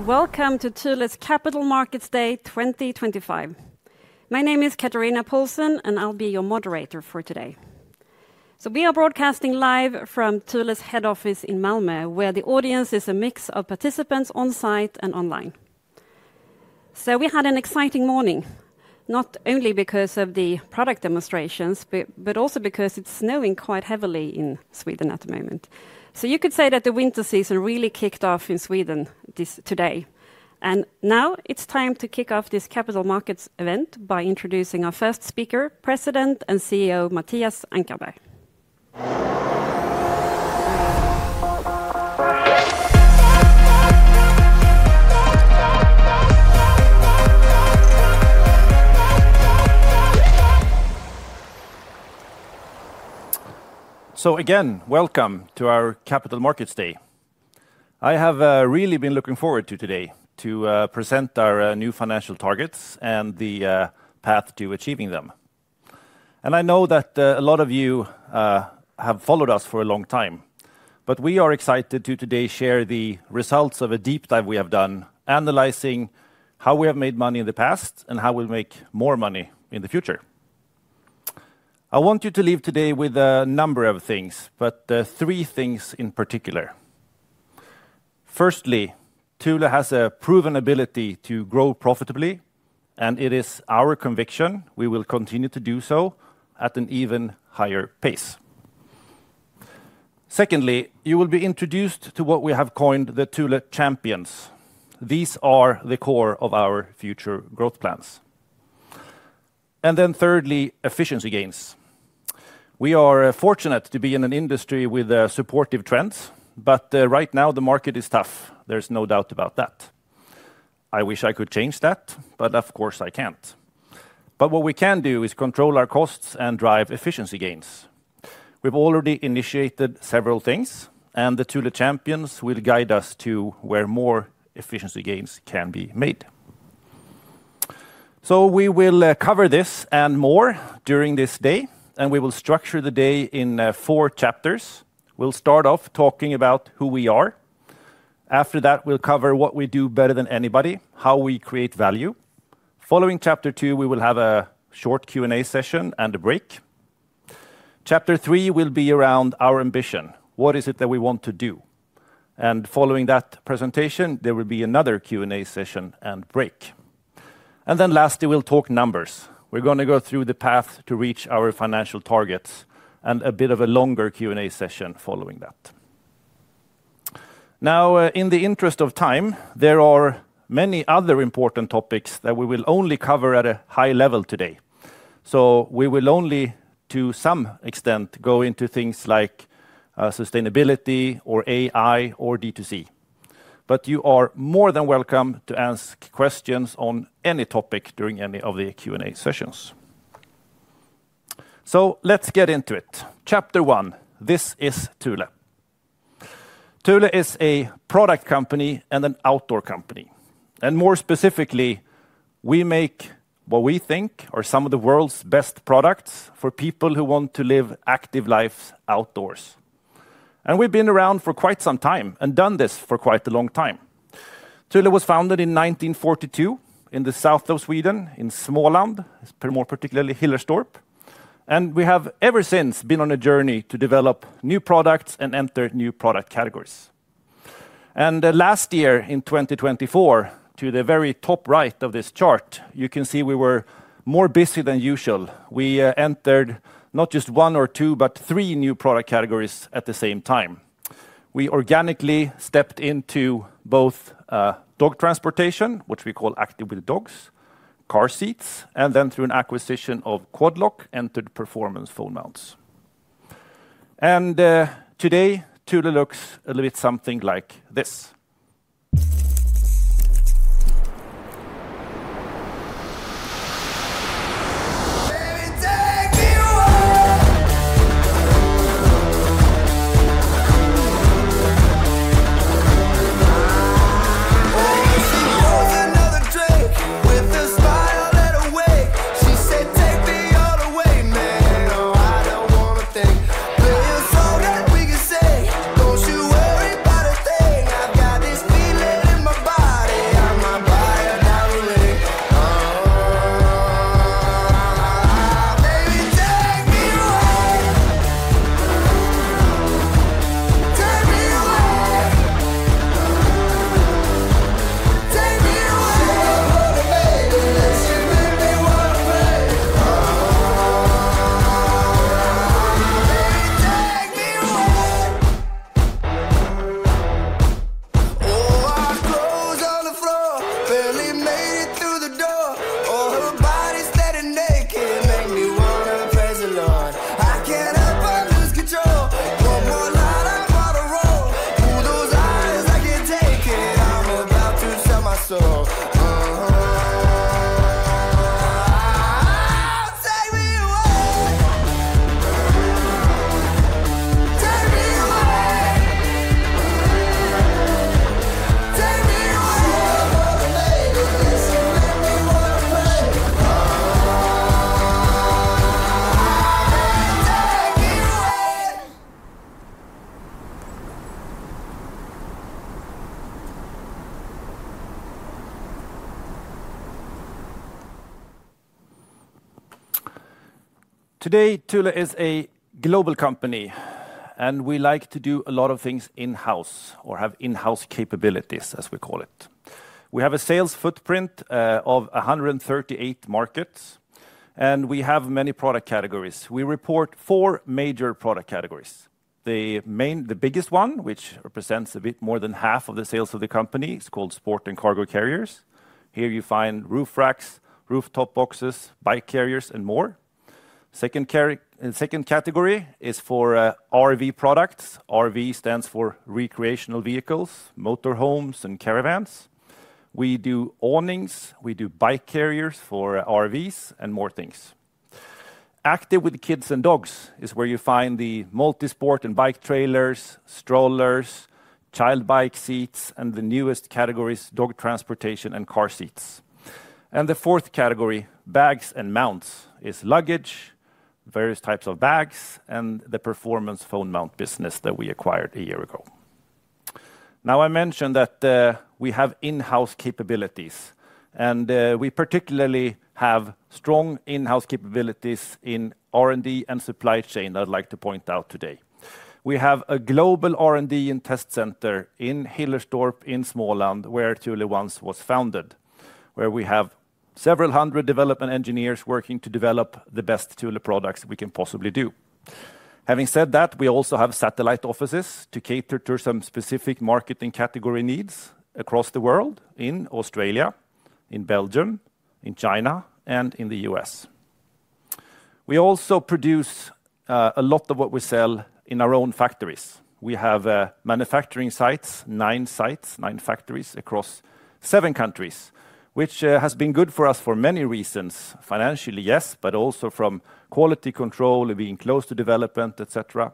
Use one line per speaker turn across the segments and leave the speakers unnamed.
Welcome to Thule's Capital Markets Day 2025. My name is Catharina Paulcén, and I'll be your moderator for today. We are broadcasting live from Thule's head office in Malmö, where the audience is a mix of participants on site and online. We had an exciting morning, not only because of the product demonstrations, but also because it's snowing quite heavily in Sweden at the moment. You could say that the winter season really kicked off in Sweden today. Now it's time to kick off this Capital Markets event by introducing our first speaker, President and CEO Mattias Ankarberg.
Again, welcome to our Capital Markets Day. I have really been looking forward to today to present our new financial targets and the path to achieving them. I know that a lot of you have followed us for a long time, but we are excited to today share the results of a deep dive we have done analyzing how we have made money in the past and how we will make more money in the future. I want you to leave today with a number of things, but three things in particular. Firstly, Thule has a proven ability to grow profitably, and it is our conviction we will continue to do so at an even higher pace. Secondly, you will be introduced to what we have coined the Thule Champions. These are the core of our future growth plans. Thirdly, efficiency gains. We are fortunate to be in an industry with supportive trends, but right now the market is tough. There's no doubt about that. I wish I could change that, but of course I can't. What we can do is control our costs and drive efficiency gains. We've already initiated several things, and the Thule Champions will guide us to where more efficiency gains can be made. We will cover this and more during this day, and we will structure the day in four chapters. We'll start off talking about who we are. After that, we'll cover what we do better than anybody, how we create value. Following chapter two, we will have a short Q&A session and a break. Chapter three will be around our ambition. What is it that we want to do? Following that presentation, there will be another Q&A session and break. Lastly, we'll talk numbers. We're going to go through the path to reach our financial targets and a bit of a longer Q&A session following that. In the interest of time, there are many other important topics that we will only cover at a high level today. We will only, to some extent, go into things like sustainability or AI or D2C. You are more than welcome to ask questions on any topic during any of the Q&A sessions. Let's get into it. Chapter one, this is Thule. Thule is a product company and an outdoor company. More specifically, we make what we think are some of the world's best products for people who want to live active lives outdoors. We've been around for quite some time and done this for quite a long time. Thule was founded in 1942 in the south of Sweden in Småland, more particularly Hillerstorp. We have ever since been on a journey to develop new products and enter new product categories. Last year in 2024, to the very top right of this chart, you can see we were more busy than usual. We entered not just one or two, but three new product categories at the same time. We organically stepped into both dog transportation, which we call Active with Dogs, car seats, and then through an acquisition of Quad Lock, entered performance phone mounts. Today, Thule looks a little bit something like this. The second category is for RV Products. RV stands for recreational vehicles, motorhomes, and caravans. We do awnings. We do bike carriers for RVs and more things. Active with Kids & Dogs is where you find the multi-sport and bike trailers, strollers, child bike seats, and the newest categories, dog transportation and car seats. The fourth category, Bags & Mounts, is luggage, various types of bags, and the performance phone mount business that we acquired a year ago. I mentioned that we have in-house capabilities, and we particularly have strong in-house capabilities in R&D and supply chain that I'd like to point out today. We have a global R&D and test center in Hillerstorp in Småland, where Thule once was founded, where we have several hundred development engineers working to develop the best Thule products we can possibly do. Having said that, we also have satellite offices to cater to some specific marketing category needs across the world in Australia, in Belgium, in China, and in the U.S. We also produce a lot of what we sell in our own factories. We have manufacturing sites, nine sites, nine factories across seven countries, which has been good for us for many reasons. Financially, yes, but also from quality control, being close to development, etc.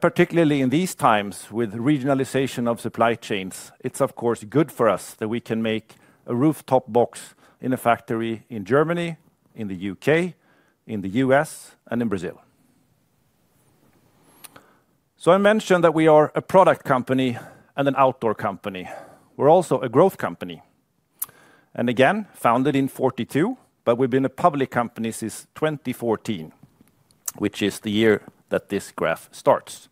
Particularly in these times with regionalization of supply chains, it is of course good for us that we can make a rooftop box in a factory in Germany, in the U.K., in the U.S., and in Brazil. I mentioned that we are a product company and an outdoor company. We're also a growth company. Again, founded in 1942, but we've been a public company since 2014, which is the year that this graph starts.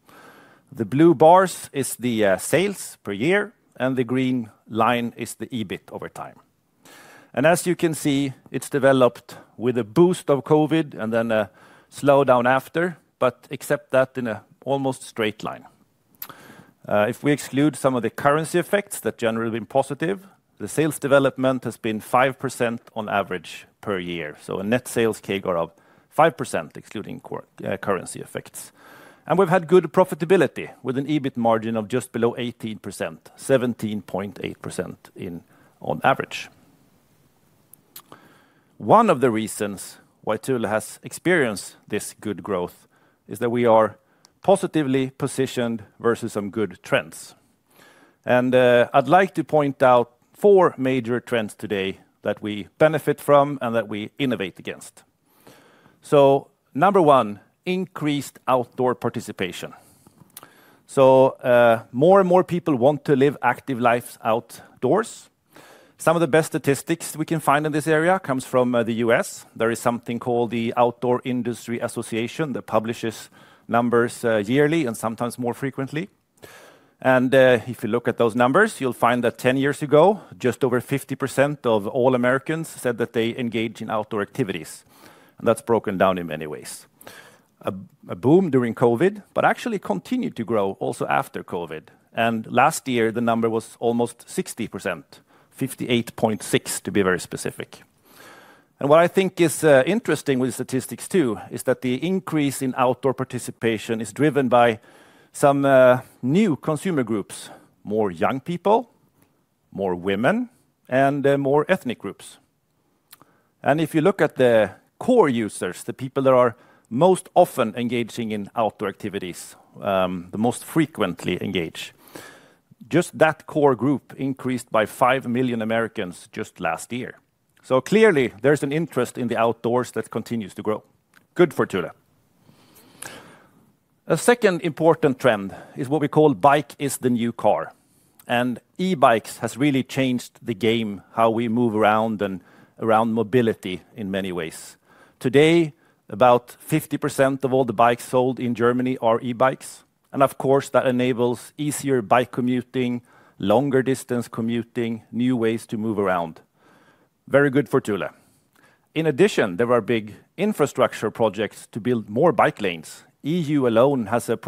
The blue bars are the sales per year, and the green line is the EBIT over time. As you can see, it's developed with a boost of COVID and then a slowdown after, except that in an almost straight line. If we exclude some of the currency effects that generally have been positive, the sales development has been 5% on average per year. A net sales CAGR of 5% excluding currency effects. We've had good profitability with an EBIT margin of just below 18%, 17.8% on average. One of the reasons why Thule has experienced this good growth is that we are positively positioned versus some good trends. I'd like to point out four major trends today that we benefit from and that we innovate against. Number one, increased outdoor participation. More and more people want to live active lives outdoors. Some of the best statistics we can find in this area come from the U.S. There is something called the Outdoor Industry Association that publishes numbers yearly and sometimes more frequently. If you look at those numbers, you'll find that 10 years ago, just over 50% of all Americans said that they engage in outdoor activities. That's broken down in many ways. A boom during COVID, but actually continued to grow also after COVID. Last year, the number was almost 60%, 58.6% to be very specific. What I think is interesting with statistics too is that the increase in outdoor participation is driven by some new consumer groups, more young people, more women, and more ethnic groups. If you look at the core users, the people that are most often engaging in outdoor activities, the most frequently engaged, just that core group increased by 5 million Americans just last year. Clearly, there's an interest in the outdoors that continues to grow. Good for Thule. A second important trend is what we call bike is the new car. E-bikes have really changed the game, how we move around and around mobility in many ways. Today, about 50% of all the bikes sold in Germany are e-bikes. Of course, that enables easier bike commuting, longer distance commuting, new ways to move around. Very good for Thule. In addition, there are big infrastructure projects to build more bike lanes. The EU alone has a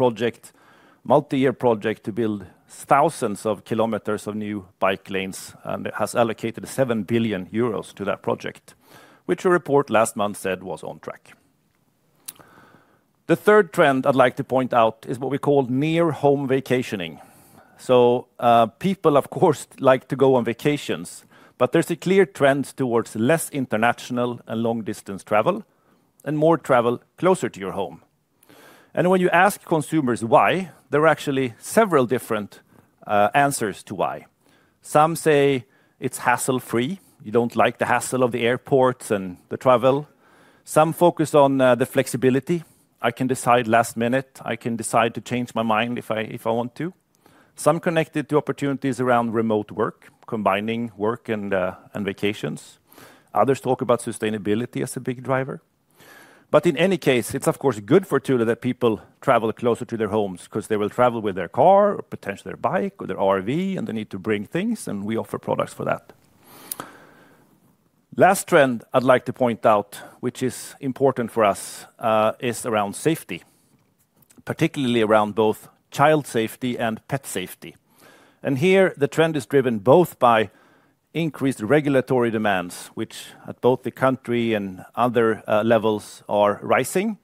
multi-year project to build thousands of kilometers of new bike lanes and has allocated 7 billion euros to that project, which a report last month said was on track. The third trend I'd like to point out is what we call near-home vacationing. People, of course, like to go on vacations, but there's a clear trend towards less international and long-distance travel and more travel closer to your home. When you ask consumers why, there are actually several different answers to why. Some say it's hassle-free. You don't like the hassle of the airports and the travel. Some focus on the flexibility. I can decide last minute. I can decide to change my mind if I want to. Some connect it to opportunities around remote work, combining work and vacations. Others talk about sustainability as a big driver. In any case, it's of course good for Thule that people travel closer to their homes because they will travel with their car or potentially their bike or their RV and they need to bring things and we offer products for that. Last trend I'd like to point out, which is important for us, is around safety, particularly around both child safety and pet safety. Here the trend is driven both by increased regulatory demands, which at both the country and other levels are rising,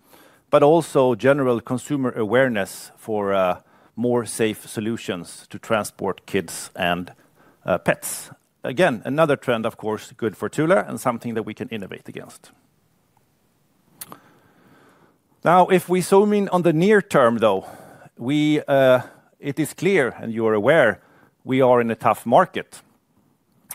but also general consumer awareness for more safe solutions to transport kids and pets. Again, another trend, of course, good for Thule and something that we can innovate against. Now, if we zoom in on the near term though, it is clear and you are aware, we are in a tough market.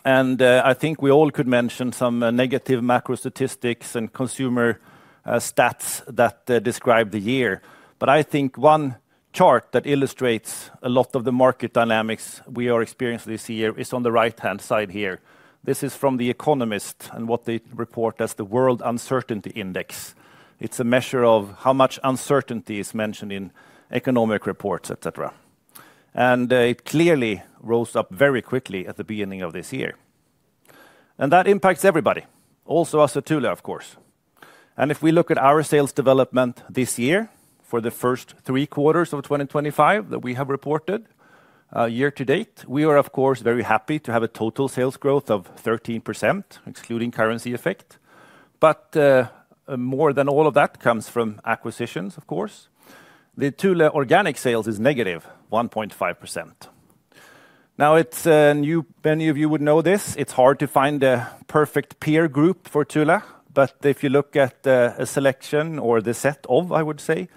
I think we all could mention some negative macro statistics and consumer stats that describe the year. I think one chart that illustrates a lot of the market dynamics we are experiencing this year is on the right-hand side here. This is from The Economist and what they report as the World Uncertainty Index. It's a measure of how much uncertainty is mentioned in economic reports, etc. It clearly rose up very quickly at the beginning of this year. That impacts everybody, also us at Thule, of course. If we look at our sales development this year for the first three quarters of 2025 that we have reported year to date, we are of course very happy to have a total sales growth of 13%, excluding currency effect. More than all of that comes from acquisitions, of course. The Thule organic sales is negative, 1.5%. Now, many of you would know this. It's hard to find a perfect peer group for Thule, but if you look at a selection or the set of, I would say,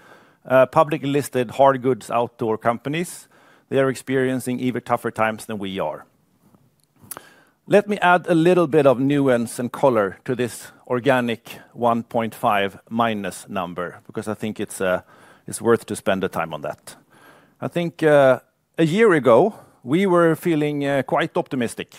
publicly listed hard goods outdoor companies, they are experiencing even tougher times than we are. Let me add a little bit of nuance and color to this organic 1.5% minus number because I think it's worth to spend the time on that. I think a year ago we were feeling quite optimistic.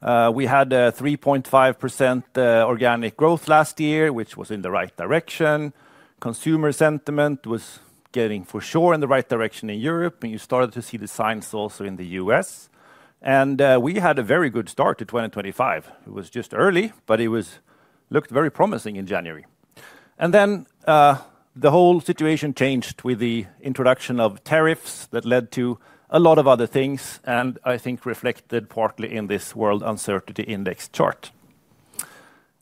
We had a 3.5% organic growth last year, which was in the right direction. Consumer sentiment was getting for sure in the right direction in Europe, and you started to see the signs also in the U.S. You know, we had a very good start to 2025. It was just early, but it looked very promising in January. The whole situation changed with the introduction of tariffs that led to a lot of other things, and I think reflected partly in this World Uncertainty Index chart.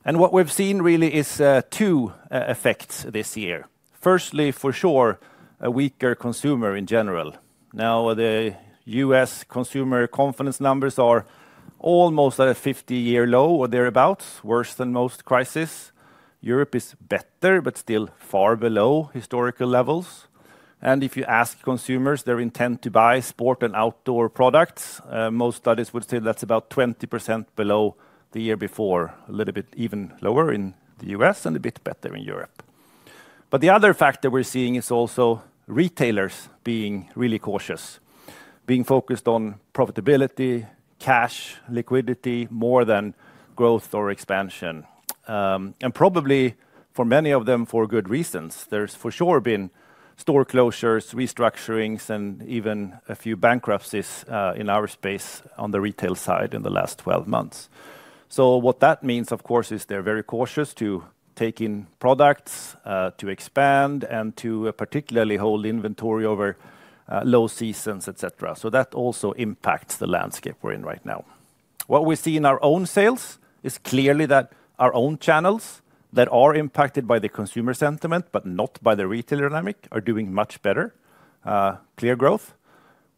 What we've seen really is two effects this year. Firstly, for sure, a weaker consumer in general. Now, the U.S. consumer confidence numbers are almost at a 50-year low or thereabouts, worse than most crises. Europe is better, but still far below historical levels. If you ask consumers, their intent to buy sport and outdoor products, most studies would say that's about 20% below the year before, a little bit even lower in the U.S. and a bit better in Europe. The other factor we're seeing is also retailers being really cautious, being focused on profitability, cash, liquidity, more than growth or expansion. Probably for many of them for good reasons. has for sure been store closures, restructurings, and even a few bankruptcies in our space on the retail side in the last 12 months. What that means, of course, is they are very cautious to take in products, to expand, and to particularly hold inventory over low seasons, etc. That also impacts the landscape we are in right now. What we see in our own sales is clearly that our own channels that are impacted by the consumer sentiment, but not by the retail dynamic, are doing much better. Clear growth.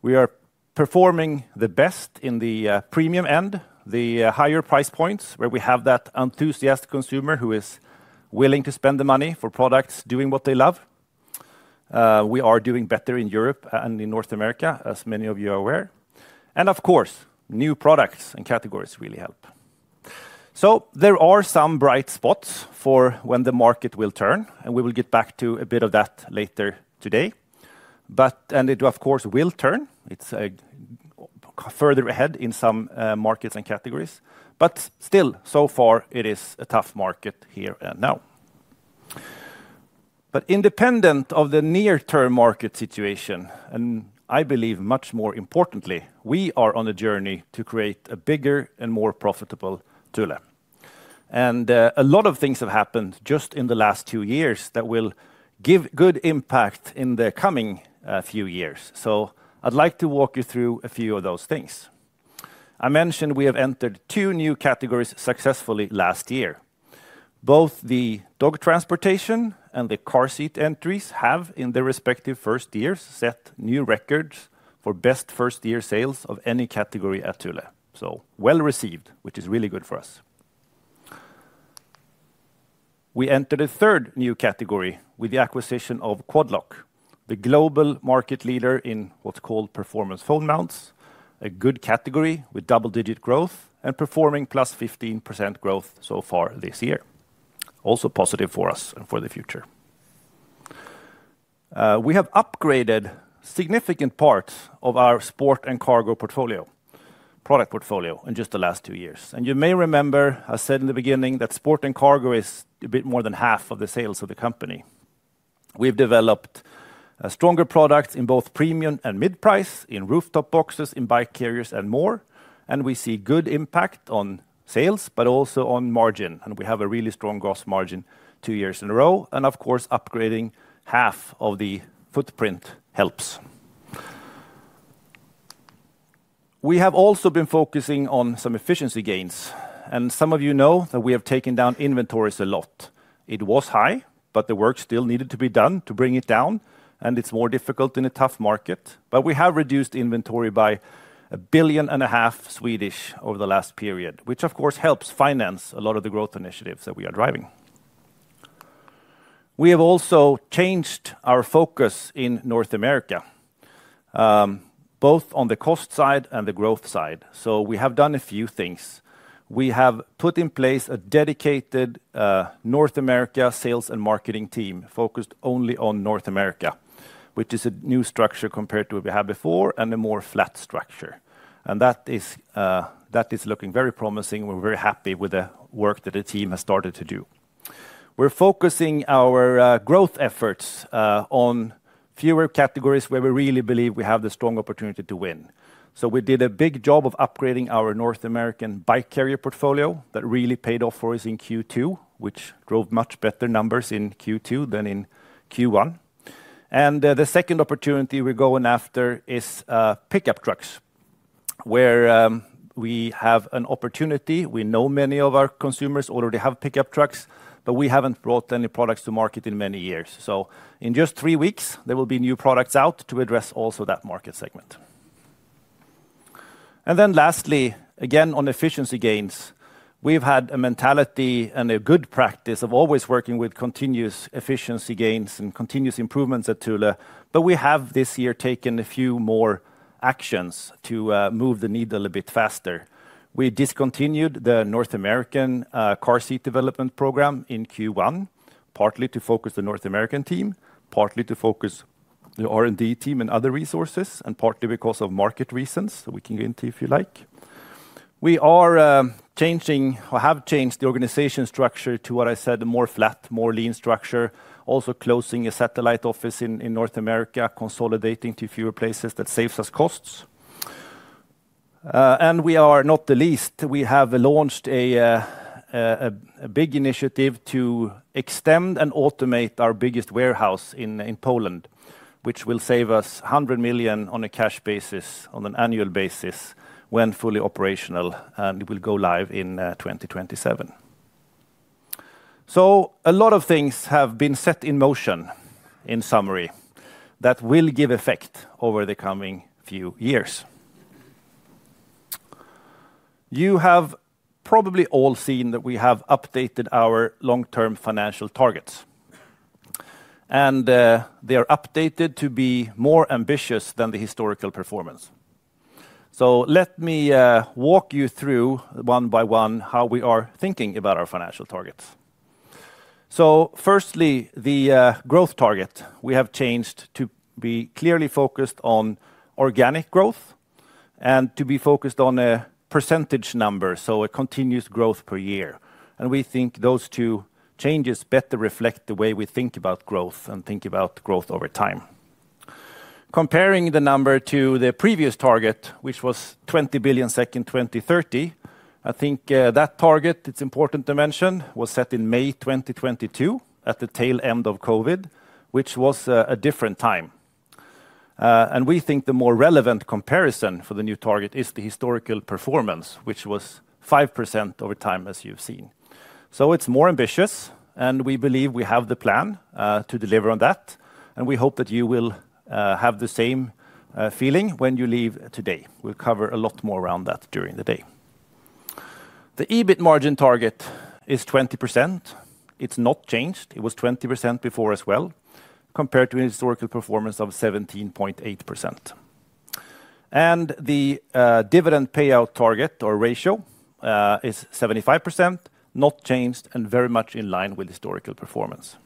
We are performing the best in the premium end, the higher price points where we have that enthusiast consumer who is willing to spend the money for products doing what they love. We are doing better in Europe and in North America, as many of you are aware. Of course, new products and categories really help. There are some bright spots for when the market will turn, and we will get back to a bit of that later today. It of course will turn. It is further ahead in some markets and categories. Still, so far it is a tough market here and now. Independent of the near-term market situation, and I believe much more importantly, we are on a journey to create a bigger and more profitable Thule. A lot of things have happened just in the last two years that will give good impact in the coming few years. I'd like to walk you through a few of those things. I mentioned we have entered two new categories successfully last year. Both the dog transportation and the car seat entries have, in their respective first years, set new records for best first-year sales of any category at Thule. Well received, which is really good for us. We entered a third new category with the acquisition of Quad Lock, the global market leader in what's called performance phone mounts, a good category with double-digit growth and performing plus 15% growth so far this year. Also positive for us and for the future. We have upgraded significant parts of our sport and cargo portfolio, product portfolio in just the last two years. You may remember, I said in the beginning that sport and cargo is a bit more than half of the sales of the company. We've developed stronger products in both premium and mid-price in rooftop boxes, in bike carriers and more. We see good impact on sales, but also on margin. We have a really strong gross margin two years in a row. Of course, upgrading half of the footprint helps. We have also been focusing on some efficiency gains. Some of you know that we have taken down inventories a lot. It was high, but the work still needed to be done to bring it down. It is more difficult in a tough market. We have reduced inventory by 1.5 billion over the last period, which of course helps finance a lot of the growth initiatives that we are driving. We have also changed our focus in North America, both on the cost side and the growth side. We have done a few things. We have put in place a dedicated North America sales and marketing team focused only on North America, which is a new structure compared to what we had before and a more flat structure. That is looking very promising. We're very happy with the work that the team has started to do. We're focusing our growth efforts on fewer categories where we really believe we have the strong opportunity to win. We did a big job of upgrading our North American bike carrier portfolio that really paid off for us in Q2, which drove much better numbers in Q2 than in Q1. The second opportunity we're going after is pickup trucks, where we have an opportunity. We know many of our consumers already have pickup trucks, but we haven't brought any products to market in many years. In just three weeks, there will be new products out to address also that market segment. Lastly, again on efficiency gains, we've had a mentality and a good practice of always working with continuous efficiency gains and continuous improvements at Thule. We have this year taken a few more actions to move the needle a bit faster. We discontinued the North American car seat development program in Q1, partly to focus the North American team, partly to focus the R&D team and other resources, and partly because of market reasons, we can get into if you like. We are changing, have changed the organization structure to what I said, a more flat, more lean structure, also closing a satellite office in North America, consolidating to fewer places that saves us costs. We are not the least. We have launched a big initiative to extend and automate our biggest warehouse in Poland, which will save us 100 million on a cash basis on an annual basis when fully operational, and it will go live in 2027. A lot of things have been set in motion, in summary, that will give effect over the coming few years. You have probably all seen that we have updated our long-term financial targets. They are updated to be more ambitious than the historical performance. Let me walk you through one by one how we are thinking about our financial targets. Firstly, the growth target, we have changed to be clearly focused on organic growth and to be focused on a percentage number, so a continuous growth per year. We think those two changes better reflect the way we think about growth and think about growth over time. Comparing the number to the previous target, which was 20 billion 2030, I think that target, it's important to mention, was set in May 2022 at the tail end of COVID, which was a different time. We think the more relevant comparison for the new target is the historical performance, which was 5% over time as you've seen. It is more ambitious, and we believe we have the plan to deliver on that. We hope that you will have the same feeling when you leave today. We will cover a lot more around that during the day. The EBIT margin target is 20%. It is not changed. It was 20% before as well, compared to a historical performance of 17.8%. The dividend payout target or ratio is 75%, not changed and very much in line with historical performance.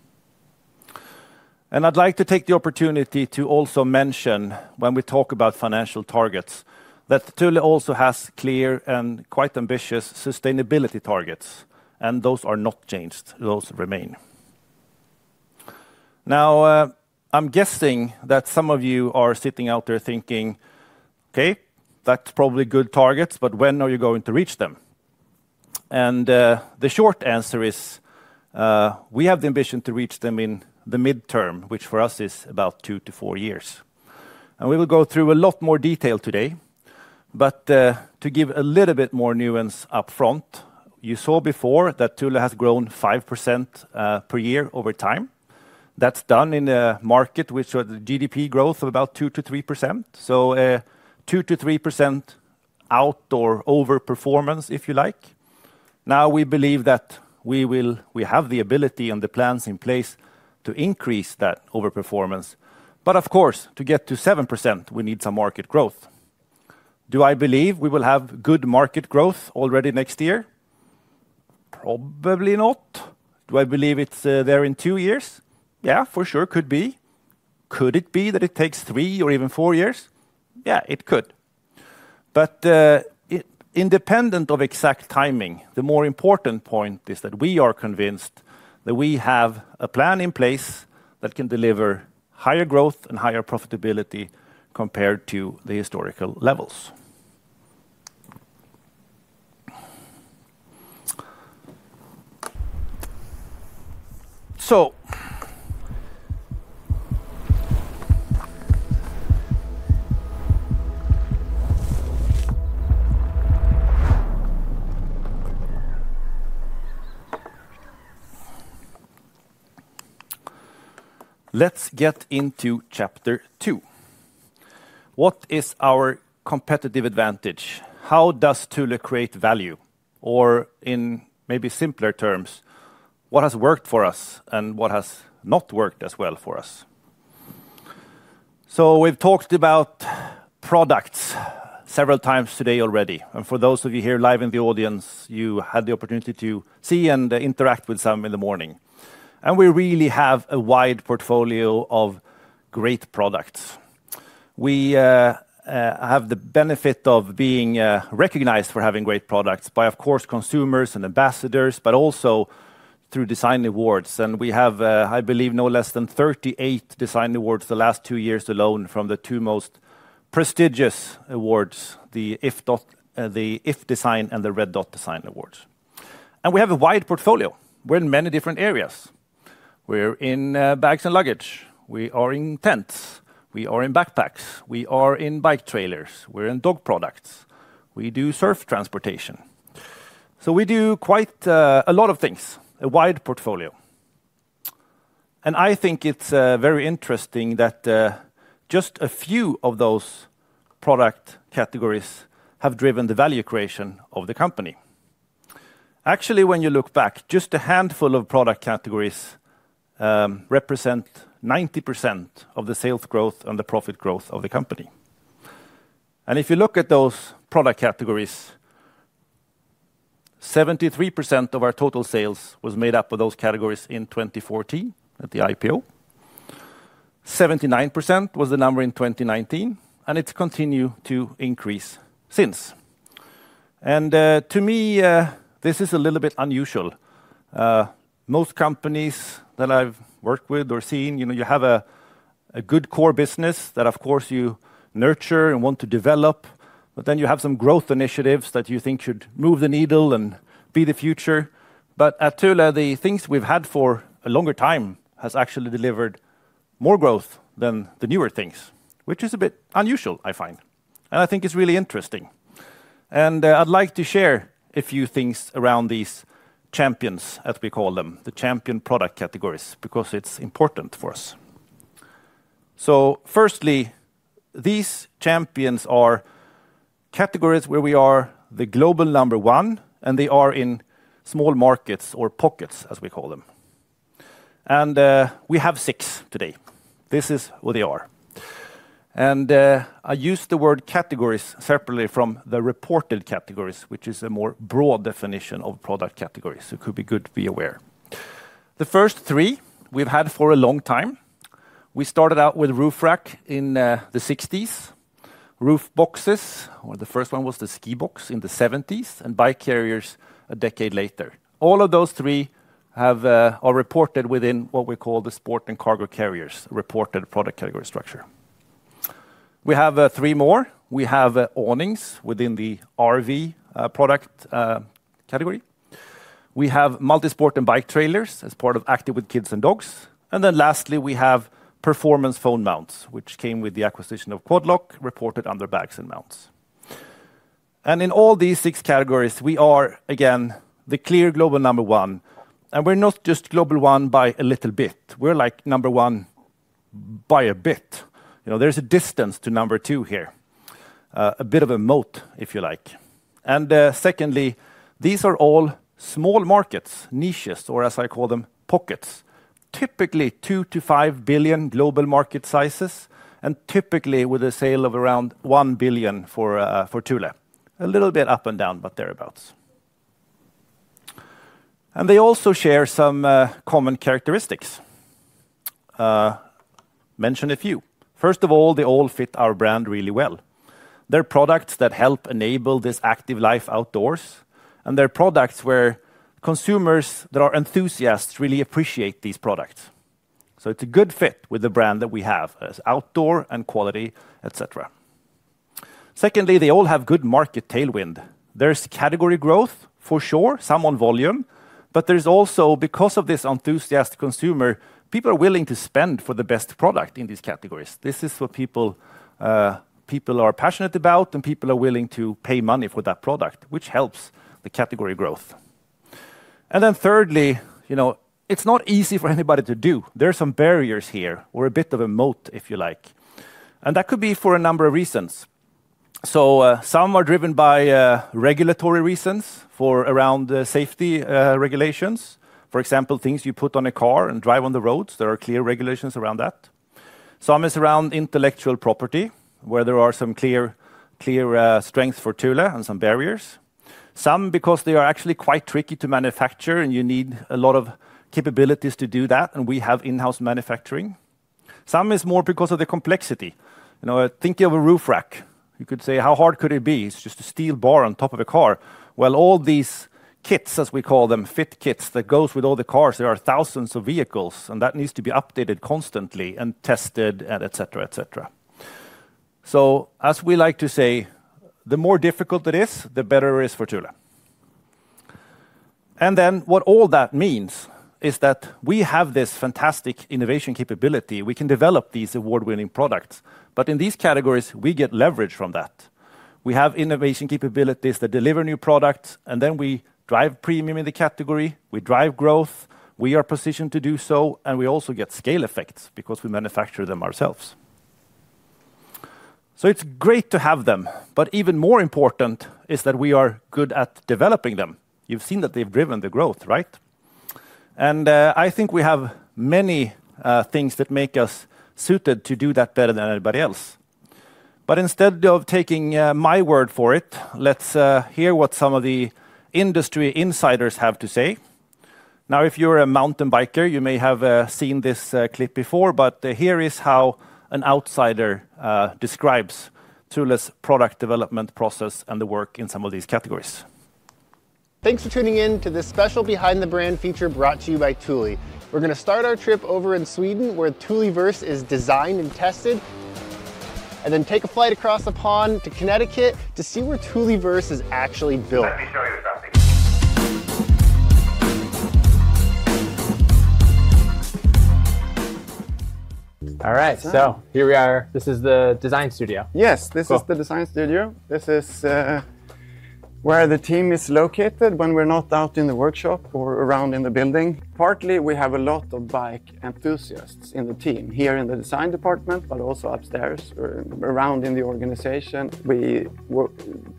I would like to take the opportunity to also mention when we talk about financial targets that Thule also has clear and quite ambitious sustainability targets, and those are not changed. Those remain. Now, I'm guessing that some of you are sitting out there thinking, okay, that's probably good targets, but when are you going to reach them? The short answer is we have the ambition to reach them in the midterm, which for us is about two to four years. We will go through a lot more detail today. To give a little bit more nuance upfront, you saw before that Thule has grown 5% per year over time. That's done in a market with GDP growth of about 2-3%. So 2-3% outdoor overperformance, if you like. Now we believe that we have the ability and the plans in place to increase that overperformance. Of course, to get to 7%, we need some market growth. Do I believe we will have good market growth already next year? Probably not. Do I believe it's there in two years? Yeah, for sure could be. Could it be that it takes three or even four years? Yeah, it could. Independent of exact timing, the more important point is that we are convinced that we have a plan in place that can deliver higher growth and higher profitability compared to the historical levels. Let's get into chapter two. What is our competitive advantage? How does Thule create value? Or in maybe simpler terms, what has worked for us and what has not worked as well for us? We've talked about products several times today already. For those of you here live in the audience, you had the opportunity to see and interact with some in the morning. We really have a wide portfolio of great products. We have the benefit of being recognized for having great products by, of course, consumers and ambassadors, but also through design awards. We have, I believe, no less than 38 design awards the last two years alone from the two most prestigious awards, the iF Design and the Red Dot Design Awards. We have a wide portfolio. We're in many different areas. We're in bags and luggage. We are in tents. We are in backpacks. We are in bike trailers. We're in dog products. We do surf transportation. We do quite a lot of things, a wide portfolio. I think it's very interesting that just a few of those product categories have driven the value creation of the company. Actually, when you look back, just a handful of product categories represent 90% of the sales growth and the profit growth of the company. If you look at those product categories, 73% of our total sales was made up of those categories in 2014 at the IPO. 79% was the number in 2019, and it's continued to increase since. To me, this is a little bit unusual. Most companies that I've worked with or seen, you have a good core business that, of course, you nurture and want to develop. Then you have some growth initiatives that you think should move the needle and be the future. At Thule, the things we've had for a longer time have actually delivered more growth than the newer things, which is a bit unusual, I find. I think it's really interesting. I'd like to share a few things around these champions, as we call them, the champion product categories, because it's important for us. Firstly, these champions are categories where we are the global number one, and they are in small markets or pockets, as we call them. We have six today. This is what they are. I use the word categories separately from the reported categories, which is a more broad definition of product categories, so it could be good to be aware. The first three we've had for a long time. We started out with roof rack in the 1960s, roof boxes, or the first one was the ski box in the 1970s, and bike carriers a decade later. All of those three are reported within what we call the sport and cargo carriers reported product category structure. We have three more. We have awnings within the RV product category. We have multi-sport and bike trailers as part of Active with Kids & Dogs. Lastly, we have performance phone mounts, which came with the acquisition of Quad Lock, reported under Bags & Mounts. In all these six categories, we are again the clear global number one. We are not just global number one by a little bit. We are number one by a bit. There is a distance to number two here, a bit of a moat, if you like. Secondly, these are all small markets, niches, or as I call them, pockets, typically 2-5 billion global market sizes, and typically with a sale of around 1 billion for Thule, a little bit up and down, but thereabouts. They also share some common characteristics. Mention a few. First of all, they all fit our brand really well. They are products that help enable this active life outdoors, and they are products where consumers that are enthusiasts really appreciate these products. It's a good fit with the brand that we have as outdoor and quality, etc. Secondly, they all have good market tailwind. There's category growth for sure, some on volume, but there's also, because of this enthusiast consumer, people are willing to spend for the best product in these categories. This is what people are passionate about, and people are willing to pay money for that product, which helps the category growth. Thirdly, it's not easy for anybody to do. There are some barriers here or a bit of a moat, if you like. That could be for a number of reasons. Some are driven by regulatory reasons for around safety regulations, for example, things you put on a car and drive on the roads. There are clear regulations around that. Some is around intellectual property, where there are some clear strengths for Thule and some barriers. Some, because they are actually quite tricky to manufacture, and you need a lot of capabilities to do that, and we have in-house manufacturing. Some is more because of the complexity. Think of a roof rack. You could say, how hard could it be? It's just a steel bar on top of a car. All these kits, as we call them, fit kits that go with all the cars. There are thousands of vehicles, and that needs to be updated constantly and tested, etc., etc. As we like to say, the more difficult it is, the better it is for Thule. What all that means is that we have this fantastic innovation capability. We can develop these award-winning products. In these categories, we get leverage from that. We have innovation capabilities that deliver new products, and then we drive premium in the category. We drive growth. We are positioned to do so, and we also get scale effects because we manufacture them ourselves. It is great to have them, but even more important is that we are good at developing them. You have seen that they have driven the growth, right? I think we have many things that make us suited to do that better than anybody else. Instead of taking my word for it, let's hear what some of the industry insiders have to say. Now, if you are a mountain biker, you may have seen this clip before, but here is how an outsider describes Thule's product development process and the work in some of these categories. Thanks for tuning in to this special behind-the-brand feature brought to you by Thule. We're going to start our trip over in Sweden, where Thule Verse is designed and tested, and then take a flight across the pond to Connecticut to see where Thule Verse is actually built. Let me show you something. All right, so here we are. This is the design studio. Yes, this is the design studio. This is where the team is located when we're not out in the workshop or around in the building. Partly, we have a lot of bike enthusiasts in the team here in the design department, but also upstairs or around in the organization. We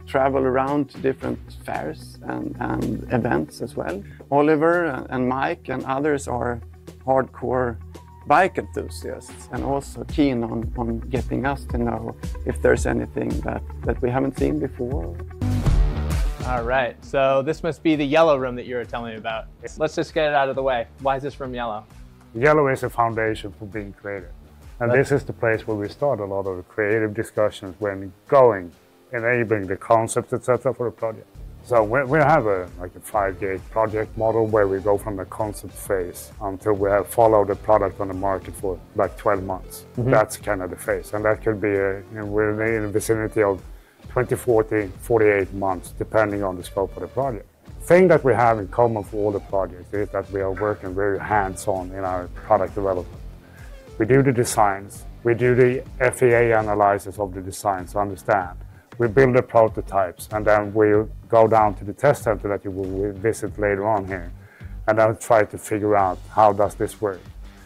travel around different fairs and events as well. Oliver and Mike and others are hardcore bike enthusiasts and also keen on getting us to know if there's anything that we haven't seen before. All right, so this must be the yellow room that you were telling me about. Let's just get it out of the way. Why is this room yellow? Yellow is a foundation for being creative. This is the place where we start a lot of creative discussions when going, enabling the concept, etc., for a project. We have a five-year project model where we go from the concept phase until we have followed the product on the market for like 12 months. That's kind of the phase. That could be in the vicinity of 20, 40, 48 months, depending on the scope of the project. The thing that we have in common for all the projects is that we are working very hands-on in our product development. We do the designs. We do the FEA analysis of the designs to understand. We build the prototypes, and then we go down to the test center that you will visit later on here, and then try to figure out how does this work.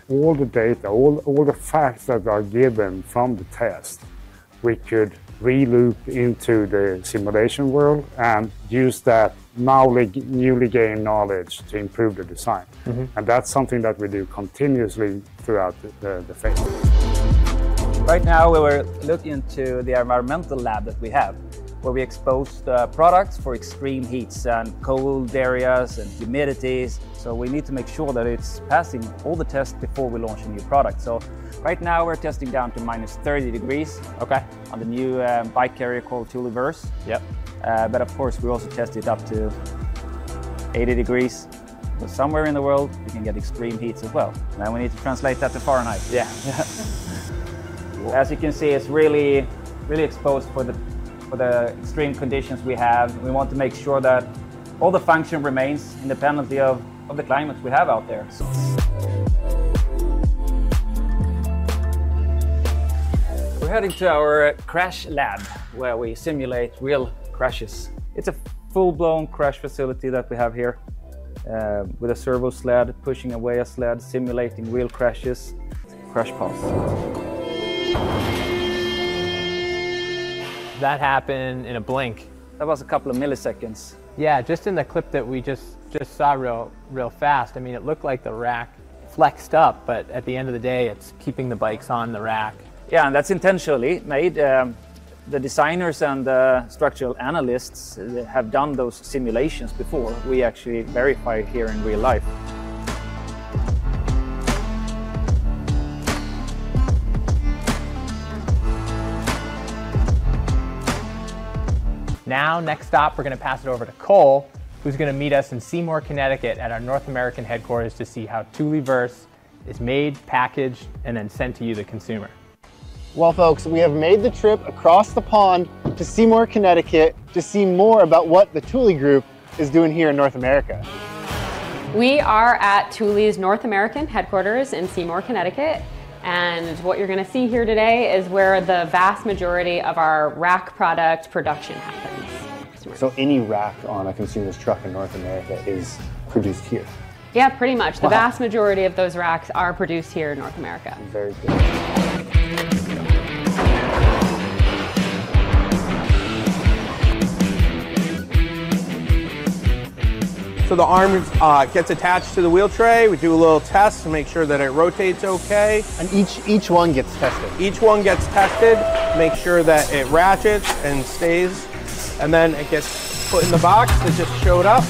All the data, all the facts that are given from the test, we could re-loop into the simulation world and use that newly gained knowledge to improve the design. That's something that we do continuously throughout the phase. Right now, we were looking into the environmental lab that we have, where we expose the products for extreme heats and cold areas and humidities. We need to make sure that it's passing all the tests before we launch a new product. Right now, we're testing down to minus 30 degrees Celsius on the new bike carrier called Thule Verse. Of course, we also test it up to 80 degrees Celsius. Somewhere in the world, you can get extreme heats as well. Now we need to translate that to Fahrenheit. Yeah. As you can see, it's really exposed for the extreme conditions we have. We want to make sure that all the function remains independently of the climate we have out there. We're heading to our crash lab, where we simulate real crashes. It's a full-blown crash facility that we have here, with a servo sled pushing away a sled, simulating real crashes. Crash pumps. That happened in a blink. That was a couple of milliseconds. Yeah, just in the clip that we just saw real fast, I mean, it looked like the rack flexed up, but at the end of the day, it's keeping the bikes on the rack. Yeah, and that's intentionally made. The designers and the structural analysts have done those simulations before. We actually verify it here in real life. Next stop, we're going to pass it over to Cole, who's going to meet us in Seymour, Connecticut, at our North American headquarters to see how Thule Verse is made, packaged, and then sent to you, the consumer. Folks, we have made the trip across the pond to Seymour, Connecticut, to see more about what the Thule Group is doing here in North America. We are at Thule's North American headquarters in Seymour, Connecticut. What you're going to see here today is where the vast majority of our rack product production happens. Any rack on a consumer's truck in North America is produced here? Yeah, pretty much. The vast majority of those racks are produced here in North America. Very good. The arm gets attached to the wheel tray. We do a little test to make sure that it rotates okay. Each one gets tested. Each one gets tested, make sure that it ratchets and stays. It gets put in the box that just showed up.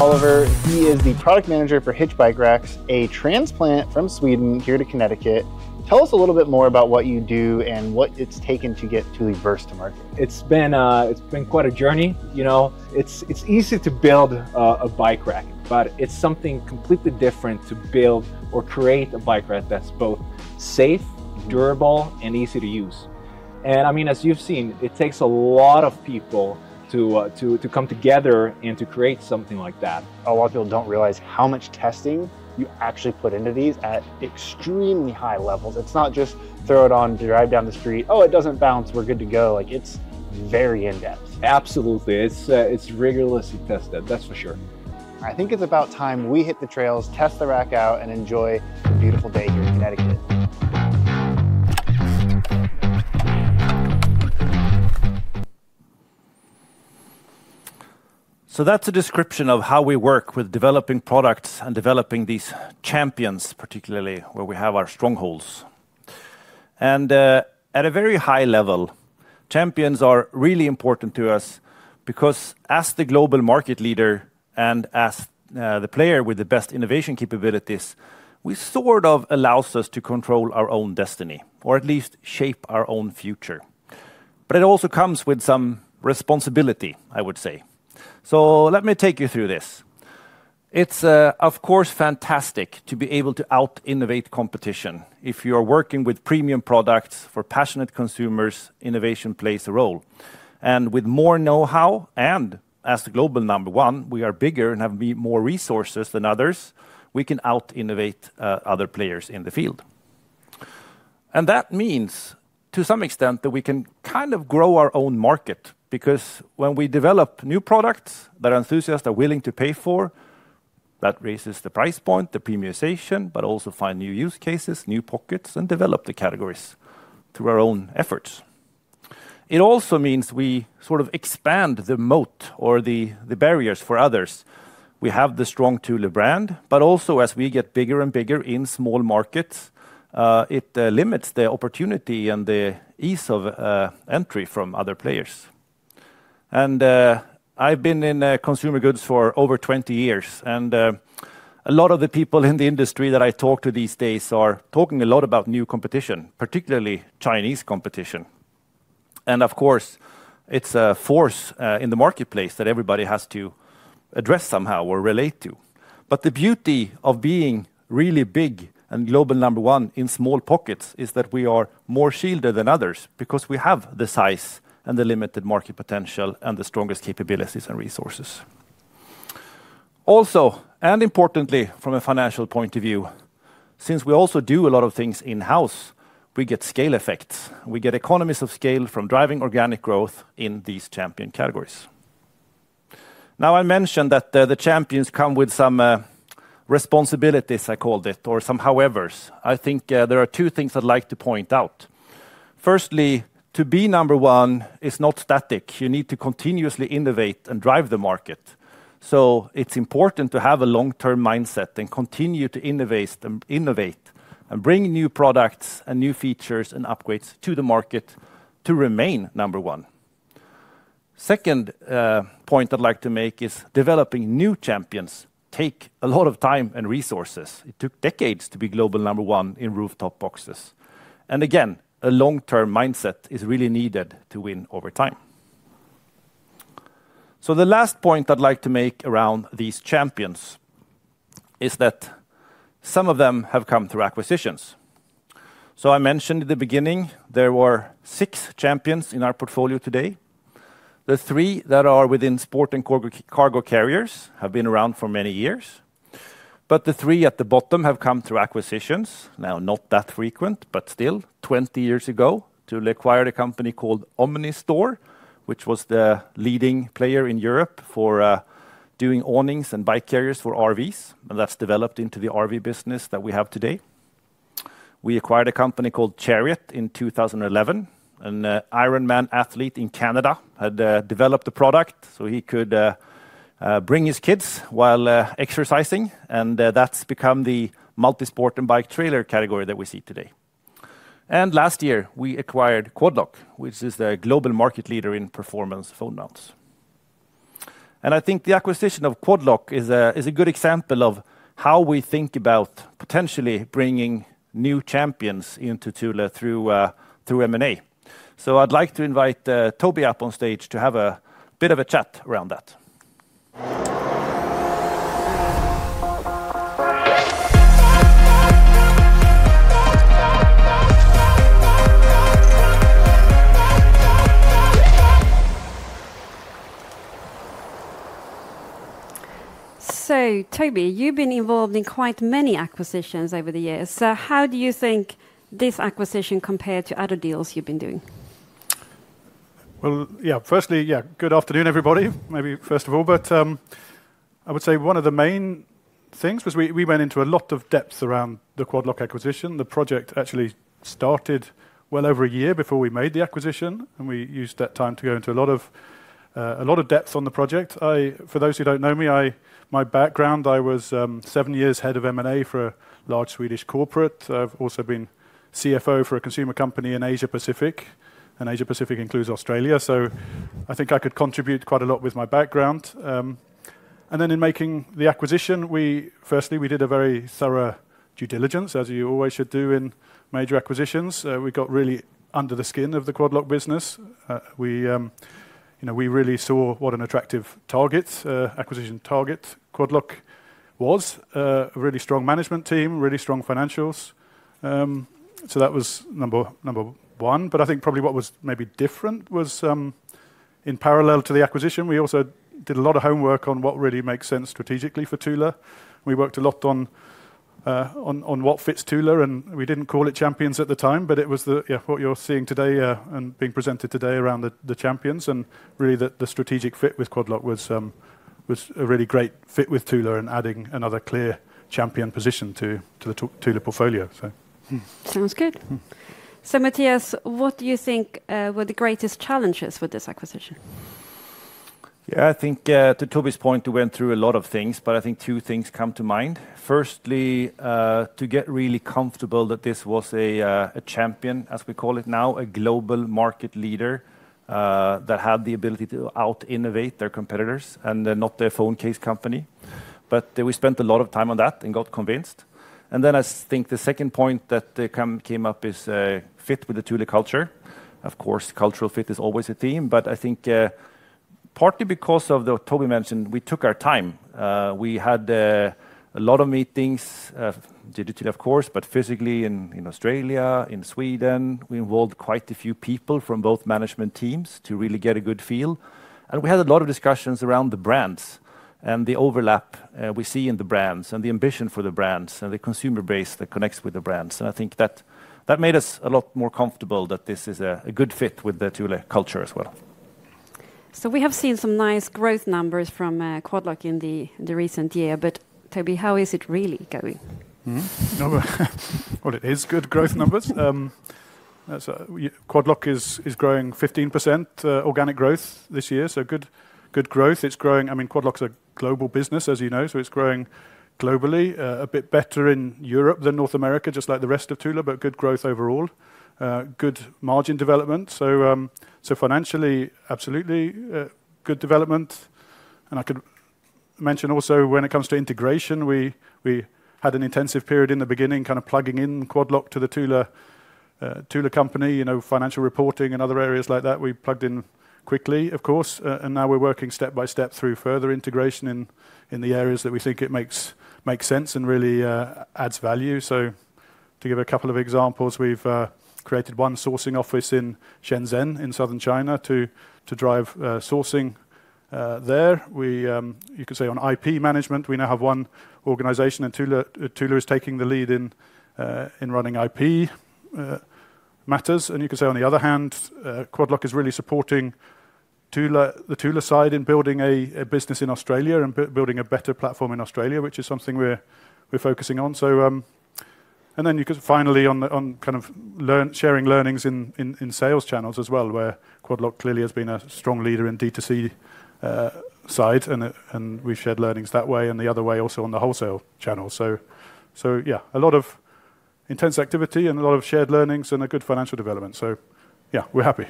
Oliver, he is the product manager for Hitch Bike Racks, a transplant from Sweden here to Connecticut. Tell us a little bit more about what you do and what it's taken to get Thule Verse to market.
It's been quite a journey. It's easy to build a bike rack, but it's something completely different to build or create a bike rack that's both safe, durable, and easy to use. I mean, as you've seen, it takes a lot of people to come together and to create something like that. A lot of people don't realize how much testing you actually put into these at extremely high levels. It's not just throw it on, drive down the street, oh, it doesn't bounce, we're good to go. It's very in-depth. Absolutely. It's rigorously tested, that's for sure. I think it's about time we hit the trails, test the rack out, and enjoy a beautiful day here in Connecticut.
That is a description of how we work with developing products and developing these champions, particularly where we have our strongholds. At a very high level, champions are really important to us because as the global market leader and as the player with the best innovation capabilities, we sort of allow ourselves to control our own destiny, or at least shape our own future. It also comes with some responsibility, I would say. Let me take you through this. It is, of course, fantastic to be able to out-innovate competition. If you are working with premium products for passionate consumers, innovation plays a role. With more know-how, and as the global number one, we are bigger and have more resources than others, we can out-innovate other players in the field. That means, to some extent, that we can kind of grow our own market because when we develop new products that enthusiasts are willing to pay for, that raises the price point, the premiumization, but also find new use cases, new pockets, and develop the categories through our own efforts. It also means we sort of expand the moat or the barriers for others. We have the strong Thule brand, but also as we get bigger and bigger in small markets, it limits the opportunity and the ease of entry from other players. I've been in consumer goods for over 20 years, and a lot of the people in the industry that I talk to these days are talking a lot about new competition, particularly Chinese competition. Of course, it's a force in the marketplace that everybody has to address somehow or relate to. The beauty of being really big and global number one in small pockets is that we are more shielded than others because we have the size and the limited market potential and the strongest capabilities and resources. Also, and importantly, from a financial point of view, since we also do a lot of things in-house, we get scale effects. We get economies of scale from driving organic growth in these champion categories. I mentioned that the champions come with some responsibilities, I called it, or some howevers. I think there are two things I'd like to point out. Firstly, to be number one is not static. You need to continuously innovate and drive the market. It's important to have a long-term mindset and continue to innovate and bring new products and new features and upgrades to the market to remain number one. The second point I'd like to make is developing new champions takes a lot of time and resources. It took decades to be global number one in rooftop boxes. A long-term mindset is really needed to win over time. The last point I'd like to make around these champions is that some of them have come through acquisitions. I mentioned at the beginning, there were six champions in our portfolio today. The three that are within sport and cargo carriers have been around for many years. The three at the bottom have come through acquisitions, now not that frequent, but still, 20 years ago, Thule acquired a company called Omnistore, which was the leading player in Europe for doing awnings and bike carriers for RVs, and that's developed into the RV business that we have today. We acquired a company called Chariot in 2011. An Ironman athlete in Canada had developed a product so he could bring his kids while exercising, and that's become the multisport and bike trailer category that we see today. Last year, we acquired Quad Lock, which is the global market leader in performance phone mounts. I think the acquisition of Quad Lock is a good example of how we think about potentially bringing new champions into Thule through M&A. I'd like to invite Toby up on stage to have a bit of a chat around that.
Toby, you've been involved in quite many acquisitions over the years. How do you think this acquisition compared to other deals you've been doing?
Yeah, firstly, good afternoon, everybody, maybe first of all. I would say one of the main things was we went into a lot of depth around the Quad Lock acquisition. The project actually started well over a year before we made the acquisition, and we used that time to go into a lot of depth on the project. For those who don't know me, my background, I was seven years head of M&A for a large Swedish corporate. I've also been CFO for a consumer company in Asia-Pacific, and Asia-Pacific includes Australia. I think I could contribute quite a lot with my background. In making the acquisition, firstly, we did a very thorough due diligence, as you always should do in major acquisitions. We got really under the skin of the Quad Lock business. We really saw what an attractive acquisition target Quad Lock was, a really strong management team, really strong financials. That was number one. I think probably what was maybe different was in parallel to the acquisition, we also did a lot of homework on what really makes sense strategically for Thule. We worked a lot on what fits Thule, and we did not call it champions at the time, but it was what you are seeing today and being presented today around the champions. Really, the strategic fit with Quad Lock was a really great fit with Thule and adding another clear champion position to the Thule portfolio. Sounds good.
Mattias, what do you think were the greatest challenges with this acquisition?
Yeah, I think to Toby's point, we went through a lot of things, but I think two things come to mind. Firstly, to get really comfortable that this was a champion, as we call it now, a global market leader that had the ability to out-innovate their competitors and not their phone case company. We spent a lot of time on that and got convinced. I think the second point that came up is fit with the Thule culture. Of course, cultural fit is always a theme, but I think partly because of what Toby mentioned, we took our time. We had a lot of meetings, digitally, of course, but physically in Australia, in Sweden. We involved quite a few people from both management teams to really get a good feel. We had a lot of discussions around the brands and the overlap we see in the brands and the ambition for the brands and the consumer base that connects with the brands. I think that made us a lot more comfortable that this is a good fit with the Thule culture as well.
We have seen some nice growth numbers from Quad Lock in the recent year, but Toby, how is it really going?
It is good growth numbers. Quad Lock is growing 15% organic growth this year, so good growth. I mean, Quad Lock's a global business, as you know, so it's growing globally a bit better in Europe than North America, just like the rest of Thule, but good growth overall, good margin development. Financially, absolutely good development. I could mention also when it comes to integration, we had an intensive period in the beginning kind of plugging in Quad Lock to the Thule company, financial reporting and other areas like that. We plugged in quickly, of course, and now we're working step by step through further integration in the areas that we think it makes sense and really adds value. To give a couple of examples, we've created one sourcing office in Shenzhen in southern China to drive sourcing there. You could say on IP management, we now have one organization, and Thule is taking the lead in running IP matters. You could say on the other hand, Quad Lock is really supporting the Thule side in building a business in Australia and building a better platform in Australia, which is something we're focusing on. Then finally, on kind of sharing learnings in sales channels as well, where Quad Lock clearly has been a strong leader in the D2C side, and we've shared learnings that way and the other way also on the wholesale channel. Yeah, a lot of intense activity and a lot of shared learnings and a good financial development. Yeah, we're happy.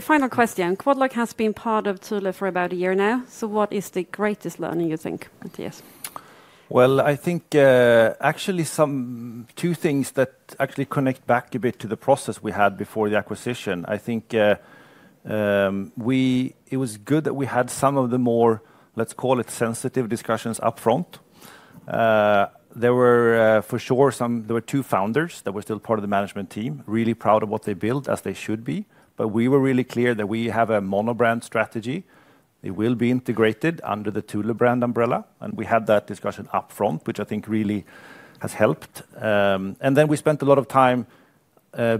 Final question. Quad Lock has been part of Thule for about a year now. What is the greatest learning you think, Mattias?
I think actually two things that actually connect back a bit to the process we had before the acquisition. I think it was good that we had some of the more, let's call it sensitive discussions upfront. There were for sure some, there were two founders that were still part of the management team, really proud of what they built as they should be. We were really clear that we have a monobrand strategy. It will be integrated under the Thule brand umbrella. We had that discussion upfront, which I think really has helped. We spent a lot of time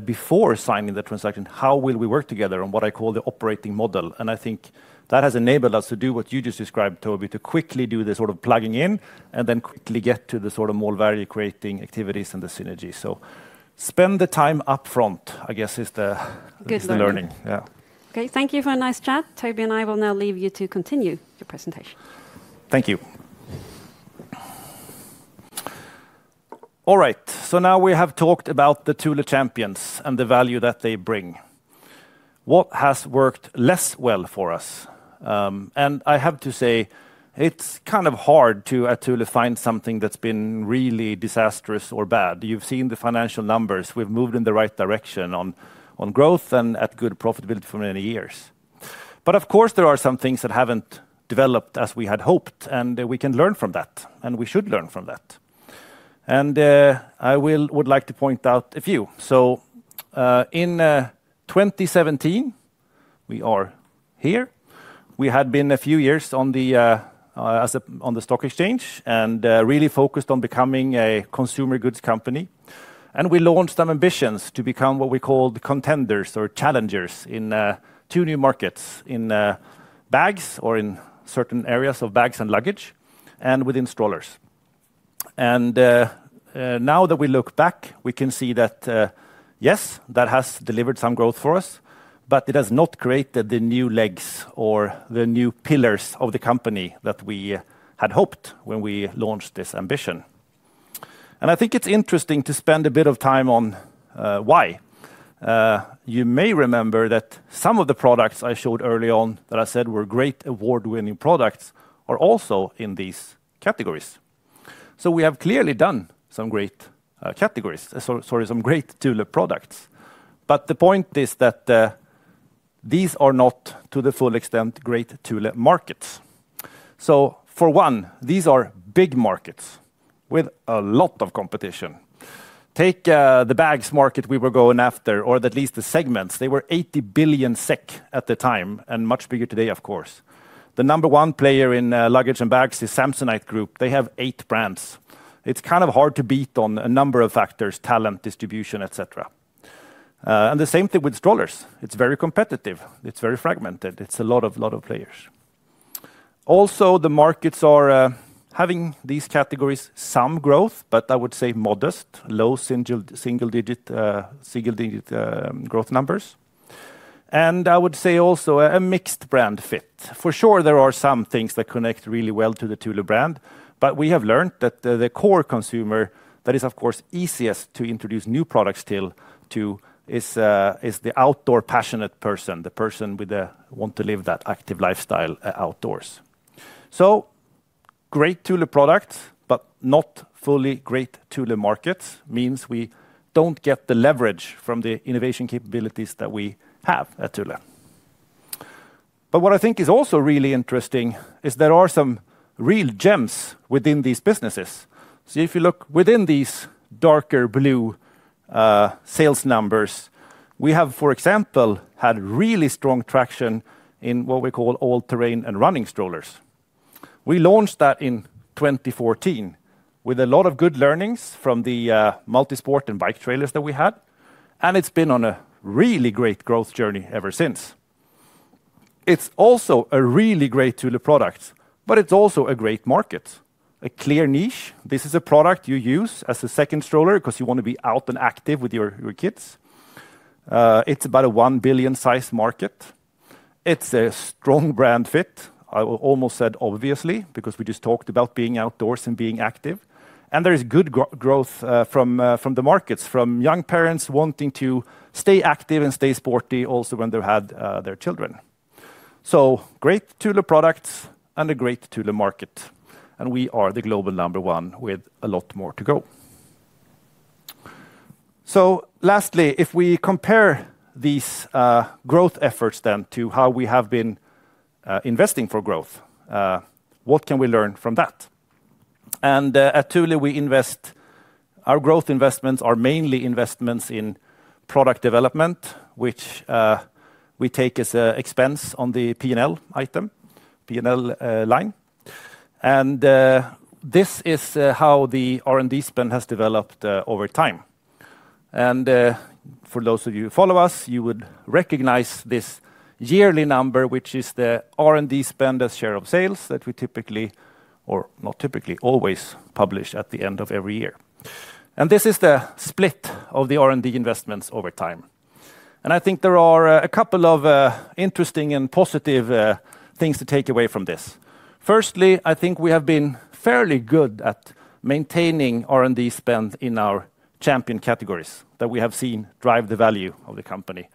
before signing the transaction, how will we work together on what I call the operating model. I think that has enabled us to do what you just described, Toby, to quickly do the sort of plugging in and then quickly get to the sort of more value-creating activities and the synergy. Spend the time upfront, I guess, is the learning.
Okay, thank you for a nice chat. Toby and I will now leave you to continue your presentation.
Thank you. All right, now we have talked about the Thule champions and the value that they bring. What has worked less well for us? I have to say, it's kind of hard to, at Thule, find something that's been really disastrous or bad. You've seen the financial numbers. We've moved in the right direction on growth and at good profitability for many years. Of course, there are some things that haven't developed as we had hoped, and we can learn from that, and we should learn from that. I would like to point out a few. In 2017, we are here. We had been a few years on the stock exchange and really focused on becoming a consumer goods company. We launched ambitions to become what we called contenders or challengers in two new markets, in bags or in certain areas of bags and luggage and within strollers. Now that we look back, we can see that, yes, that has delivered some growth for us, but it has not created the new legs or the new pillars of the company that we had hoped when we launched this ambition. I think it's interesting to spend a bit of time on why. You may remember that some of the products I showed early on that I said were great award-winning products are also in these categories. We have clearly done some great Thule products. The point is that these are not to the full extent great Thule markets. For one, these are big markets with a lot of competition. Take the bags market we were going after, or at least the segments. They were 80 billion SEK at the time and much bigger today, of course. The number one player in luggage and bags is Samsonite Group. They have eight brands. It's kind of hard to beat on a number of factors, talent, distribution, etc. The same thing with strollers. It's very competitive. It's very fragmented. It's a lot of players. Also, the markets are having these categories, some growth, but I would say modest, low single-digit growth numbers. I would say also a mixed brand fit. For sure, there are some things that connect really well to the Thule brand, but we have learned that the core consumer that is, of course, easiest to introduce new products to is the outdoor passionate person, the person who wants to live that active lifestyle outdoors. Great Thule products, but not fully great Thule markets means we don't get the leverage from the innovation capabilities that we have at Thule. What I think is also really interesting is there are some real gems within these businesses. If you look within these darker blue sales numbers, we have, for example, had really strong traction in what we call all-terrain and running strollers. We launched that in 2014 with a lot of good learnings from the multisport and bike trailers that we had, and it's been on a really great growth journey ever since. It's also a really great Thule product, but it's also a great market, a clear niche. This is a product you use as a second stroller because you want to be out and active with your kids. It's about a 1 billion size market. It's a strong brand fit. I almost said obviously because we just talked about being outdoors and being active. There is good growth from the markets, from young parents wanting to stay active and stay sporty also when they have their children. Great Thule products and a great Thule market. We are the global number one with a lot more to go. Lastly, if we compare these growth efforts to how we have been investing for growth, what can we learn from that? At Thule, we invest our growth investments mainly in product development, which we take as an expense on the P&L item, P&L line. This is how the R&D spend has developed over time. For those of you who follow us, you would recognize this yearly number, which is the R&D spend as share of sales that we typically, or not typically, always publish at the end of every year. This is the split of the R&D investments over time. I think there are a couple of interesting and positive things to take away from this. Firstly, I think we have been fairly good at maintaining R&D spend in our champion categories that we have seen drive the value of the company. It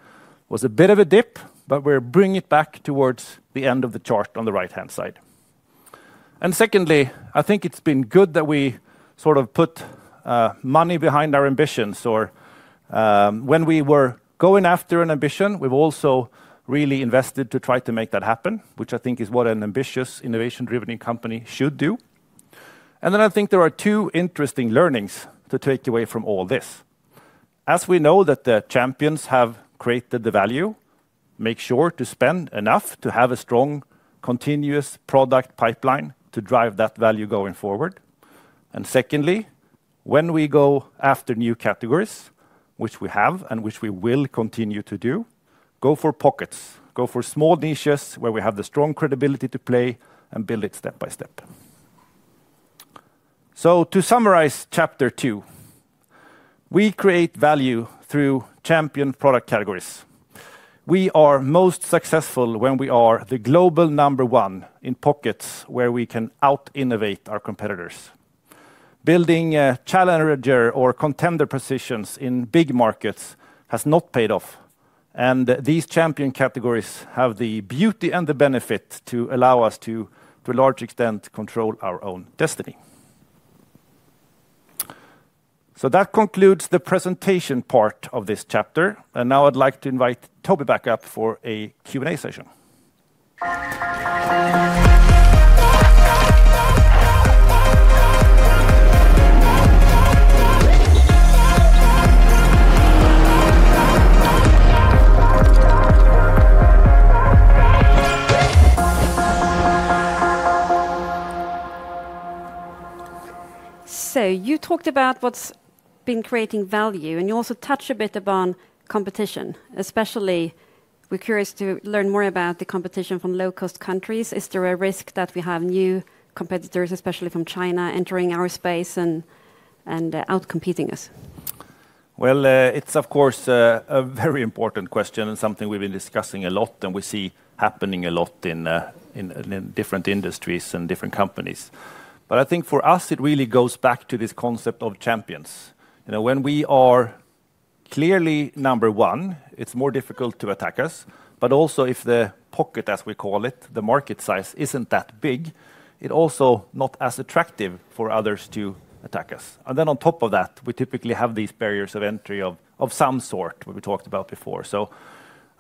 was a bit of a dip, but we're bringing it back towards the end of the chart on the right-hand side. Secondly, I think it's been good that we sort of put money behind our ambitions. When we were going after an ambition, we've also really invested to try to make that happen, which I think is what an ambitious innovation-driven company should do. I think there are two interesting learnings to take away from all this. As we know that the champions have created the value, make sure to spend enough to have a strong continuous product pipeline to drive that value going forward. Secondly, when we go after new categories, which we have and which we will continue to do, go for pockets, go for small niches where we have the strong credibility to play and build it step by step. To summarize chapter two, we create value through champion product categories. We are most successful when we are the global number one in pockets where we can out-innovate our competitors. Building challenger or contender positions in big markets has not paid off. These champion categories have the beauty and the benefit to allow us to, to a large extent, control our own destiny. That concludes the presentation part of this chapter. I would like to invite Toby back up for a Q&A session.
You talked about what's been creating value, and you also touched a bit upon competition, especially we are curious to learn more about the competition from low-cost countries. Is there a risk that we have new competitors, especially from China, entering our space and outcompeting us?
It is of course a very important question and something we have been discussing a lot and we see happening a lot in different industries and different companies. I think for us, it really goes back to this concept of champions. When we are clearly number one, it is more difficult to attack us. Also, if the pocket, as we call it, the market size is not that big, it is also not as attractive for others to attack us. Then on top of that, we typically have these barriers of entry of some sort we talked about before.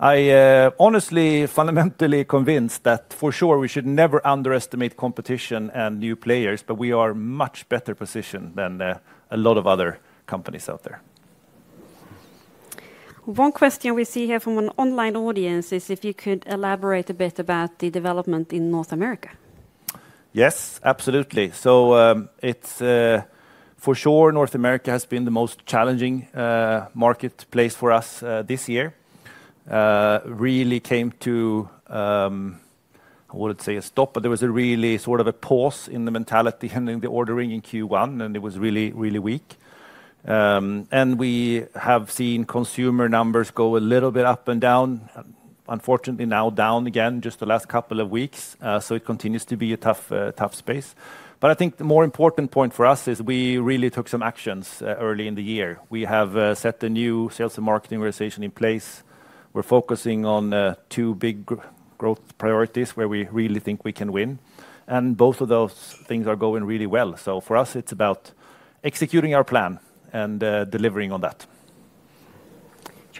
I'm honestly fundamentally convinced that for sure we should never underestimate competition and new players, but we are in a much better position than a lot of other companies out there.
One question we see here from an online audience is if you could elaborate a bit about the development in North America.
Yes, absolutely. For sure, North America has been the most challenging marketplace for us this year. Really came to, I wouldn't say a stop, but there was a really sort of a pause in the mentality and in the ordering in Q1, and it was really, really weak. We have seen consumer numbers go a little bit up and down, unfortunately now down again just the last couple of weeks. It continues to be a tough space. I think the more important point for us is we really took some actions early in the year. We have set a new sales and marketing organization in place. We are focusing on two big growth priorities where we really think we can win. Both of those things are going really well. For us, it is about executing our plan and delivering on that.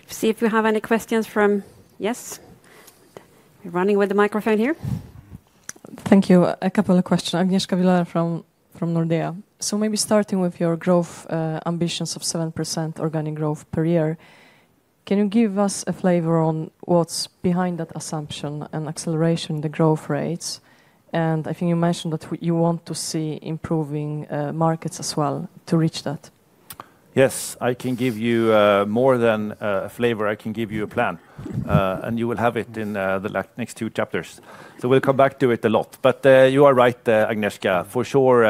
See if we have any questions from, yes, we are running with the microphone here.
Thank you. A couple of questions. Agnieszka Vilela from Nordea. Maybe starting with your growth ambitions of 7% organic growth per year, can you give us a flavor on what is behind that assumption and acceleration in the growth rates? I think you mentioned that you want to see improving markets as well to reach that.
Yes, I can give you more than a flavor. I can give you a plan, and you will have it in the next two chapters. We will come back to it a lot. You are right, Agnieszka. For sure,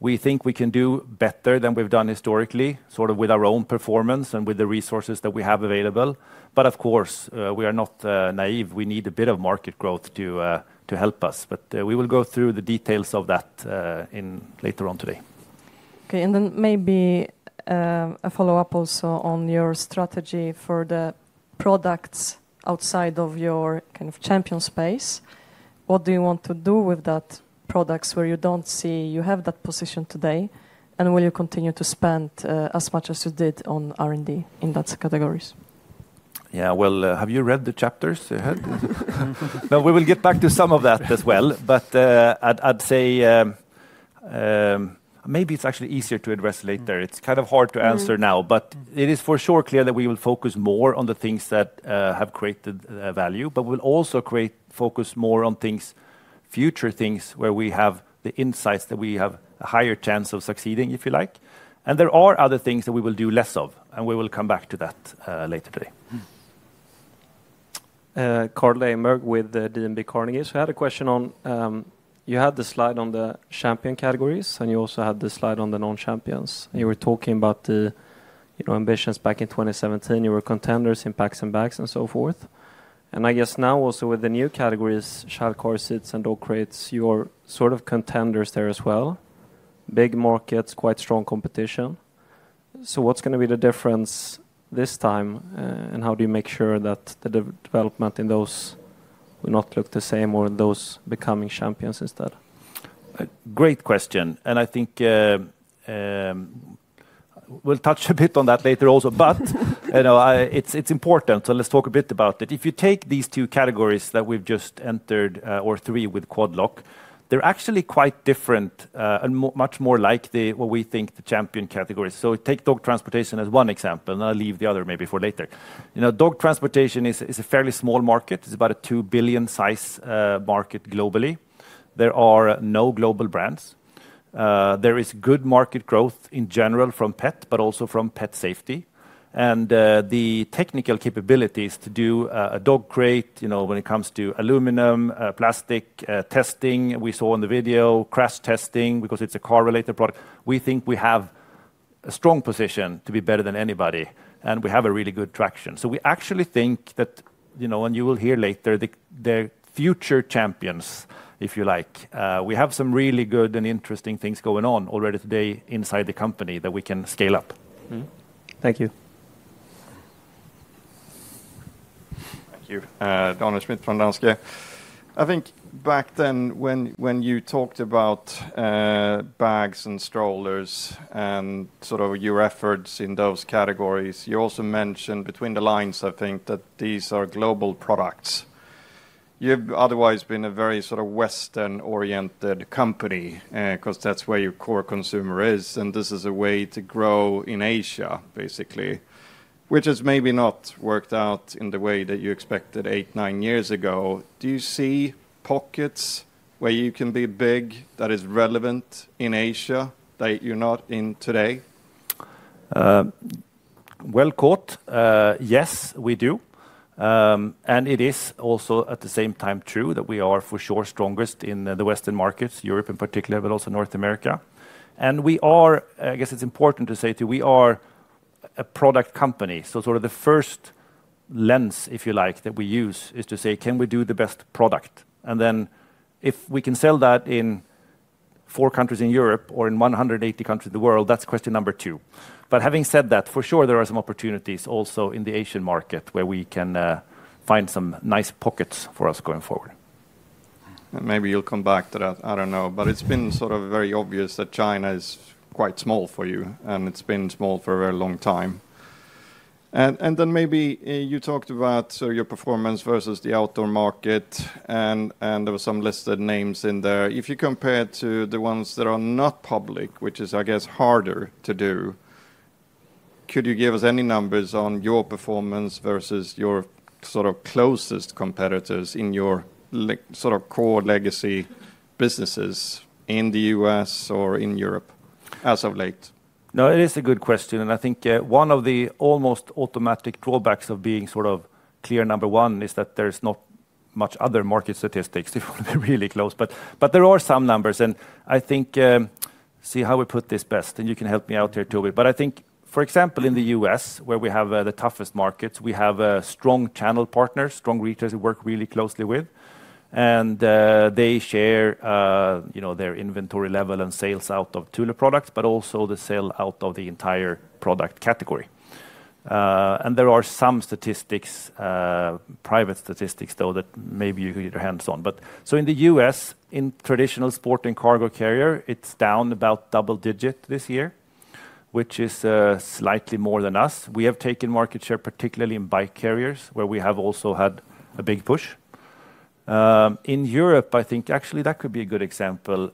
we think we can do better than we've done historically, sort of with our own performance and with the resources that we have available. Of course, we are not naive. We need a bit of market growth to help us. We will go through the details of that later on today.
Okay, maybe a follow-up also on your strategy for the products outside of your kind of champion space. What do you want to do with products where you do not see you have that position today? Will you continue to spend as much as you did on R&D in those categories?
Yeah, have you read the chapters? We will get back to some of that as well. I'd say maybe it's actually easier to address later. It's kind of hard to answer now, but it is for sure clear that we will focus more on the things that have created value, but we'll also focus more on future things where we have the insights that we have a higher chance of succeeding, if you like. There are other things that we will do less of, and we will come back to that later today.
Carl Deijenberg with DNB Carnegie had a question on you had the slide on the champion categories, and you also had the slide on the non-champions. You were talking about the ambitions back in 2017. You were contenders in packs and bags and so forth. I guess now also with the new categories, child car seats and dog crates, you are sort of contenders there as well. Big markets, quite strong competition. What's going to be the difference this time? How do you make sure that the development in those will not look the same or in those becoming champions instead?
Great question. I think we'll touch a bit on that later also, but it's important. Let's talk a bit about it. If you take these two categories that we've just entered, or three with Quad Lock, they're actually quite different and much more like what we think the champion categories. Take dog transportation as one example, and I'll leave the other maybe for later. Dog transportation is a fairly small market. It's about a $2 billion size market globally. There are no global brands. There is good market growth in general from pet, but also from pet safety. The technical capabilities to do a dog crate when it comes to aluminum, plastic testing we saw in the video, crash testing, because it's a car-related product. We think we have a strong position to be better than anybody, and we have really good traction. We actually think that, and you will hear later, the future champions, if you like, we have some really good and interesting things going on already today inside the company that we can scale up.
Thank you.
Thank you, Daniel Schmidt from Danske. I think back then when you talked about bags and strollers and sort of your efforts in those categories, you also mentioned between the lines, I think, that these are global products. You've otherwise been a very sort of Western-oriented company because that's where your core consumer is. This is a way to grow in Asia, basically, which has maybe not worked out in the way that you expected eight, nine years ago. Do you see pockets where you can be big that is relevant in Asia that you're not in today?
Yes, we do. It is also at the same time true that we are for sure strongest in the Western markets, Europe in particular, but also North America. I guess it's important to say to you, we are a product company. Sort of the first lens, if you like, that we use is to say, can we do the best product? If we can sell that in four countries in Europe or in 180 countries in the world, that's question number two. Having said that, for sure, there are some opportunities also in the Asian market where we can find some nice pockets for us going forward.
Maybe you'll come back to that. I don't know. It's been sort of very obvious that China is quite small for you, and it's been small for a very long time. Maybe you talked about your performance versus the outdoor market, and there were some listed names in there. If you compare it to the ones that are not public, which is, I guess, harder to do, could you give us any numbers on your performance versus your sort of closest competitors in your sort of core legacy businesses in the U.S. or in Europe as of late?
No, it is a good question. I think one of the almost automatic drawbacks of being sort of clear number one is that there's not much other market statistics. It would be really close. There are some numbers. I think, see how we put this best, and you can help me out here too a bit. I think, for example, in the U.S., where we have the toughest markets, we have strong channel partners, strong retailers we work really closely with. They share their inventory level and sales out of Thule products, but also the sale out of the entire product category. There are some statistics, private statistics though, that maybe you could get your hands on. In the U.S., in traditional sport and cargo carrier, it's down about double digit this year, which is slightly more than us. We have taken market share, particularly in bike carriers, where we have also had a big push. In Europe, I think actually that could be a good example.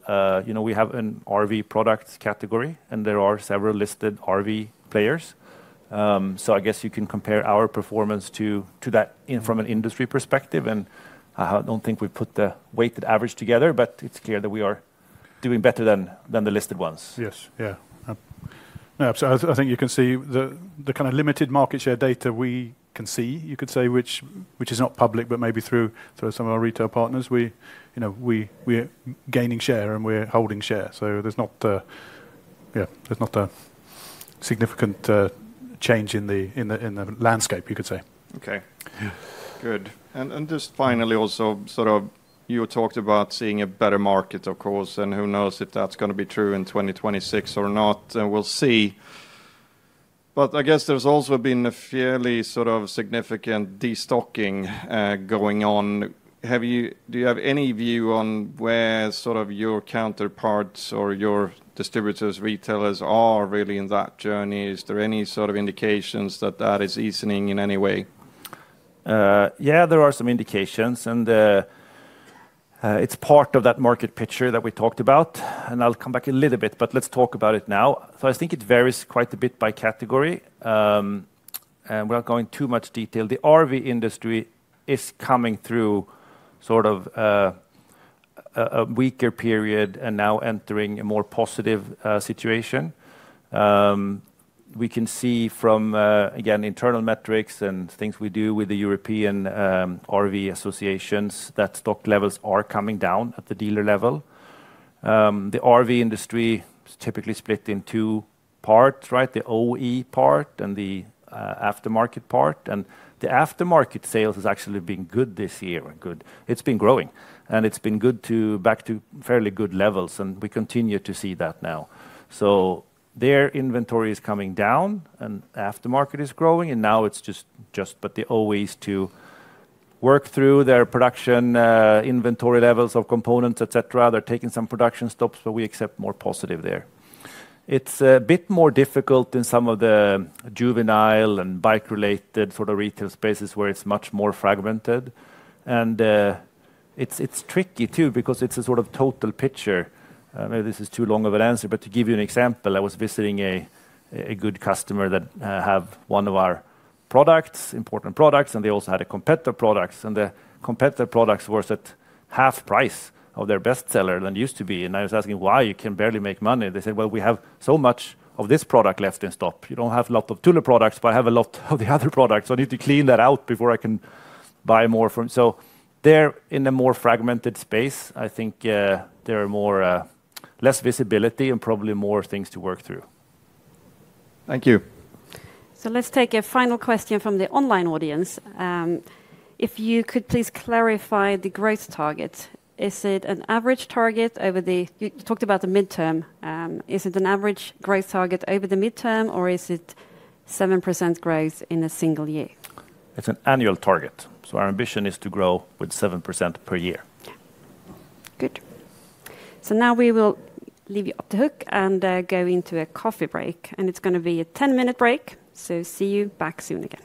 We have an RV products category, and there are several listed RV players. I guess you can compare our performance to that from an industry perspective. I do not think we put the weighted average together, but it is clear that we are doing better than the listed ones.
Yes, yeah. No, absolutely. I think you can see the kind of limited market share data we can see, you could say, which is not public, but maybe through some of our retail partners, we are gaining share and we are holding share. There is not a significant change in the landscape, you could say.
Okay, good. Just finally also, you talked about seeing a better market, of course, and who knows if that's going to be true in 2026 or not, and we'll see. I guess there's also been a fairly significant destocking going on. Do you have any view on where your counterparts or your distributors, retailers are really in that journey? Is there any indications that that is easening in any way?
Yeah, there are some indications, and it's part of that market picture that we talked about. I'll come back a little bit, but let's talk about it now. I think it varies quite a bit by category. Without going too much detail, the RV industry is coming through a weaker period and now entering a more positive situation. We can see from, again, internal metrics and things we do with the European RV associations that stock levels are coming down at the dealer level. The RV industry is typically split in two parts, right? The OE part and the aftermarket part. The aftermarket sales have actually been good this year and good. It's been growing, and it's been good back to fairly good levels. We continue to see that now. Their inventory is coming down, and aftermarket is growing. Now it's just the OEs to work through their production inventory levels of components, et cetera, they're taking some production stops, but we accept more positive there. It's a bit more difficult in some of the juvenile and bike-related sort of retail spaces where it's much more fragmented. It's tricky too because it's a sort of total picture. Maybe this is too long of an answer, but to give you an example, I was visiting a good customer that had one of our important products, and they also had competitor products. The competitor products were at half price of their best seller than it used to be. I was asking why you can barely make money. They said, well, we have so much of this product left in stock. You do not have a lot of Thule products, but I have a lot of the other products. I need to clean that out before I can buy more from you. They are in a more fragmented space. I think there is less visibility and probably more things to work through.
Thank you.
Let's take a final question from the online audience. If you could please clarify the growth target, is it an average target over the you talked about the midterm. Is it an average growth target over the midterm, or is it 7% growth in a single year? It's an annual target. Our ambition is to grow with 7% per year. Good. Now we will leave you up to hook and go into a coffee break. It's going to be a 10-minute break. See you back soon again.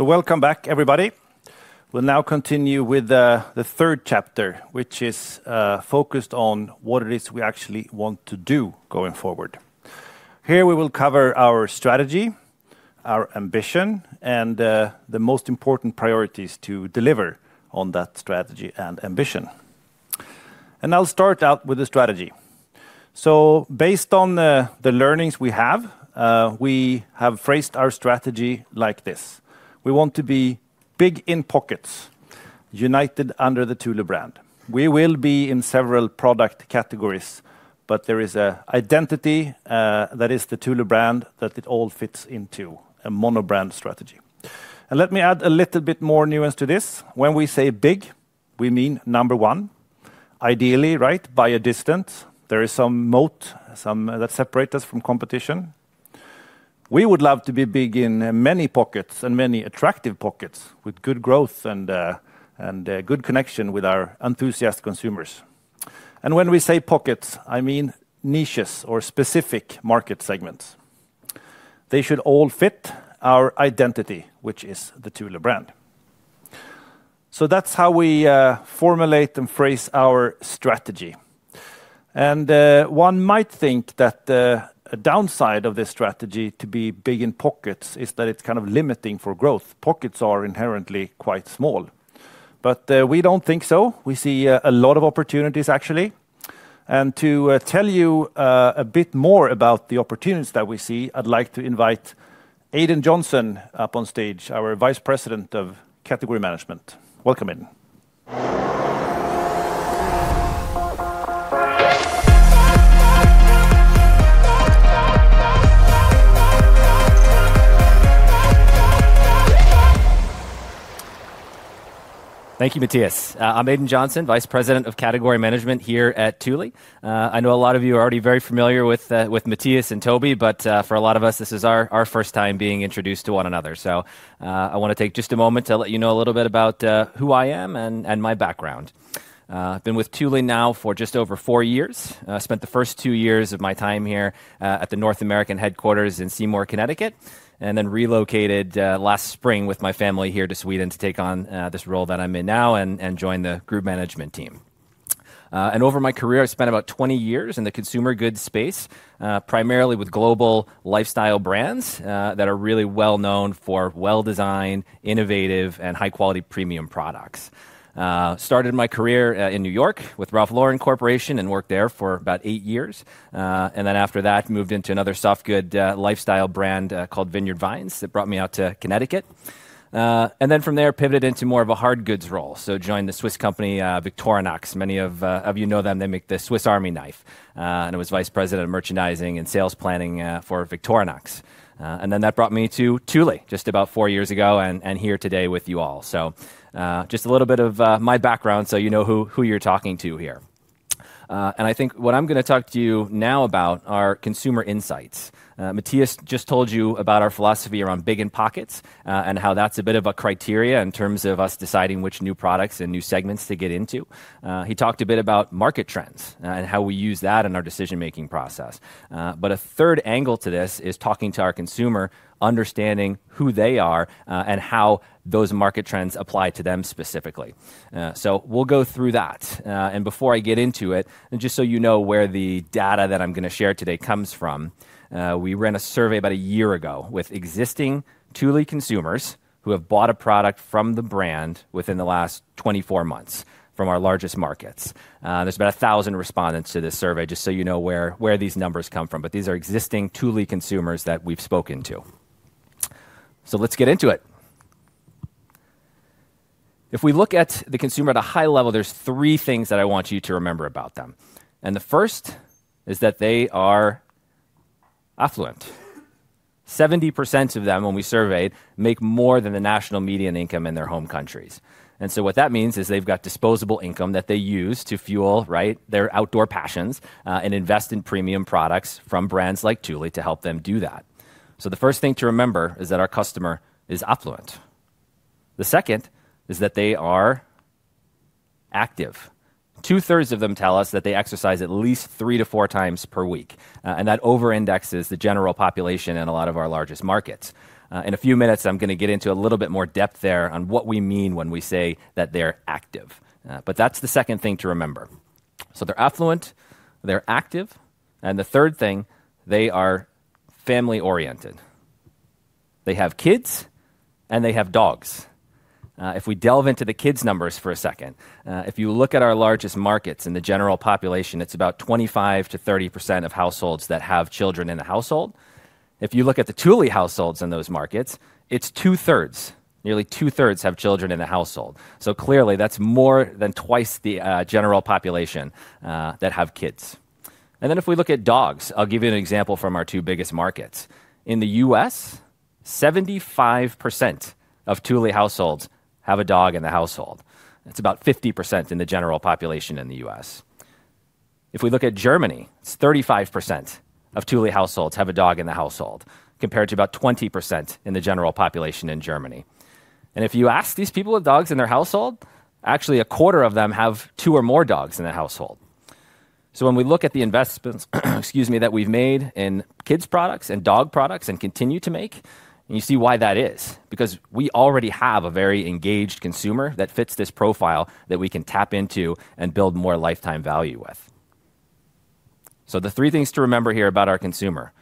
Welcome back, everybody. We'll now continue with the third chapter, which is focused on what it is we actually want to do going forward. Here we will cover our strategy, our ambition, and the most important priorities to deliver on that strategy and ambition. I'll start out with the strategy. Based on the learnings we have, we have phrased our strategy like this: We want to be big in pockets, united under the Thule brand. We will be in several product categories, but there is an identity that is the Thule brand that it all fits into, a monobrand strategy. Let me add a little bit more nuance to this. When we say big, we mean number one. Ideally, right by a distance, there is some moat that separates us from competition. We would love to be big in many pockets and many attractive pockets with good growth and good connection with our enthusiast consumers. When we say pockets, I mean niches or specific market segments. They should all fit our identity, which is the Thule brand. That is how we formulate and phrase our strategy. One might think that a downside of this strategy to be big in pockets is that it's kind of limiting for growth. Pockets are inherently quite small. We don't think so. We see a lot of opportunities, actually. To tell you a bit more about the opportunities that we see, I'd like to invite Aidan Johnson up on stage, our Vice President of Category Management. Welcome in.
Thank you, Mattias. I'm Aidan Johnson, Vice President of Category Management here at Thule. I know a lot of you are already very familiar with Mattias and Toby, but for a lot of us, this is our first time being introduced to one another. I want to take just a moment to let you know a little bit about who I am and my background. I've been with Thule now for just over four years. I spent the first two years of my time here at the North American headquarters in Seymour, Connecticut, and then relocated last spring with my family here to Sweden to take on this role that I'm in now and join the group management team. Over my career, I spent about 20 years in the consumer goods space, primarily with global lifestyle brands that are really well known for well-designed, innovative, and high-quality premium products. I started my career in New York with Ralph Lauren Corporation and worked there for about eight years. After that, I moved into another soft good lifestyle brand called Vineyard Vines. It brought me out to Connecticut. From there, I pivoted into more of a hard goods role. I joined the Swiss company Victorinox. Many of you know them. They make the Swiss Army knife. I was Vice President of Merchandising and Sales Planning for Victorinox. That brought me to Thule just about four years ago and here today with you all. Just a little bit of my background so you know who you're talking to here. I think what I'm going to talk to you now about are consumer insights. Mattias just told you about our philosophy around big in pockets and how that's a bit of a criteria in terms of us deciding which new products and new segments to get into. He talked a bit about market trends and how we use that in our decision-making process. A third angle to this is talking to our consumer, understanding who they are and how those market trends apply to them specifically. We'll go through that. Before I get into it, and just so you know where the data that I'm going to share today comes from, we ran a survey about a year ago with existing Thule consumers who have bought a product from the brand within the last 24 months from our largest markets. There are about 1,000 respondents to this survey, just so you know where these numbers come from. These are existing Thule consumers that we've spoken to. Let's get into it. If we look at the consumer at a high level, there are three things that I want you to remember about them. The first is that they are affluent. 70% of them, when we surveyed, make more than the national median income in their home countries. What that means is they've got disposable income that they use to fuel their outdoor passions and invest in premium products from brands like Thule to help them do that. The first thing to remember is that our customer is affluent. The second is that they are active. Two-thirds of them tell us that they exercise at least three to four times per week. That over-indexes the general population in a lot of our largest markets. In a few minutes, I'm going to get into a little bit more depth there on what we mean when we say that they're active. That's the second thing to remember. They're affluent, they're active. The third thing, they are family-oriented. They have kids and they have dogs. If we delve into the kids' numbers for a second, if you look at our largest markets in the general population, it's about 25% to 30% of households that have children in the household. If you look at the Thule households in those markets, it's two-thirds. Nearly two-thirds have children in the household. Clearly, that's more than twice the general population that have kids. If we look at dogs, I'll give you an example from our two biggest markets. In the U.S., 75% of Thule households have a dog in the household. That's about 50% in the general population in the U.S. If we look at Germany, it's 35% of Thule households have a dog in the household, compared to about 20% in the general population in Germany. If you ask these people with dogs in their household, actually a quarter of them have two or more dogs in the household. When we look at the investments, excuse me, that we've made in kids' products and dog products and continue to make, you see why that is, because we already have a very engaged consumer that fits this profile that we can tap into and build more lifetime value with. The three things to remember here about our consumer: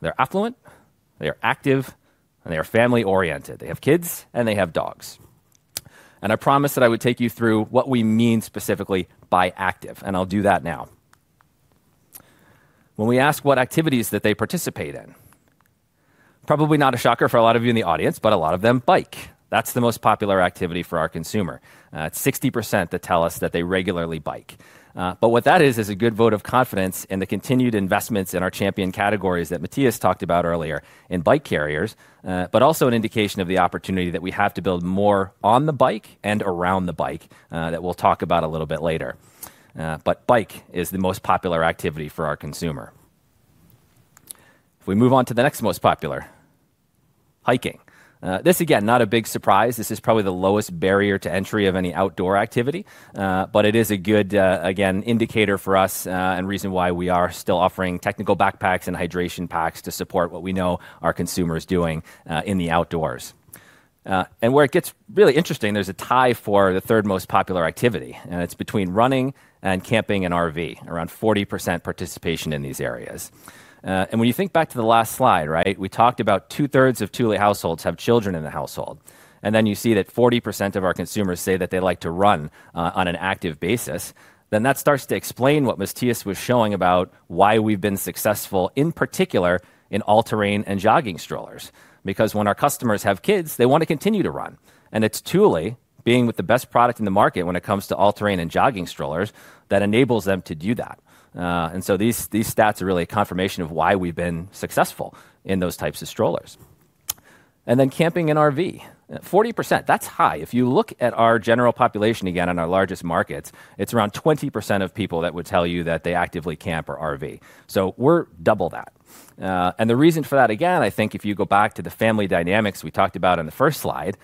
they're affluent, they are active, and they are family-oriented. They have kids and they have dogs. I promised that I would take you through what we mean specifically by active. I'll do that now. When we ask what activities that they participate in, probably not a shocker for a lot of you in the audience, but a lot of them bike. That's the most popular activity for our consumer. It's 60% that tell us that they regularly bike. What that is, is a good vote of confidence in the continued investments in our champion categories that Mattias talked about earlier in bike carriers, but also an indication of the opportunity that we have to build more on the bike and around the bike that we'll talk about a little bit later. Bike is the most popular activity for our consumer. If we move on to the next most popular, hiking. This again, not a big surprise. This is probably the lowest barrier to entry of any outdoor activity. It is a good, again, indicator for us and reason why we are still offering technical backpacks and hydration packs to support what we know our consumers are doing in the outdoors. Where it gets really interesting, there's a tie for the third most popular activity. It's between running and camping and RV, around 40% participation in these areas. When you think back to the last slide, right, we talked about two-thirds of Thule households have children in the household. You see that 40% of our consumers say that they like to run on an active basis. That starts to explain what Mattias was showing about why we've been successful, in particular, in all-terrain and jogging strollers. When our customers have kids, they want to continue to run. It's Thule, being with the best product in the market when it comes to all-terrain and jogging strollers, that enables them to do that. These stats are really a confirmation of why we've been successful in those types of strollers. Camping and RV, 40%, that's high. If you look at our general population again in our largest markets, it's around 20% of people that would tell you that they actively camp or RV. We are double that. The reason for that, again, I think if you go back to the family dynamics we talked about in the first slide,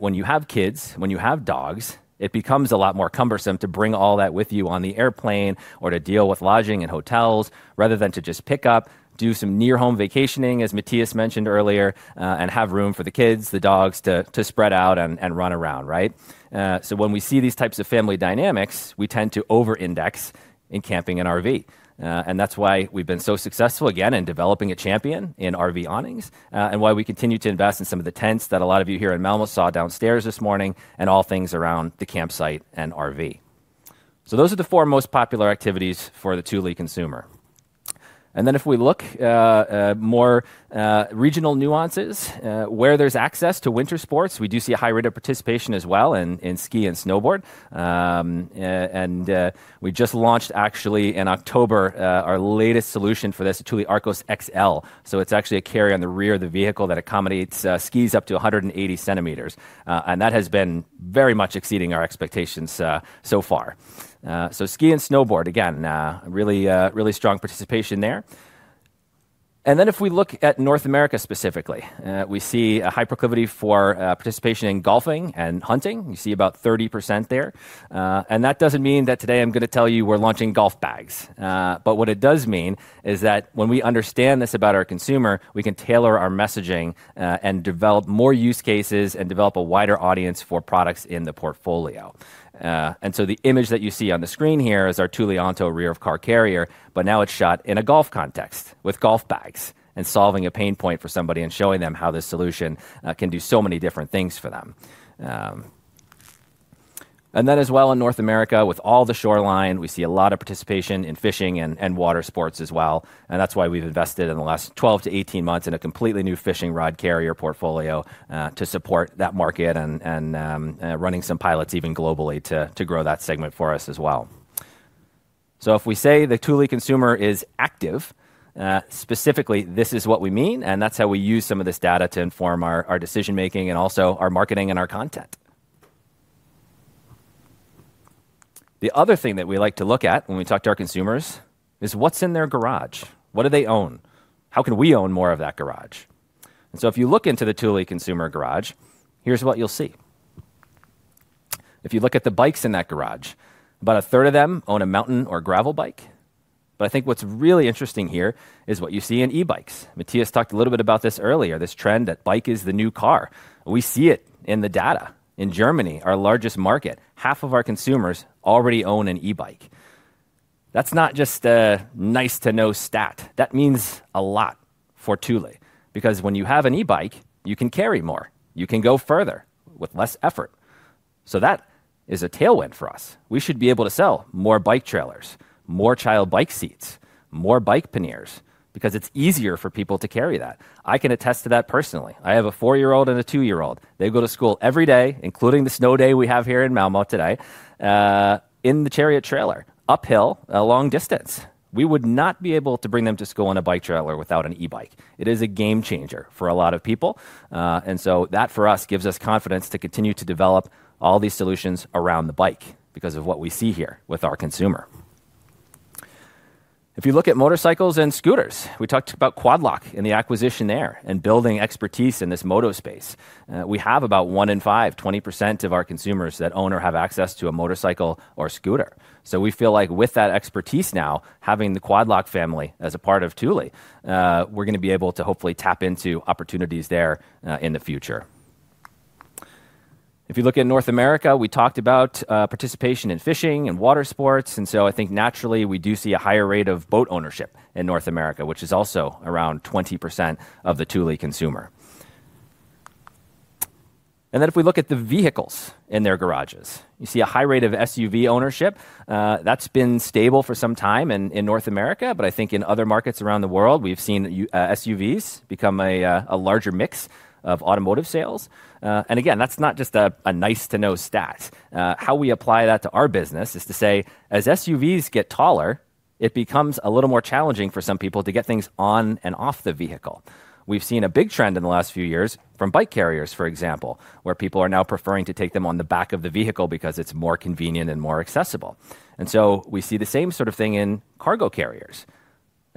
when you have kids, when you have dogs, it becomes a lot more cumbersome to bring all that with you on the airplane or to deal with lodging and hotels rather than to just pick up, do some near-home vacationing, as Mattias mentioned earlier, and have room for the kids, the dogs to spread out and run around, right? When we see these types of family dynamics, we tend to over-index in camping and RV. That is why we've been so successful, again, in developing a champion in RV awnings and why we continue to invest in some of the tents that a lot of you here in Malmö saw downstairs this morning and all things around the campsite and RV. Those are the four most popular activities for the Thule consumer. If we look at more regional nuances, where there's access to winter sports, we do see a high rate of participation as well in ski and snowboard. We just launched, actually, in October, our latest solution for this, Thule Arcos XL. It is actually a carrier on the rear of the vehicle that accommodates skis up to 180 cm. That has been very much exceeding our expectations so far. Ski and snowboard, again, really strong participation there. If we look at North America specifically, we see a high proclivity for participation in golfing and hunting. You see about 30% there. That does not mean that today I am going to tell you we are launching golf bags. What it does mean is that when we understand this about our consumer, we can tailor our messaging and develop more use cases and develop a wider audience for products in the portfolio. The image that you see on the screen here is our Thule Onto rear of car carrier, but now it is shot in a golf context with golf bags and solving a pain point for somebody and showing them how this solution can do so many different things for them. As well in North America, with all the shoreline, we see a lot of participation in fishing and water sports as well. That is why we have invested in the last 12 to 18 months in a completely new fishing rod carrier portfolio to support that market and running some pilots even globally to grow that segment for us as well. If we say the Thule consumer is active, specifically, this is what we mean. That is how we use some of this data to inform our decision-making and also our marketing and our content. The other thing that we like to look at when we talk to our consumers is what is in their garage? What do they own? How can we own more of that garage? If you look into the Thule consumer garage, here is what you will see. If you look at the bikes in that garage, about a third of them own a mountain or gravel bike. I think what's really interesting here is what you see in e-bikes. Mattias talked a little bit about this earlier, this trend that bike is the new car. We see it in the data. In Germany, our largest market, half of our consumers already own an e-bike. That's not just a nice-to-know stat. That means a lot for Thule. Because when you have an e-bike, you can carry more. You can go further with less effort. That is a tailwind for us. We should be able to sell more bike trailers, more child bike seats, more bike panniers, because it's easier for people to carry that. I can attest to that personally. I have a four-year-old and a two-year-old. They go to school every day, including the snow day we have here in Malmö today, in the Chariot trailer, uphill, a long distance. We would not be able to bring them to school on a bike trailer without an e-bike. It is a game changer for a lot of people. That, for us, gives us confidence to continue to develop all these solutions around the bike because of what we see here with our consumer. If you look at motorcycles and scooters, we talked about Quad Lock in the acquisition there and building expertise in this moto space. We have about one in five, 20% of our consumers that own or have access to a motorcycle or scooter. We feel like with that expertise now, having the Quad Lock family as a part of Thule, we are going to be able to hopefully tap into opportunities there in the future. If you look at North America, we talked about participation in fishing and water sports. I think naturally we do see a higher rate of boat ownership in North America, which is also around 20% of the Thule consumer. If we look at the vehicles in their garages, you see a high rate of SUV ownership. That has been stable for some time in North America. I think in other markets around the world, we've seen SUVs become a larger mix of automotive sales. Again, that's not just a nice-to-know stat. How we apply that to our business is to say, as SUVs get taller, it becomes a little more challenging for some people to get things on and off the vehicle. We've seen a big trend in the last few years from bike carriers, for example, where people are now preferring to take them on the back of the vehicle because it's more convenient and more accessible. We see the same sort of thing in cargo carriers.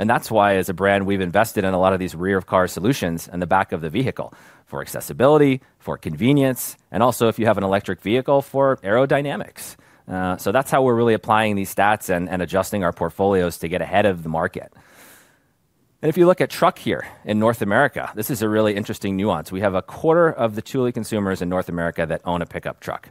That is why, as a brand, we have invested in a lot of these rear of car solutions and the back of the vehicle for accessibility, for convenience, and also if you have an electric vehicle for aerodynamics. That is how we are really applying these stats and adjusting our portfolios to get ahead of the market. If you look at truck here in North America, this is a really interesting nuance. We have a quarter of the Thule consumers in North America that own a pickup truck.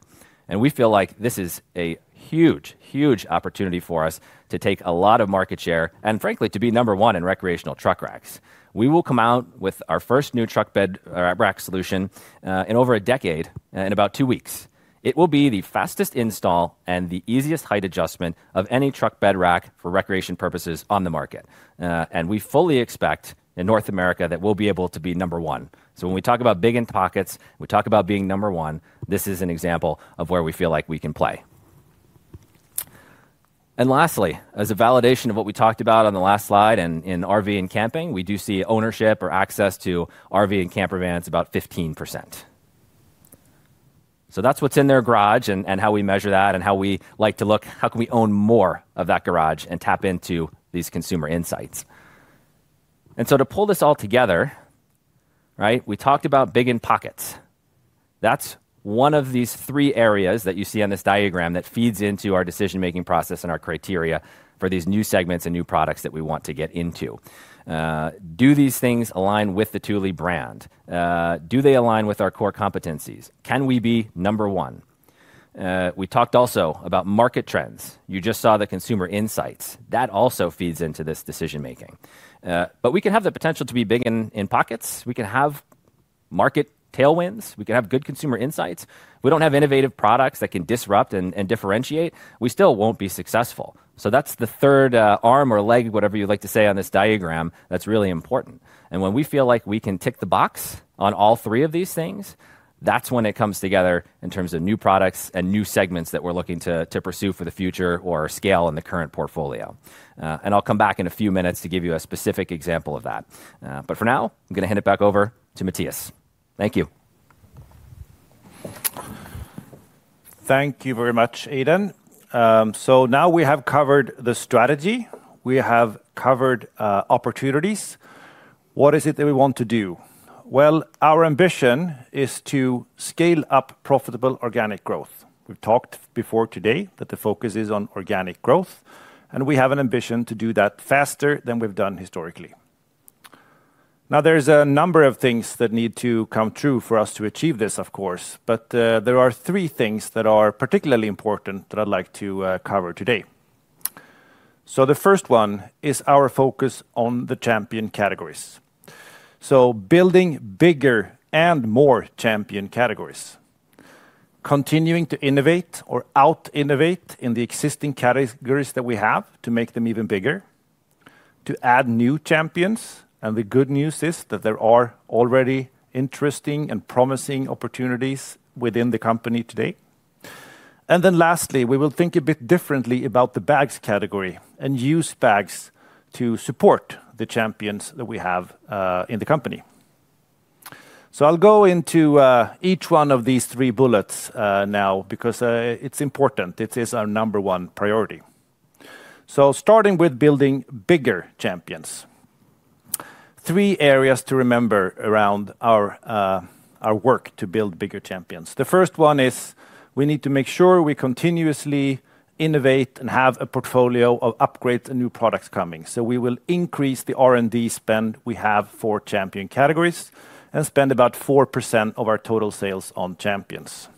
We feel like this is a huge, huge opportunity for us to take a lot of market share and, frankly, to be number one in recreational truck racks. We will come out with our first new truck bed or rack solution in over a decade in about two weeks. It will be the fastest install and the easiest height adjustment of any truck bed rack for recreation purposes on the market. We fully expect in North America that we'll be able to be number one. When we talk about big in pockets, we talk about being number one, this is an example of where we feel like we can play. Lastly, as a validation of what we talked about on the last slide and in RV and camping, we do see ownership or access to RV and camper vans about 15%. That's what's in their garage and how we measure that and how we like to look, how can we own more of that garage and tap into these consumer insights. To pull this all together, right, we talked about big in pockets. That's one of these three areas that you see on this diagram that feeds into our decision-making process and our criteria for these new segments and new products that we want to get into. Do these things align with the Thule brand? Do they align with our core competencies? Can we be number one? We talked also about market trends. You just saw the consumer insights. That also feeds into this decision-making. We can have the potential to be big in pockets. We can have market tailwinds. We can have good consumer insights. If we do not have innovative products that can disrupt and differentiate, we still will not be successful. That is the third arm or leg, whatever you'd like to say on this diagram, that is really important. When we feel like we can tick the box on all three of these things, that's when it comes together in terms of new products and new segments that we're looking to pursue for the future or scale in the current portfolio. I'll come back in a few minutes to give you a specific example of that. For now, I'm going to hand it back over to Mattias. Thank you.
Thank you very much, Aidan. Now we have covered the strategy. We have covered opportunities. What is it that we want to do? Our ambition is to scale up profitable organic growth. We've talked before today that the focus is on organic growth. We have an ambition to do that faster than we've done historically. There are a number of things that need to come true for us to achieve this, of course. There are three things that are particularly important that I'd like to cover today. The first one is our focus on the champion categories. Building bigger and more champion categories, continuing to innovate or out-innovate in the existing categories that we have to make them even bigger, to add new champions. The good news is that there are already interesting and promising opportunities within the company today. Lastly, we will think a bit differently about the bags category and use bags to support the champions that we have in the company. I'll go into each one of these three bullets now because it's important. It is our number one priority. Starting with building bigger champions, three areas to remember around our work to build bigger champions. The first one is we need to make sure we continuously innovate and have a portfolio of upgrades and new products coming. We will increase the R&D spend we have for champion categories and spend about 4% of our total sales on champions.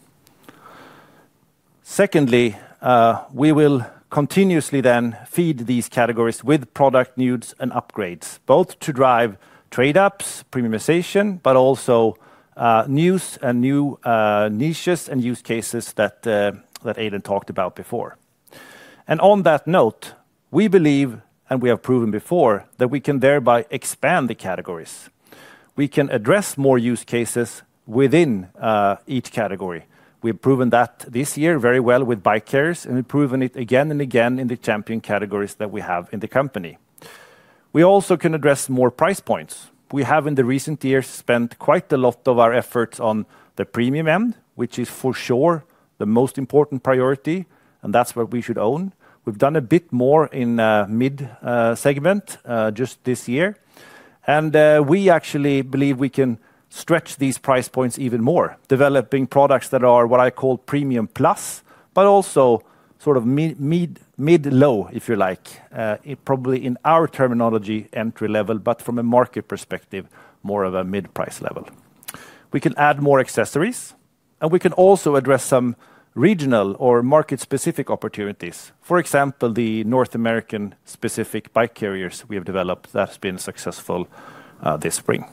Secondly, we will continuously then feed these categories with product news and upgrades, both to drive trade-ups, premiumization, but also news and new niches and use cases that Aidan talked about before. On that note, we believe, and we have proven before, that we can thereby expand the categories. We can address more use cases within each category. We've proven that this year very well with bike carriers and we've proven it again and again in the champion categories that we have in the company. We also can address more price points. We have in the recent years spent quite a lot of our efforts on the premium end, which is for sure the most important priority, and that's what we should own. We've done a bit more in mid-segment just this year. We actually believe we can stretch these price points even more, developing products that are what I call premium plus, but also sort of mid-low, if you like, probably in our terminology entry level, but from a market perspective, more of a mid-price level. We can add more accessories, and we can also address some regional or market-specific opportunities. For example, the North American-specific bike carriers we have developed that have been successful this spring.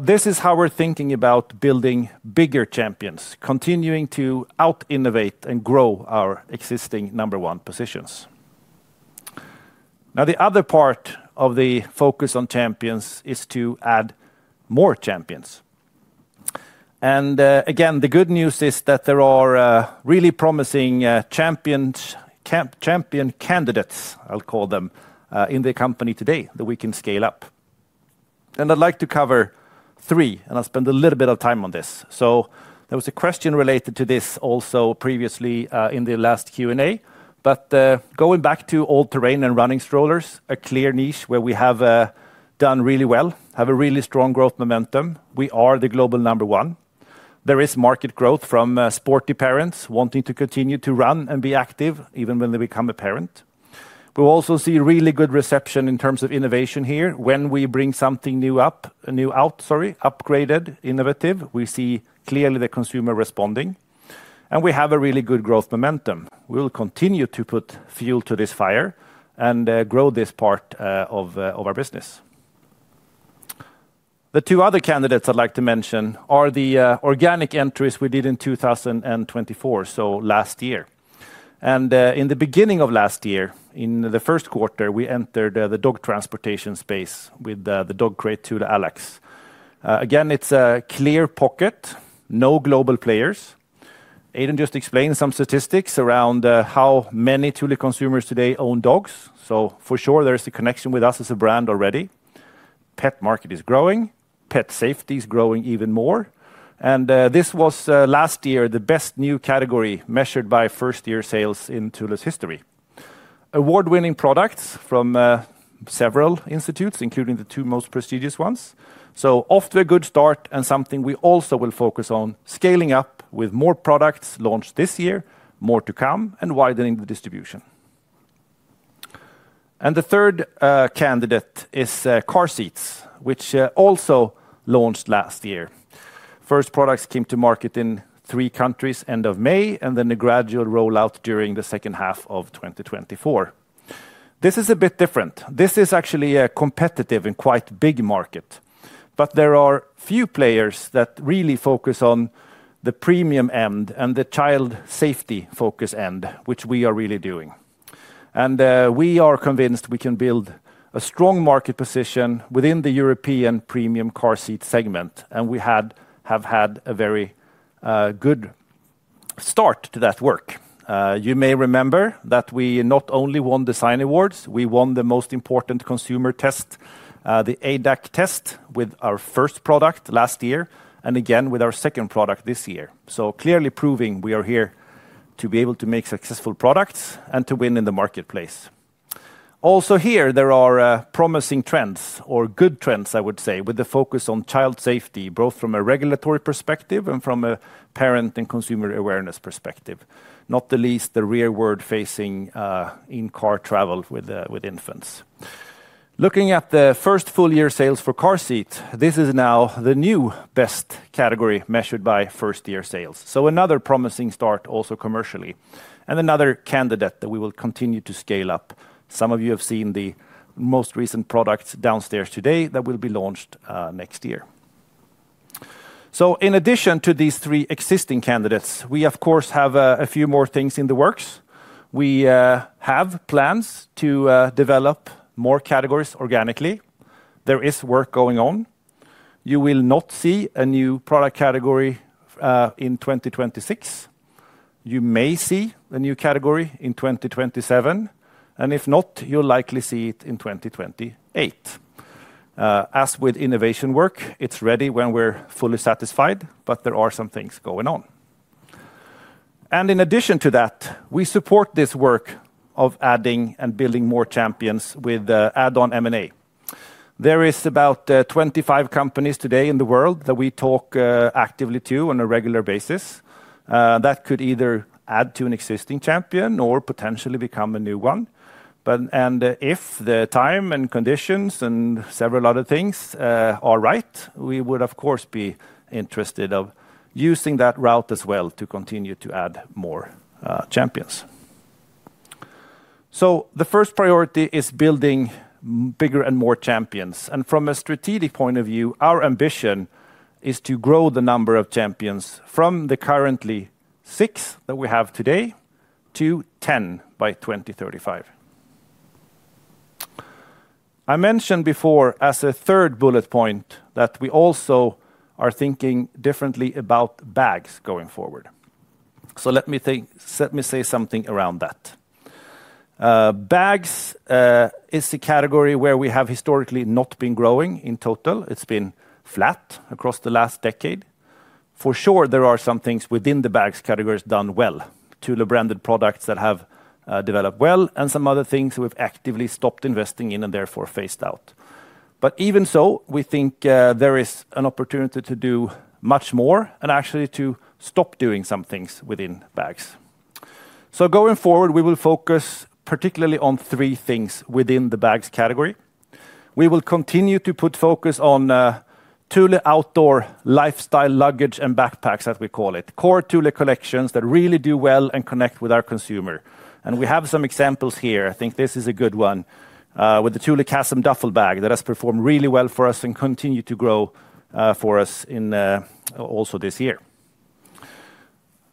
This is how we're thinking about building bigger champions, continuing to out-innovate and grow our existing number one positions. Now, the other part of the focus on champions is to add more champions. The good news is that there are really promising champion candidates, I'll call them, in the company today that we can scale up. I'd like to cover three, and I'll spend a little bit of time on this. There was a question related to this also previously in the last Q&A. Going back to all-terrain and running strollers, a clear niche where we have done really well, have a really strong growth momentum. We are the global number one. There is market growth from sporty parents wanting to continue to run and be active even when they become a parent. We also see really good reception in terms of innovation here. When we bring something new up, new out, sorry, upgraded, innovative, we see clearly the consumer responding. We have a really good growth momentum. We will continue to put fuel to this fire and grow this part of our business. The two other candidates I'd like to mention are the organic entries we did in 2024, so last year. In the beginning of last year, in the first quarter, we entered the dog transportation space with the dog crate Thule Alex. Again, it's a clear pocket, no global players. Aidan just explained some statistics around how many Thule consumers today own dogs. For sure, there is a connection with us as a brand already. Pet market is growing. Pet safety is growing even more. This was last year the best new category measured by first-year sales in Thule's history. Award-winning products from several institutes, including the two most prestigious ones. Off to a good start and something we also will focus on, scaling up with more products launched this year, more to come, and widening the distribution. The third candidate is car seats, which also launched last year. First products came to market in three countries end of May and then a gradual rollout during the second half of 2024. This is a bit different. This is actually a competitive and quite big market. There are few players that really focus on the premium end and the child safety-focused end, which we are really doing. We are convinced we can build a strong market position within the European premium car seat segment. We have had a very good start to that work. You may remember that we not only won design awards, we won the most important consumer test, the ADAC test, with our first product last year and again with our second product this year. Clearly proving we are here to be able to make successful products and to win in the marketplace. Also here, there are promising trends or good trends, I would say, with the focus on child safety, both from a regulatory perspective and from a parent and consumer awareness perspective. Not the least, the rearward-facing in-car travel with infants. Looking at the first full-year sales for car seats, this is now the new best category measured by first-year sales. Another promising start also commercially. Another candidate that we will continue to scale up. Some of you have seen the most recent products downstairs today that will be launched next year. In addition to these three existing candidates, we, of course, have a few more things in the works. We have plans to develop more categories organically. There is work going on. You will not see a new product category in 2026. You may see a new category in 2027. If not, you'll likely see it in 2028. As with innovation work, it's ready when we're fully satisfied, but there are some things going on. In addition to that, we support this work of adding and building more champions with add-on M&A. There are about 25 companies today in the world that we talk actively to on a regular basis. That could either add to an existing champion or potentially become a new one. If the time and conditions and several other things are right, we would, of course, be interested in using that route as well to continue to add more champions. The first priority is building bigger and more champions. From a strategic point of view, our ambition is to grow the number of champions from the currently six that we have today to 10 by 2035. I mentioned before as a third bullet point that we also are thinking differently about bags going forward. Let me say something around that. Bags is a category where we have historically not been growing in total. It has been flat across the last decade. For sure, there are some things within the bags categories done well, Thule-branded products that have developed well, and some other things we have actively stopped investing in and therefore phased out. Even so, we think there is an opportunity to do much more and actually to stop doing some things within bags. Going forward, we will focus particularly on three things within the bags category. We will continue to put focus on Thule outdoor lifestyle luggage and backpacks, as we call it, core Thule collections that really do well and connect with our consumer. We have some examples here. I think this is a good one with the Thule Kasim duffel bag that has performed really well for us and continued to grow for us also this year.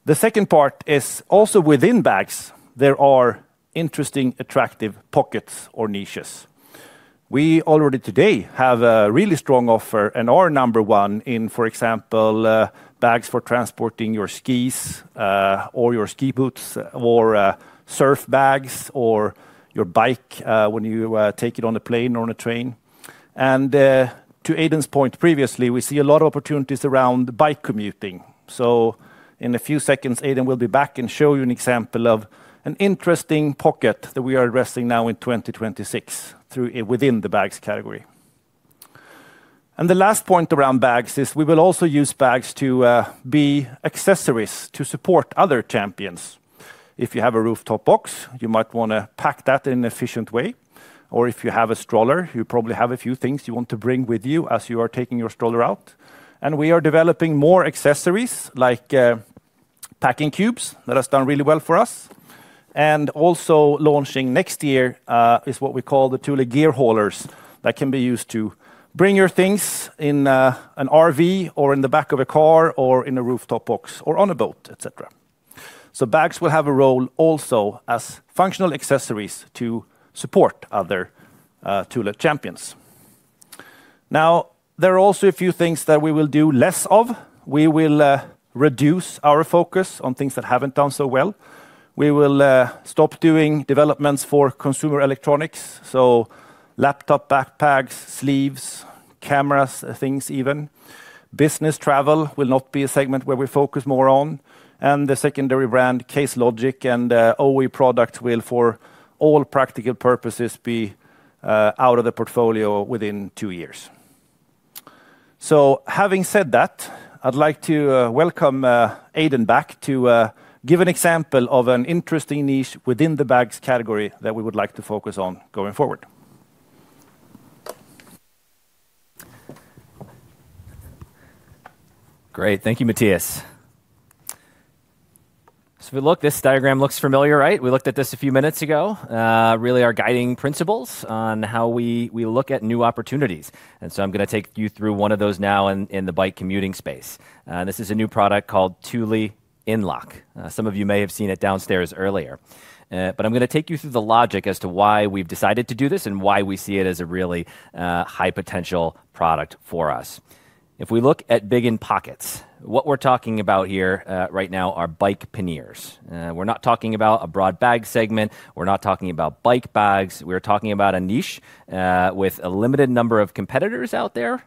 The second part is also within bags, there are interesting, attractive pockets or niches. We already today have a really strong offer and are number one in, for example, bags for transporting your skis or your ski boots or surf bags or your bike when you take it on a plane or on a train. To Aidan's point previously, we see a lot of opportunities around bike commuting. In a few seconds, Aidan will be back and show you an example of an interesting pocket that we are addressing now in 2026 within the bags category. The last point around bags is we will also use bags to be accessories to support other champions. If you have a rooftop box, you might want to pack that in an efficient way. If you have a stroller, you probably have a few things you want to bring with you as you are taking your stroller out. We are developing more accessories like packing cubes that have done really well for us. Also launching next year is what we call the Thule gear haulers that can be used to bring your things in an RV or in the back of a car or in a rooftop box or on a boat, etc. Bags will have a role also as functional accessories to support other Thule champions. There are also a few things that we will do less of. We will reduce our focus on things that have not done so well. We will stop doing developments for consumer electronics, so laptop backpacks, sleeves, cameras, things even. Business travel will not be a segment where we focus more on. The secondary brand Case Logic and OWI products will, for all practical purposes, be out of the portfolio within two years. Having said that, I'd like to welcome Aidan back to give an example of an interesting niche within the bags category that we would like to focus on going forward.
Great. Thank you, Mattias. We look, this diagram looks familiar, right? We looked at this a few minutes ago, really our guiding principles on how we look at new opportunities. I'm going to take you through one of those now in the bike commuting space. This is a new product called Thule Inlock. Some of you may have seen it downstairs earlier. I'm going to take you through the logic as to why we've decided to do this and why we see it as a really high-potential product for us. If we look at big end pockets, what we're talking about here right now are bike panniers. We're not talking about a broad bag segment. We're not talking about bike bags. We're talking about a niche with a limited number of competitors out there,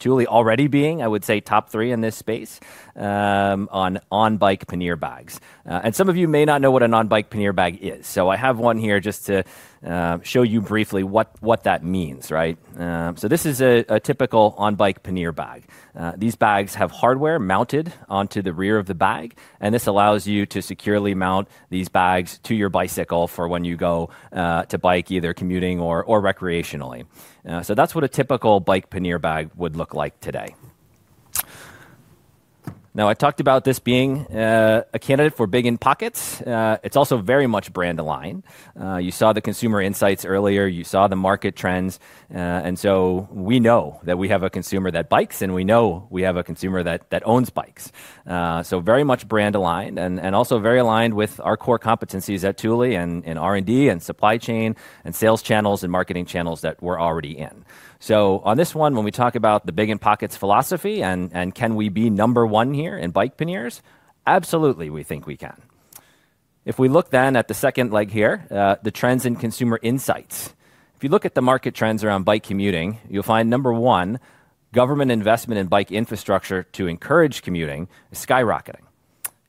Thule already being, I would say, top three in this space on bike pannier bags. And some of you may not know what an on-bike pannier bag is. I have one here just to show you briefly what that means, right? This is a typical on-bike pannier bag. These bags have hardware mounted onto the rear of the bag, and this allows you to securely mount these bags to your bicycle for when you go to bike, either commuting or recreationally. That's what a typical bike pannier bag would look like today. Now, I talked about this being a candidate for big in pockets. It's also very much brand aligned. You saw the consumer insights earlier. You saw the market trends. We know that we have a consumer that bikes, and we know we have a consumer that owns bikes. Very much brand aligned and also very aligned with our core competencies at Thule and R&D and supply chain and sales channels and marketing channels that we're already in. On this one, when we talk about the big in pockets philosophy and can we be number one here in bike panniers, absolutely, we think we can. If we look then at the second leg here, the trends in consumer insights. If you look at the market trends around bike commuting, you'll find number one, government investment in bike infrastructure to encourage commuting is skyrocketing.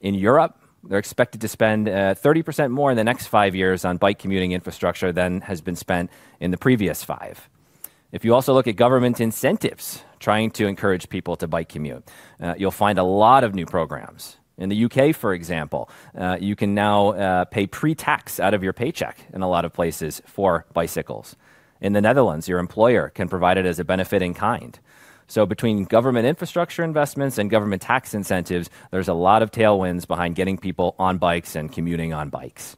In Europe, they're expected to spend 30% more in the next five years on bike commuting infrastructure than has been spent in the previous five. If you also look at government incentives trying to encourage people to bike commute, you'll find a lot of new programs. In the U.K., for example, you can now pay pre-tax out of your paycheck in a lot of places for bicycles. In the Netherlands, your employer can provide it as a benefit in kind. Between government infrastructure investments and government tax incentives, there's a lot of tailwinds behind getting people on bikes and commuting on bikes.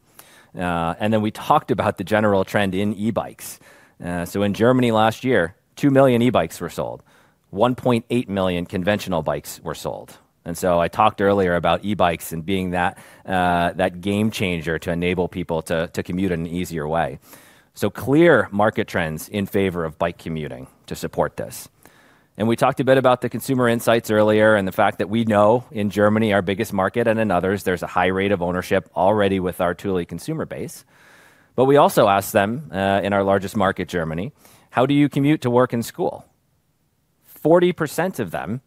We talked about the general trend in e-bikes. In Germany last year, 2 million e-bikes were sold. 1.8 million conventional bikes were sold. I talked earlier about e-bikes and being that game changer to enable people to commute in an easier way. Clear market trends in favor of bike commuting to support this. We talked a bit about the consumer insights earlier and the fact that we know in Germany, our biggest market, and in others, there is a high rate of ownership already with our Thule consumer base. We also asked them in our largest market, Germany, how do you commute to work and school? 40% of them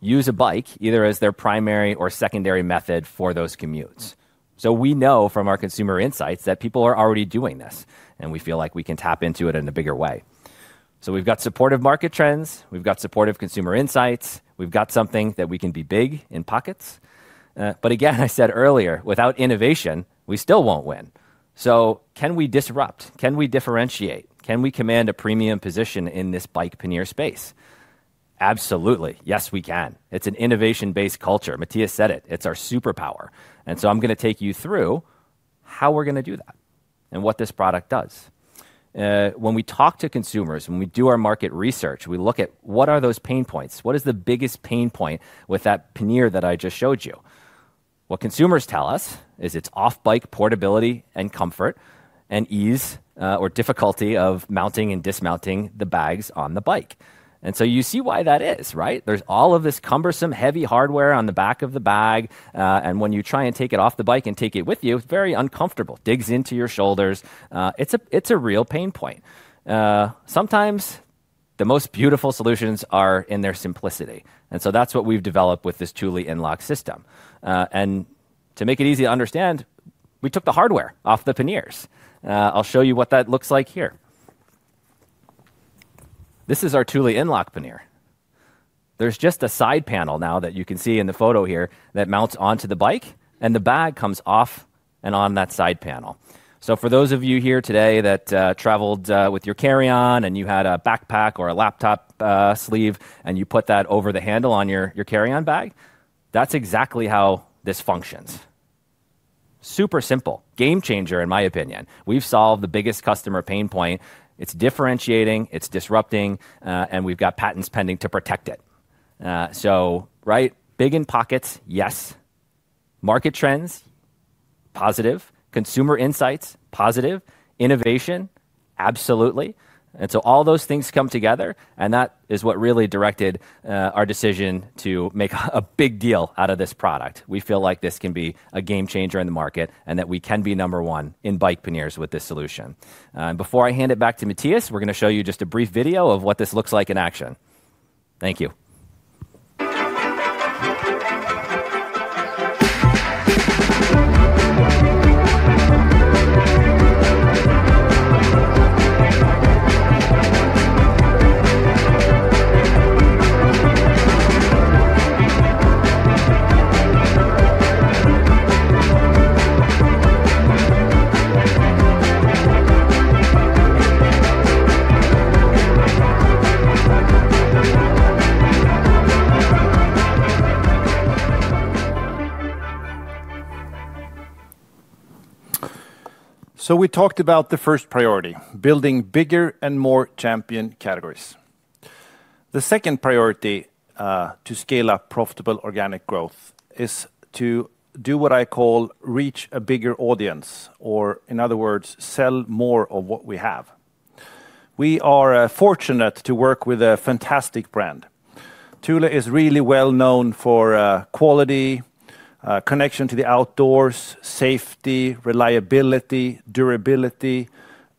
use a bike either as their primary or secondary method for those commutes. We know from our consumer insights that people are already doing this, and we feel like we can tap into it in a bigger way. We have supportive market trends. We have supportive consumer insights. We have something that we can be big in pockets. I said earlier, without innovation, we still will not win. Can we disrupt? Can we differentiate? Can we command a premium position in this bike pannier space? Absolutely. Yes, we can. It's an innovation-based culture. Mattias said it. It's our superpower. I'm going to take you through how we're going to do that and what this product does. When we talk to consumers, when we do our market research, we look at what are those pain points? What is the biggest pain point with that pannier that I just showed you? What consumers tell us is it's off-bike portability and comfort and ease or difficulty of mounting and dismounting the bags on the bike. You see why that is, right? There's all of this cumbersome, heavy hardware on the back of the bag. When you try and take it off the bike and take it with you, it's very uncomfortable, digs into your shoulders. It's a real pain point. Sometimes the most beautiful solutions are in their simplicity. That's what we've developed with this Thule Inlock system. To make it easy to understand, we took the hardware off the panniers. I'll show you what that looks like here. This is our Thule Inlock pannier. There's just a side panel now that you can see in the photo here that mounts onto the bike, and the bag comes off and on that side panel. For those of you here today that traveled with your carry-on and you had a backpack or a laptop sleeve and you put that over the handle on your carry-on bag, that's exactly how this functions. Super simple. Game changer, in my opinion. We've solved the biggest customer pain point. It's differentiating. It's disrupting. We've got patents pending to protect it. Right, big in pockets, yes. Market trends, positive. Consumer insights, positive. Innovation, absolutely. All those things come together, and that is what really directed our decision to make a big deal out of this product. We feel like this can be a game changer in the market and that we can be number one in bike panniers with this solution. Before I hand it back to Mattias, we're going to show you just a brief video of what this looks like in action. Thank you.
We talked about the first priority, building bigger and more champion categories. The second priority to scale up profitable organic growth is to do what I call reach a bigger audience or, in other words, sell more of what we have. We are fortunate to work with a fantastic brand. Thule is really well known for quality, connection to the outdoors, safety, reliability, durability,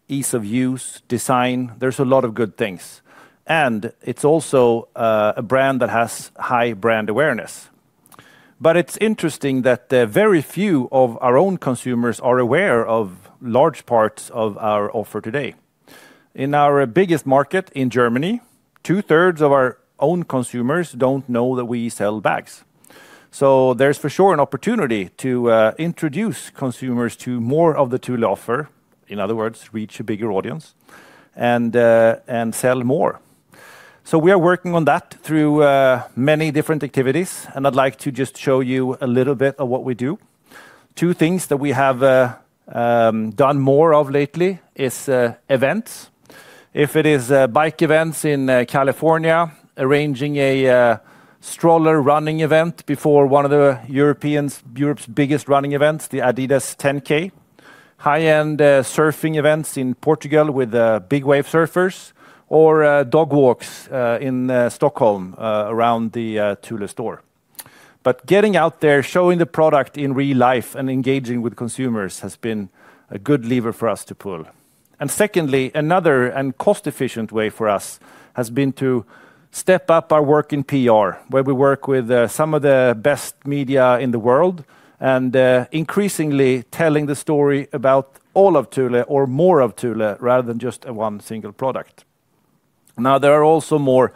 ease of use, design. There's a lot of good things. It is also a brand that has high brand awareness. It is interesting that very few of our own consumers are aware of large parts of our offer today. In our biggest market in Germany, two-thirds of our own consumers do not know that we sell bags. There is for sure an opportunity to introduce consumers to more of the Thule offer, in other words, reach a bigger audience and sell more. We are working on that through many different activities, and I would like to just show you a little bit of what we do. Two things that we have done more of lately are events. If it is bike events in California, arranging a stroller running event before one of Europe's biggest running events, the Adidas 10K, high-end surfing events in Portugal with big wave surfers, or dog walks in Stockholm around the Thule store. Getting out there, showing the product in real life and engaging with consumers has been a good lever for us to pull. Secondly, another and cost-efficient way for us has been to step up our work in PR, where we work with some of the best media in the world and increasingly telling the story about all of Thule or more of Thule rather than just one single product. There are also more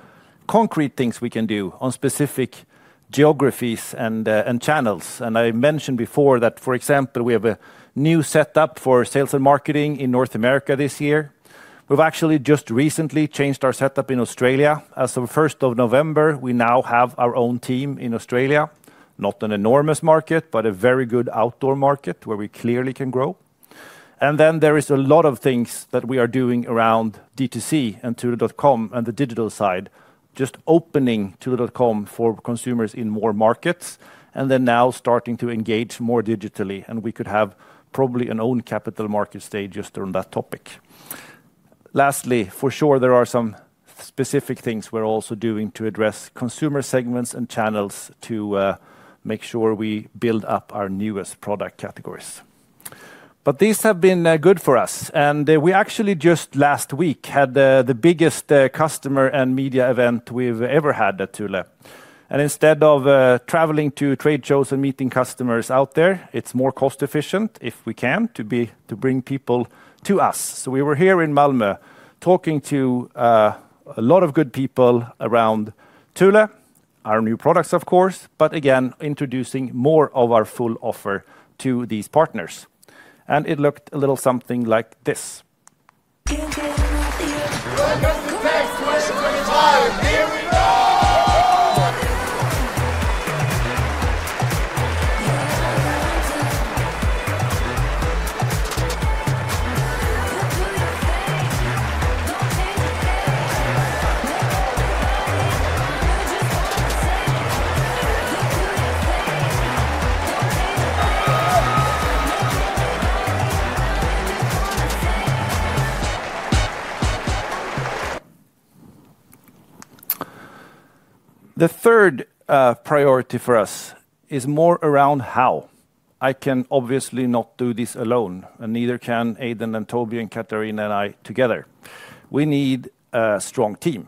concrete things we can do on specific geographies and channels. I mentioned before that, for example, we have a new setup for sales and marketing in North America this year. We've actually just recently changed our setup in Australia. As of November 1, we now have our own team in Australia, not an enormous market, but a very good outdoor market where we clearly can grow. There are a lot of things that we are doing around D2C and thule.com and the digital side, just opening thule.com for consumers in more markets, and now starting to engage more digitally. We could have probably an own capital market stage just on that topic. Lastly, for sure, there are some specific things we are also doing to address consumer segments and channels to make sure we build up our newest product categories. These have been good for us. We actually just last week had the biggest customer and media event we have ever had at Thule. Instead of traveling to trade shows and meeting customers out there, it is more cost-efficient, if we can, to bring people to us. We were here in Malmö talking to a lot of good people around Thule, our new products, of course, but again, introducing more of our full offer to these partners. It looked a little something like this. The third priority for us is more around how. I can obviously not do this alone, and neither can Aidan and Toby and Catharina and I together. We need a strong team.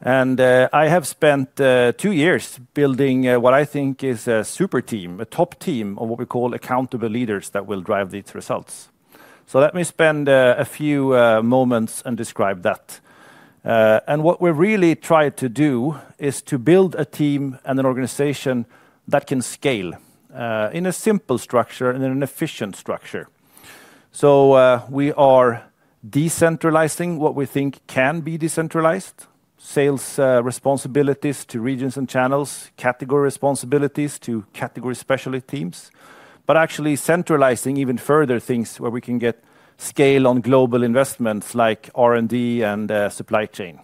I have spent two years building what I think is a super team, a top team of what we call accountable leaders that will drive these results. Let me spend a few moments and describe that. What we're really trying to do is to build a team and an organization that can scale in a simple structure and in an efficient structure. We are decentralizing what we think can be decentralized, sales responsibilities to regions and channels, category responsibilities to category specialty teams, but actually centralizing even further things where we can get scale on global investments like R&D and supply chain.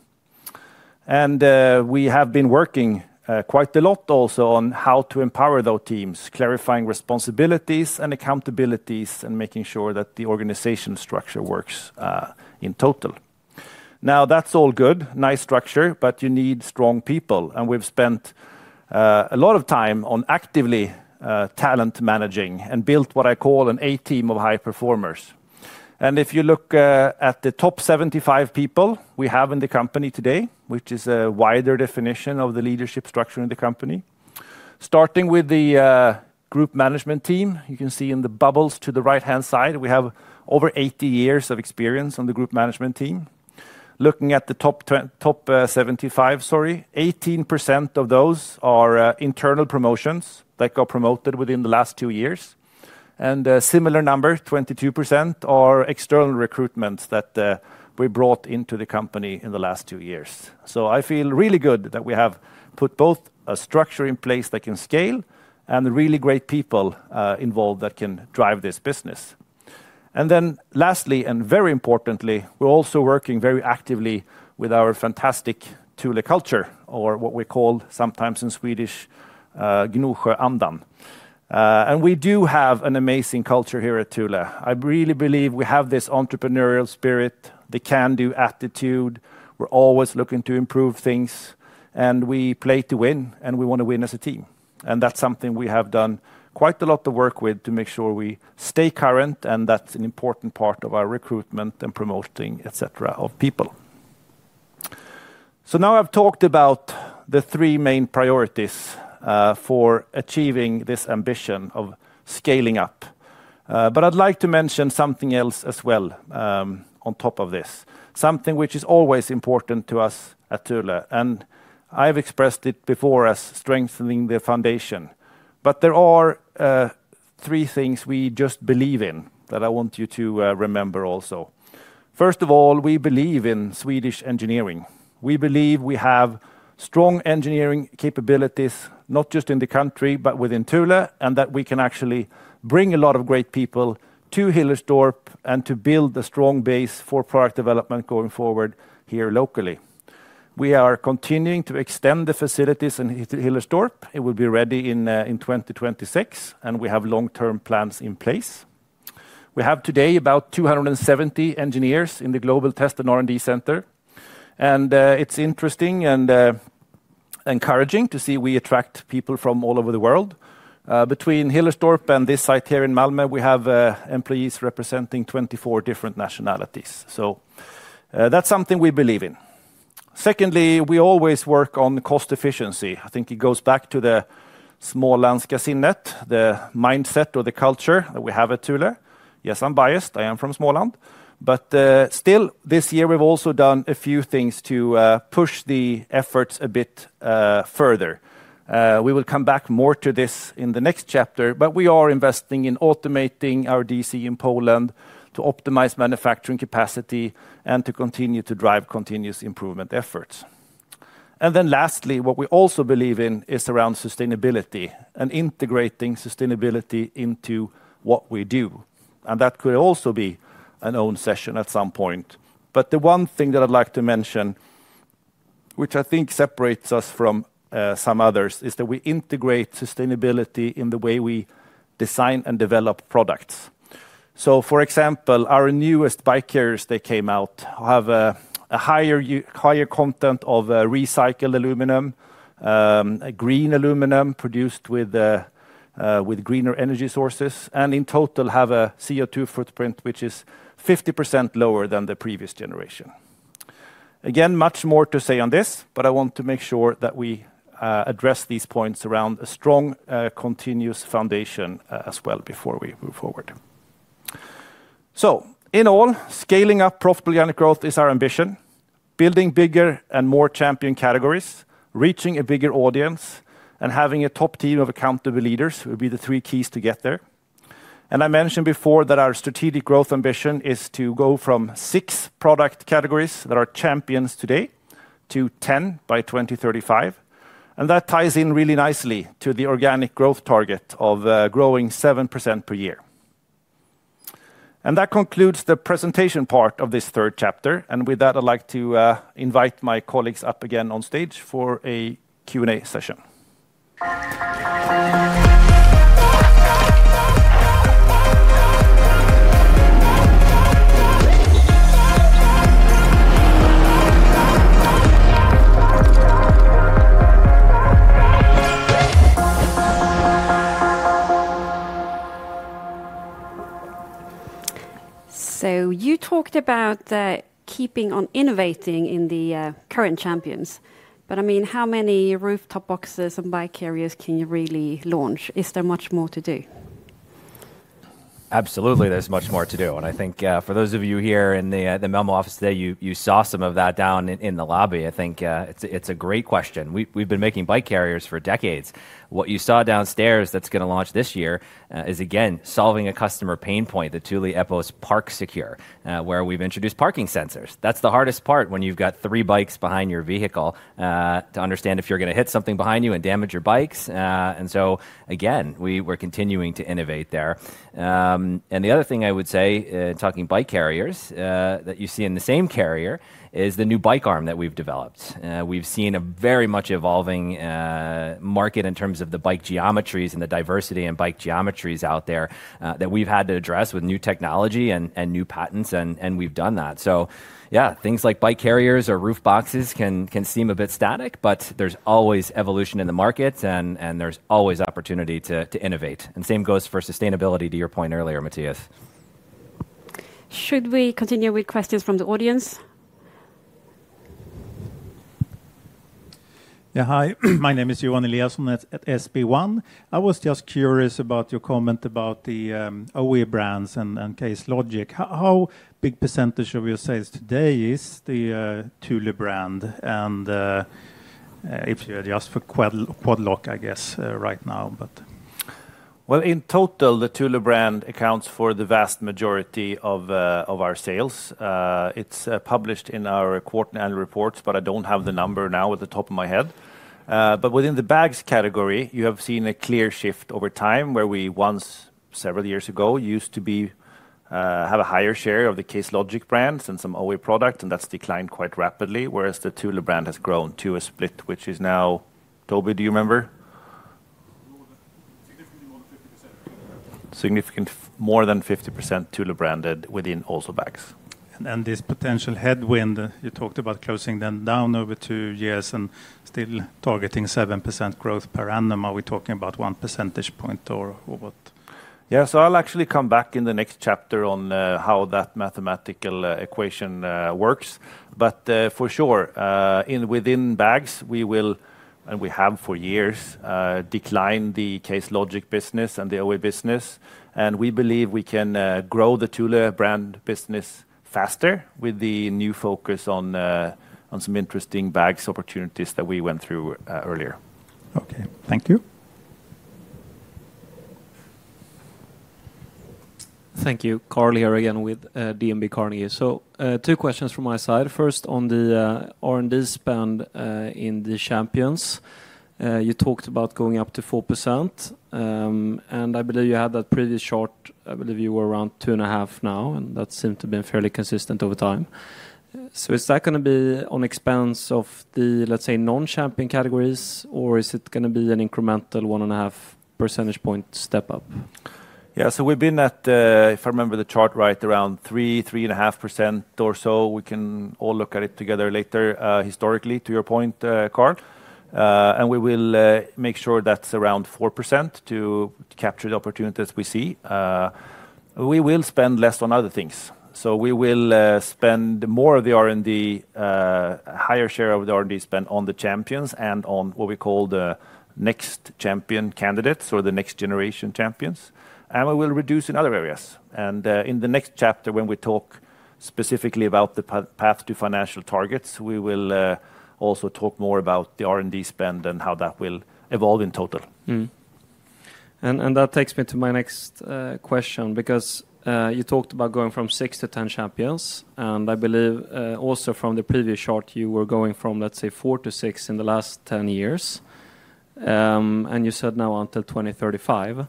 We have been working quite a lot also on how to empower those teams, clarifying responsibilities and accountabilities and making sure that the organization structure works in total. Now, that's all good, nice structure, but you need strong people. We've spent a lot of time on actively talent managing and built what I call an A team of high performers. If you look at the top 75 people we have in the company today, which is a wider definition of the leadership structure in the company, starting with the group management team, you can see in the bubbles to the right-hand side, we have over 80 years of experience on the group management team. Looking at the top 75, sorry, 18% of those are internal promotions that got promoted within the last two years. A similar number, 22%, are external recruitments that we brought into the company in the last two years. I feel really good that we have put both a structure in place that can scale and really great people involved that can drive this business. Lastly, and very importantly, we're also working very actively with our fantastic Thule culture, or what we call sometimes in Swedish, Gnosjöandan. We do have an amazing culture here at Thule. I really believe we have this entrepreneurial spirit, the can-do attitude. We're always looking to improve things, we play to win, and we want to win as a team. That's something we have done quite a lot of work with to make sure we stay current, and that's an important part of our recruitment and promoting, etc., of people. Now I've talked about the three main priorities for achieving this ambition of scaling up. I'd like to mention something else as well on top of this, something which is always important to us at Thule. I've expressed it before as strengthening the foundation. There are three things we just believe in that I want you to remember also. First of all, we believe in Swedish engineering. We believe we have strong engineering capabilities, not just in the country, but within Thule, and that we can actually bring a lot of great people to Hillerstorp and to build a strong base for product development going forward here locally. We are continuing to extend the facilities in Hillerstorp. It will be ready in 2026, and we have long-term plans in place. We have today about 270 engineers in the Global Test and R&D Center. It is interesting and encouraging to see we attract people from all over the world. Between Hillerstorp and this site here in Malmö, we have employees representing 24 different nationalities. That is something we believe in. Secondly, we always work on cost efficiency. I think it goes back to the Smålandska sinnet, the mindset or the culture that we have at Thule. Yes, I am biased. I am from Småland. Still, this year we've also done a few things to push the efforts a bit further. We will come back more to this in the next chapter, but we are investing in automating our DC in Poland to optimize manufacturing capacity and to continue to drive continuous improvement efforts. Lastly, what we also believe in is around sustainability and integrating sustainability into what we do. That could also be an own session at some point. The one thing that I'd like to mention, which I think separates us from some others, is that we integrate sustainability in the way we design and develop products. For example, our newest bike carriers that came out have a higher content of recycled aluminum, green aluminum produced with greener energy sources, and in total have a CO2 footprint which is 50% lower than the previous generation. Again, much more to say on this, but I want to make sure that we address these points around a strong continuous foundation as well before we move forward. In all, scaling up profitable organic growth is our ambition. Building bigger and more champion categories, reaching a bigger audience, and having a top team of accountable leaders will be the three keys to get there. I mentioned before that our strategic growth ambition is to go from six product categories that are champions today to 10 by 2035. That ties in really nicely to the organic growth target of growing 7% per year. That concludes the presentation part of this third chapter. With that, I'd like to invite my colleagues up again on stage for a Q&A session.
You talked about keeping on innovating in the current champions. I mean, how many rooftop boxes and bike carriers can you really launch? Is there much more to do?
Absolutely, there's much more to do. I think for those of you here in the Malmö office today, you saw some of that down in the lobby. I think it's a great question. We've been making bike carriers for decades. What you saw downstairs that's going to launch this year is, again, solving a customer pain point, the Thule Epos Park Secure, where we've introduced parking sensors. That's the hardest part when you've got three bikes behind your vehicle to understand if you're going to hit something behind you and damage your bikes. Again, we're continuing to innovate there. The other thing I would say, talking bike carriers, that you see in the same carrier is the new bike arm that we've developed. We've seen a very much evolving market in terms of the bike geometries and the diversity in bike geometries out there that we've had to address with new technology and new patents, and we've done that. Yeah, things like bike carriers or roof boxes can seem a bit static, but there's always evolution in the market, and there's always opportunity to innovate. The same goes for sustainability to your point earlier, Mattias.
Should we continue with questions from the audience?
Yeah, hi. My name is Johan Eliasson at SP1. I was just curious about your comment about the OE brands and Case Logic. How big a percentage of your sales today is the Thule brand? And if you're just for Quad Lock, I guess, right now, but.
In total, the Thule brand accounts for the vast majority of our sales. It's published in our quarterly annual reports, but I don't have the number now at the top of my head. Within the bags category, you have seen a clear shift over time where we once, several years ago, used to have a higher share of the Case Logic brands and some OE products, and that's declined quite rapidly, whereas the Thule brand has grown to a split, which is now, Toby, do you remember?
Significantly more than 50%. Significantly more than 50% Thule branded within also bags.
This potential headwind, you talked about closing them down over two years and still targeting 7% growth per annum, are we talking about one percentage point or what?
Yeah, I'll actually come back in the next chapter on how that mathematical equation works. For sure, within bags, we will, and we have for years, decline the Case Logic business and the OE business. We believe we can grow the Thule brand business faster with the new focus on some interesting bags opportunities that we went through earlier.
Okay, thank you.
Thank you. Carl here again with Carnegie. Two questions from my side. First, on the R&D spend in the champions, you talked about going up to 4%. I believe you had that previous chart. I believe you were around 2.5% now, and that seemed to have been fairly consistent over time. Is that going to be on expense of the, let's say, non-champion categories, or is it going to be an incremental 1.5 percentage point step up?
Yeah, we've been at, if I remember the chart right, around 3-3.5% or so. We can all look at it together later, historically, to your point, Carl. We will make sure that's around 4% to capture the opportunities we see. We will spend less on other things. We will spend more of the R&D, a higher share of the R&D spend on the champions and on what we call the next champion candidates or the next generation champions. We will reduce in other areas. In the next chapter, when we talk specifically about the path to financial targets, we will also talk more about the R&D spend and how that will evolve in total.
That takes me to my next question because you talked about going from six to 10 champions. I believe also from the previous chart, you were going from, let's say, four to six in the last 10 years. You said now until 2035.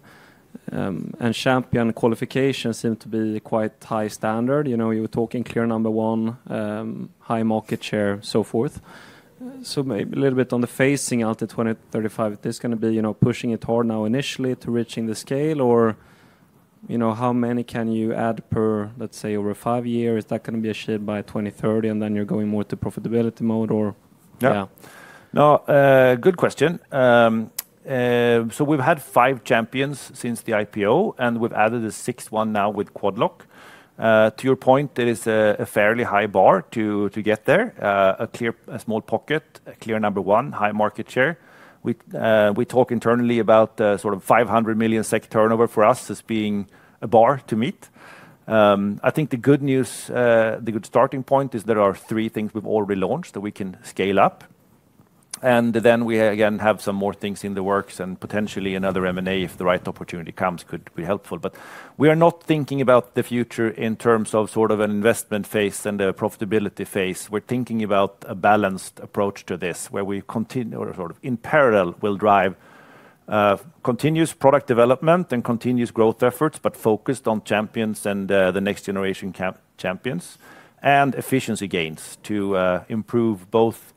Champion qualifications seem to be quite high standard. You were talking clear number one, high market share, so forth. Maybe a little bit on the facing out to 2035, is this going to be pushing it hard now initially to reaching the scale? Or how many can you add per, let's say, over five years? Is that going to be achieved by 2030 and then you're going more to profitability mode or? Yeah.
No, good question. We have had five champions since the IPO, and we have added a sixth one now with Quad Lock. To your point, it is a fairly high bar to get there. A clear small pocket, a clear number one, high market share. We talk internally about sort of 500 million SEK turnover for us as being a bar to meet. I think the good news, the good starting point is there are three things we've already launched that we can scale up. Then we again have some more things in the works and potentially another M&A if the right opportunity comes could be helpful. We are not thinking about the future in terms of sort of an investment phase and a profitability phase. We are thinking about a balanced approach to this where we continue or sort of in parallel will drive continuous product development and continuous growth efforts, but focused on champions and the next generation champions and efficiency gains to improve both the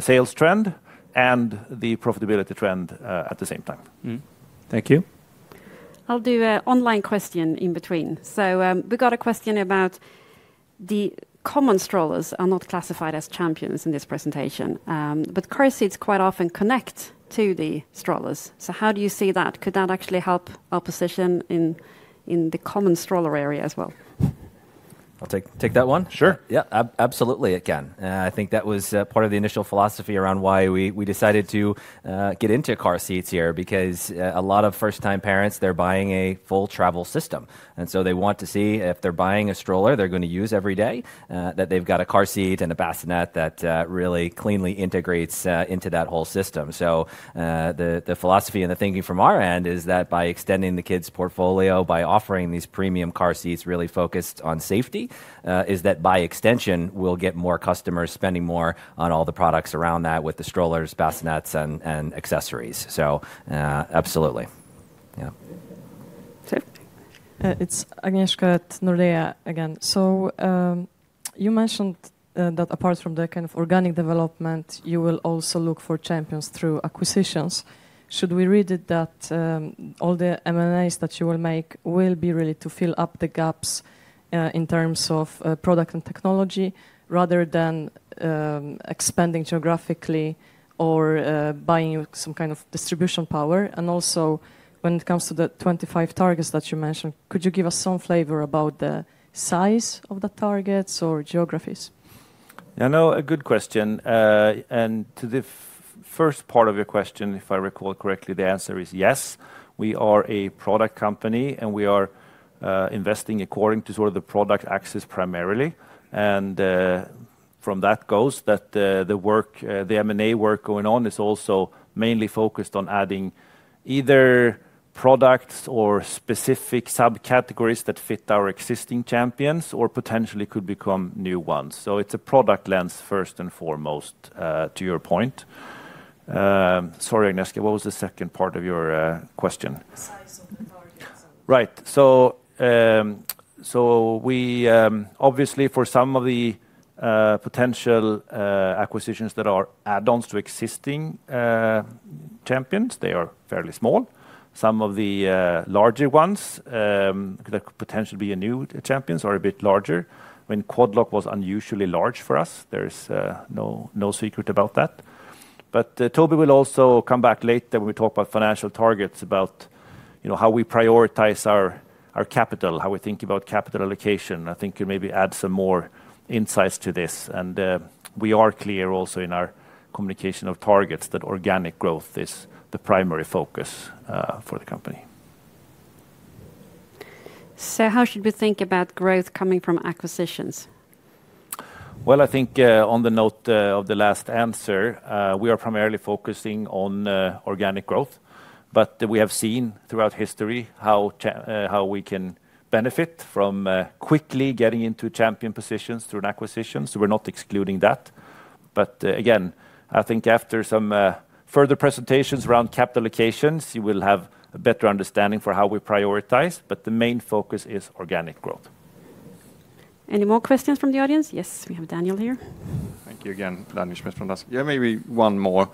sales trend and the profitability trend at the same time. Thank you.
I'll do an online question in between. We've got a question about the common strollers are not classified as champions in this presentation. Currency is quite often connected to the strollers. How do you see that? Could that actually help our position in the common stroller area as well?
I'll take that one. Sure. Yeah, absolutely, it can. I think that was part of the initial philosophy around why we decided to get into car seats here because a lot of first-time parents, they're buying a full travel system. They want to see if they're buying a stroller they're going to use every day, that they've got a car seat and a bassinet that really cleanly integrates into that whole system. The philosophy and the thinking from our end is that by extending the kids' portfolio, by offering these premium car seats really focused on safety, by extension, we'll get more customers spending more on all the products around that with the strollers, bassinets, and accessories. Absolutely. Yeah.
It's Agnieszka at Nordea again. You mentioned that apart from the kind of organic development, you will also look for champions through acquisitions. Should we read it that all the M&As that you will make will be really to fill up the gaps in terms of product and technology rather than expanding geographically or buying some kind of distribution power? Also, when it comes to the 25 targets that you mentioned, could you give us some flavor about the size of the targets or geographies?
Yeah, no, a good question. To the first part of your question, if I recall correctly, the answer is yes. We are a product company and we are investing according to sort of the product axis primarily. From that goes that the work, the M&A work going on is also mainly focused on adding either products or specific subcategories that fit our existing champions or potentially could become new ones. It is a product lens first and foremost to your point. Sorry, Agnieszka, what was the second part of your question?
The size of the targets.
Right. Obviously for some of the potential acquisitions that are add-ons to existing champions, they are fairly small. Some of the larger ones could potentially be new champions or a bit larger. I mean, Quad Lock was unusually large for us. There is no secret about that. Toby will also come back later when we talk about financial targets, about how we prioritize our capital, how we think about capital allocation. I think you maybe add some more insights to this. We are clear also in our communication of targets that organic growth is the primary focus for the company.
How should we think about growth coming from acquisitions?
I think on the note of the last answer, we are primarily focusing on organic growth. We have seen throughout history how we can benefit from quickly getting into champion positions through an acquisition. We are not excluding that. Again, I think after some further presentations around capital allocations, you will have a better understanding for how we prioritize. The main focus is organic growth.
Any more questions from the audience? Yes, we have Daniel here.
Thank you again, Danny Schmidt from Danske. Maybe one more.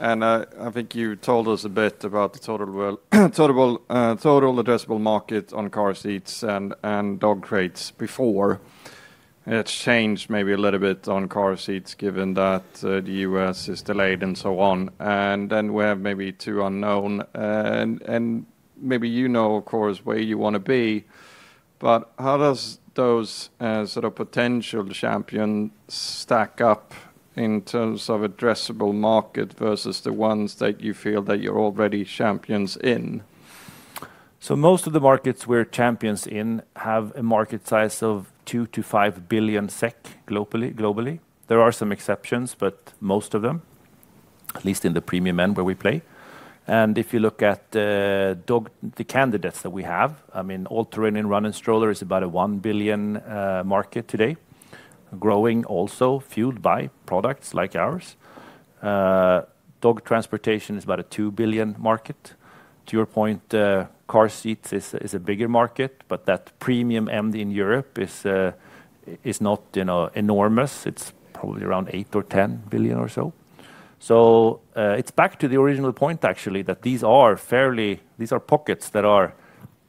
I think you told us a bit about the total addressable market on car seats and dog crates before. It's changed maybe a little bit on car seats given that the U.S. is delayed and so on. Then we have maybe two unknown. Maybe you know, of course, where you want to be. How do those sort of potential champions stack up in terms of addressable market versus the ones that you feel that you're already champions in?
Most of the markets we're champions in have a market size of 2 billion-5 billion SEK globally. There are some exceptions, but most of them, at least in the premium end where we play. If you look at the candidates that we have, I mean, all-terrain running stroller is about a 1 billion market today, growing also fueled by products like ours. Dog transportation is about a 2 billion market. To your point, car seats is a bigger market, but that premium end in Europe is not enormous. It's probably around 8 billion-10 billion or so. It is back to the original point, actually, that these are pockets that are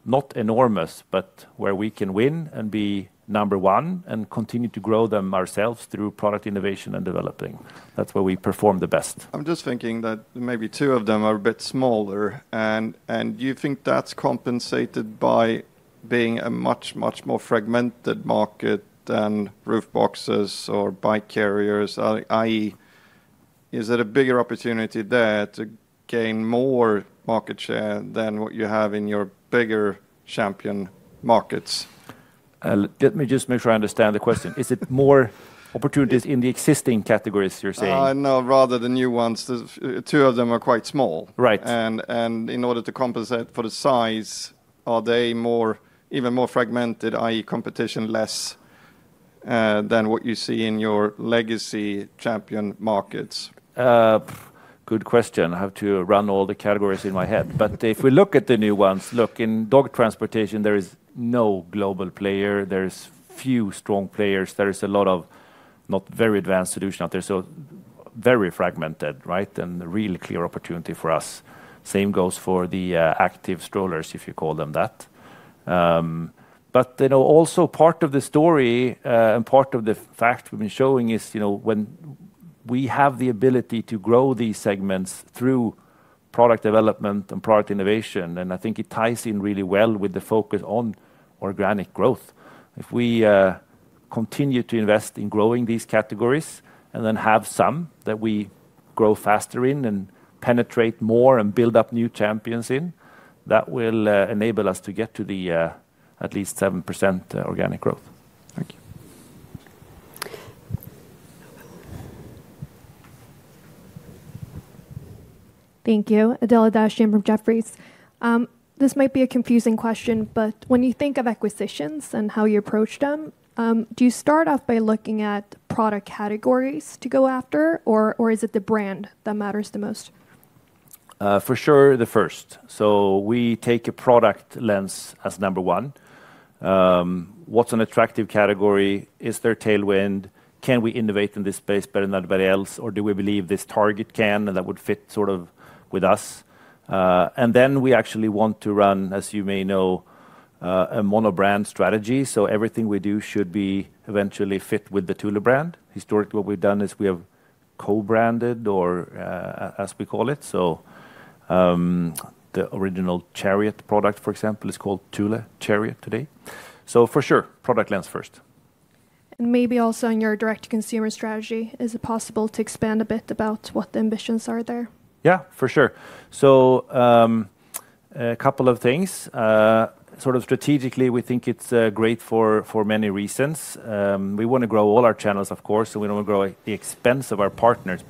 not enormous, but where we can win and be number one and continue to grow them ourselves through product innovation and developing. That is where we perform the best.
I'm just thinking that maybe two of them are a bit smaller. And do you think that's compensated by being a much, much more fragmented market than roof boxes or bike carriers? I.e., is it a bigger opportunity there to gain more market share than what you have in your bigger champion markets?
Let me just make sure I understand the question. Is it more opportunities in the existing categories you're saying?
No, rather the new ones. Two of them are quite small.
Right.
And in order to compensate for the size, are they even more fragmented, i.e., competition less than what you see in your legacy champion markets?
Good question. I have to run all the categories in my head. If we look at the new ones, look, in dog transportation, there is no global player. There are few strong players. There is a lot of not very advanced solutions out there. Very fragmented, right? Really clear opportunity for us. Same goes for the active strollers, if you call them that. Also part of the story and part of the fact we've been showing is when we have the ability to grow these segments through product development and product innovation. I think it ties in really well with the focus on organic growth. If we continue to invest in growing these categories and then have some that we grow faster in and penetrate more and build up new champions in, that will enable us to get to the at least 7% organic growth.
Thank you.
Thank you. Adela Dashian from Jefferies. This might be a confusing question, but when you think of acquisitions and how you approach them, do you start off by looking at product categories to go after, or is it the brand that matters the most?
For sure, the first. We take a product lens as number one. What's an attractive category? Is there tailwind? Can we innovate in this space better than anybody else? Or do we believe this target can and that would fit sort of with us? We actually want to run, as you may know, a monobrand strategy. Everything we do should eventually fit with the Thule brand. Historically, what we've done is we have co-branded or as we call it. The original Chariot product, for example, is called Thule Chariot today. For sure, product lens first. Maybe also in your direct-to-consumer strategy, is it possible to expand a bit about what the ambitions are there? Yeah, for sure. A couple of things. Sort of strategically, we think it's great for many reasons. We want to grow all our channels, of course, and we don't want to grow at the expense of our partners.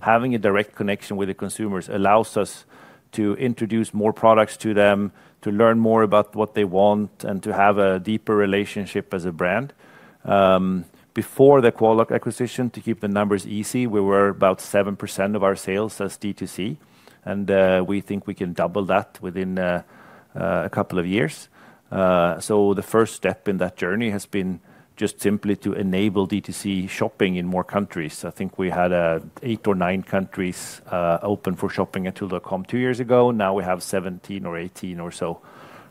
Having a direct connection with the consumers allows us to introduce more products to them, to learn more about what they want, and to have a deeper relationship as a brand. Before the Quad Lock acquisition, to keep the numbers easy, we were about 7% of our sales as D2C. We think we can double that within a couple of years. The first step in that journey has been just simply to enable D2C shopping in more countries. I think we had eight or nine countries open for shopping at Thule.com two years ago. Now we have 17 or 18 or so.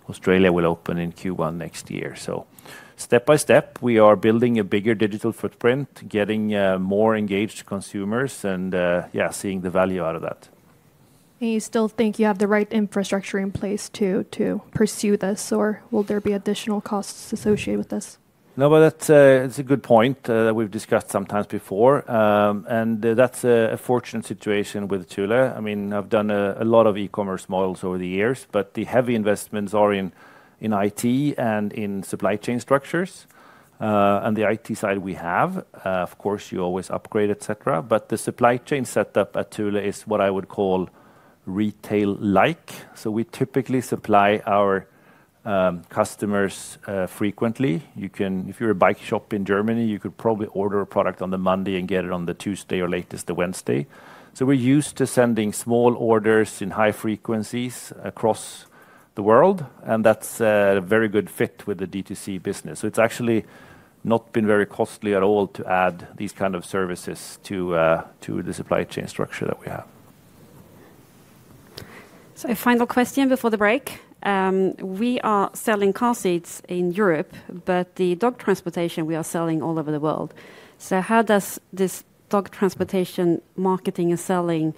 Australia will open in Q1 next year. Step by step, we are building a bigger digital footprint, getting more engaged consumers, and yeah, seeing the value out of that.
You still think you have the right infrastructure in place to pursue this, or will there be additional costs associated with this?
No, but that's a good point that we've discussed sometimes before. That's a fortunate situation with Thule. I mean, I've done a lot of e-commerce models over the years, but the heavy investments are in IT and in supply chain structures. The IT side we have, of course, you always upgrade, etc. The supply chain setup at Thule is what I would call retail-like. We typically supply our customers frequently. If you're a bike shop in Germany, you could probably order a product on the Monday and get it on the Tuesday or latest the Wednesday. We're used to sending small orders in high frequencies across the world. That's a very good fit with the D2C business. It's actually not been very costly at all to add these kinds of services to the supply chain structure that we have.
Final question before the break. We are selling car seats in Europe, but the dog transportation we are selling all over the world. How does this dog transportation marketing and selling,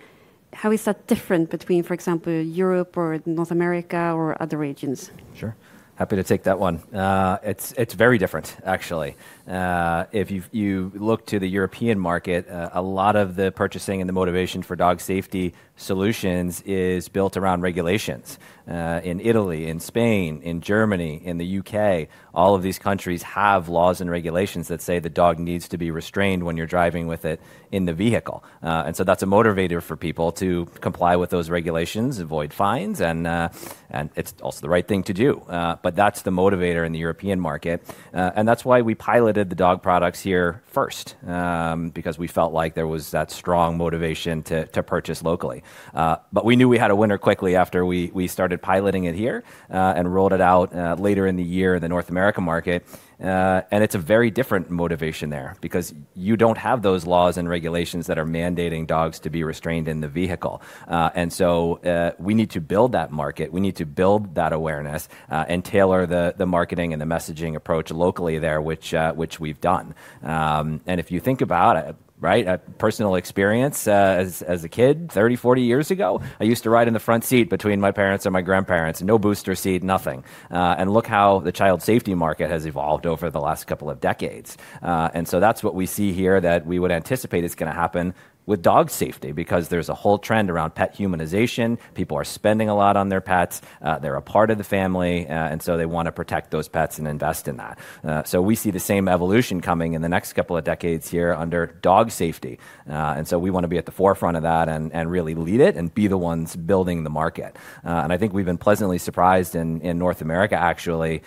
how is that different between, for example, Europe or North America or other regions?
Sure. Happy to take that one. It's very different, actually. If you look to the European market, a lot of the purchasing and the motivation for dog safety solutions is built around regulations in Italy, in Spain, in Germany, in the U.K. All of these countries have laws and regulations that say the dog needs to be restrained when you're driving with it in the vehicle. That is a motivator for people to comply with those regulations, avoid fines, and it's also the right thing to do. That is the motivator in the European market. That is why we piloted the dog products here first, because we felt like there was that strong motivation to purchase locally. We knew we had a winner quickly after we started piloting it here and rolled it out later in the year in the North America market. It is a very different motivation there because you do not have those laws and regulations that are mandating dogs to be restrained in the vehicle. We need to build that market. We need to build that awareness and tailor the marketing and the messaging approach locally there, which we have done. If you think about it, right, personal experience as a kid, 30, 40 years ago, I used to ride in the front seat between my parents and my grandparents, no booster seat, nothing. Look how the child safety market has evolved over the last couple of decades. That is what we see here that we would anticipate is going to happen with dog safety because there is a whole trend around pet humanization. People are spending a lot on their pets. They are a part of the family, and they want to protect those pets and invest in that. We see the same evolution coming in the next couple of decades here under dog safety. We want to be at the forefront of that and really lead it and be the ones building the market. I think we have been pleasantly surprised in North America, actually,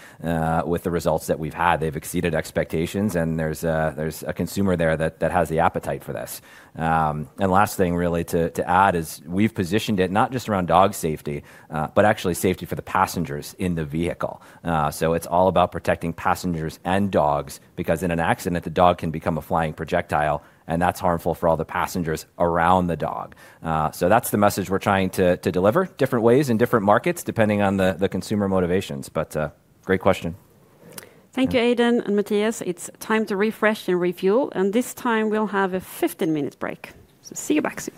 with the results that we have had. They have exceeded expectations, and there is a consumer there that has the appetite for this. The last thing really to add is we have positioned it not just around dog safety, but actually safety for the passengers in the vehicle. It's all about protecting passengers and dogs because in an accident, the dog can become a flying projectile, and that's harmful for all the passengers around the dog. That's the message we're trying to deliver different ways in different markets depending on the consumer motivations. Great question.
Thank you, Adrian and Mattias. It's time to refresh and refuel. This time we'll have a 15-minute break. See you back soon.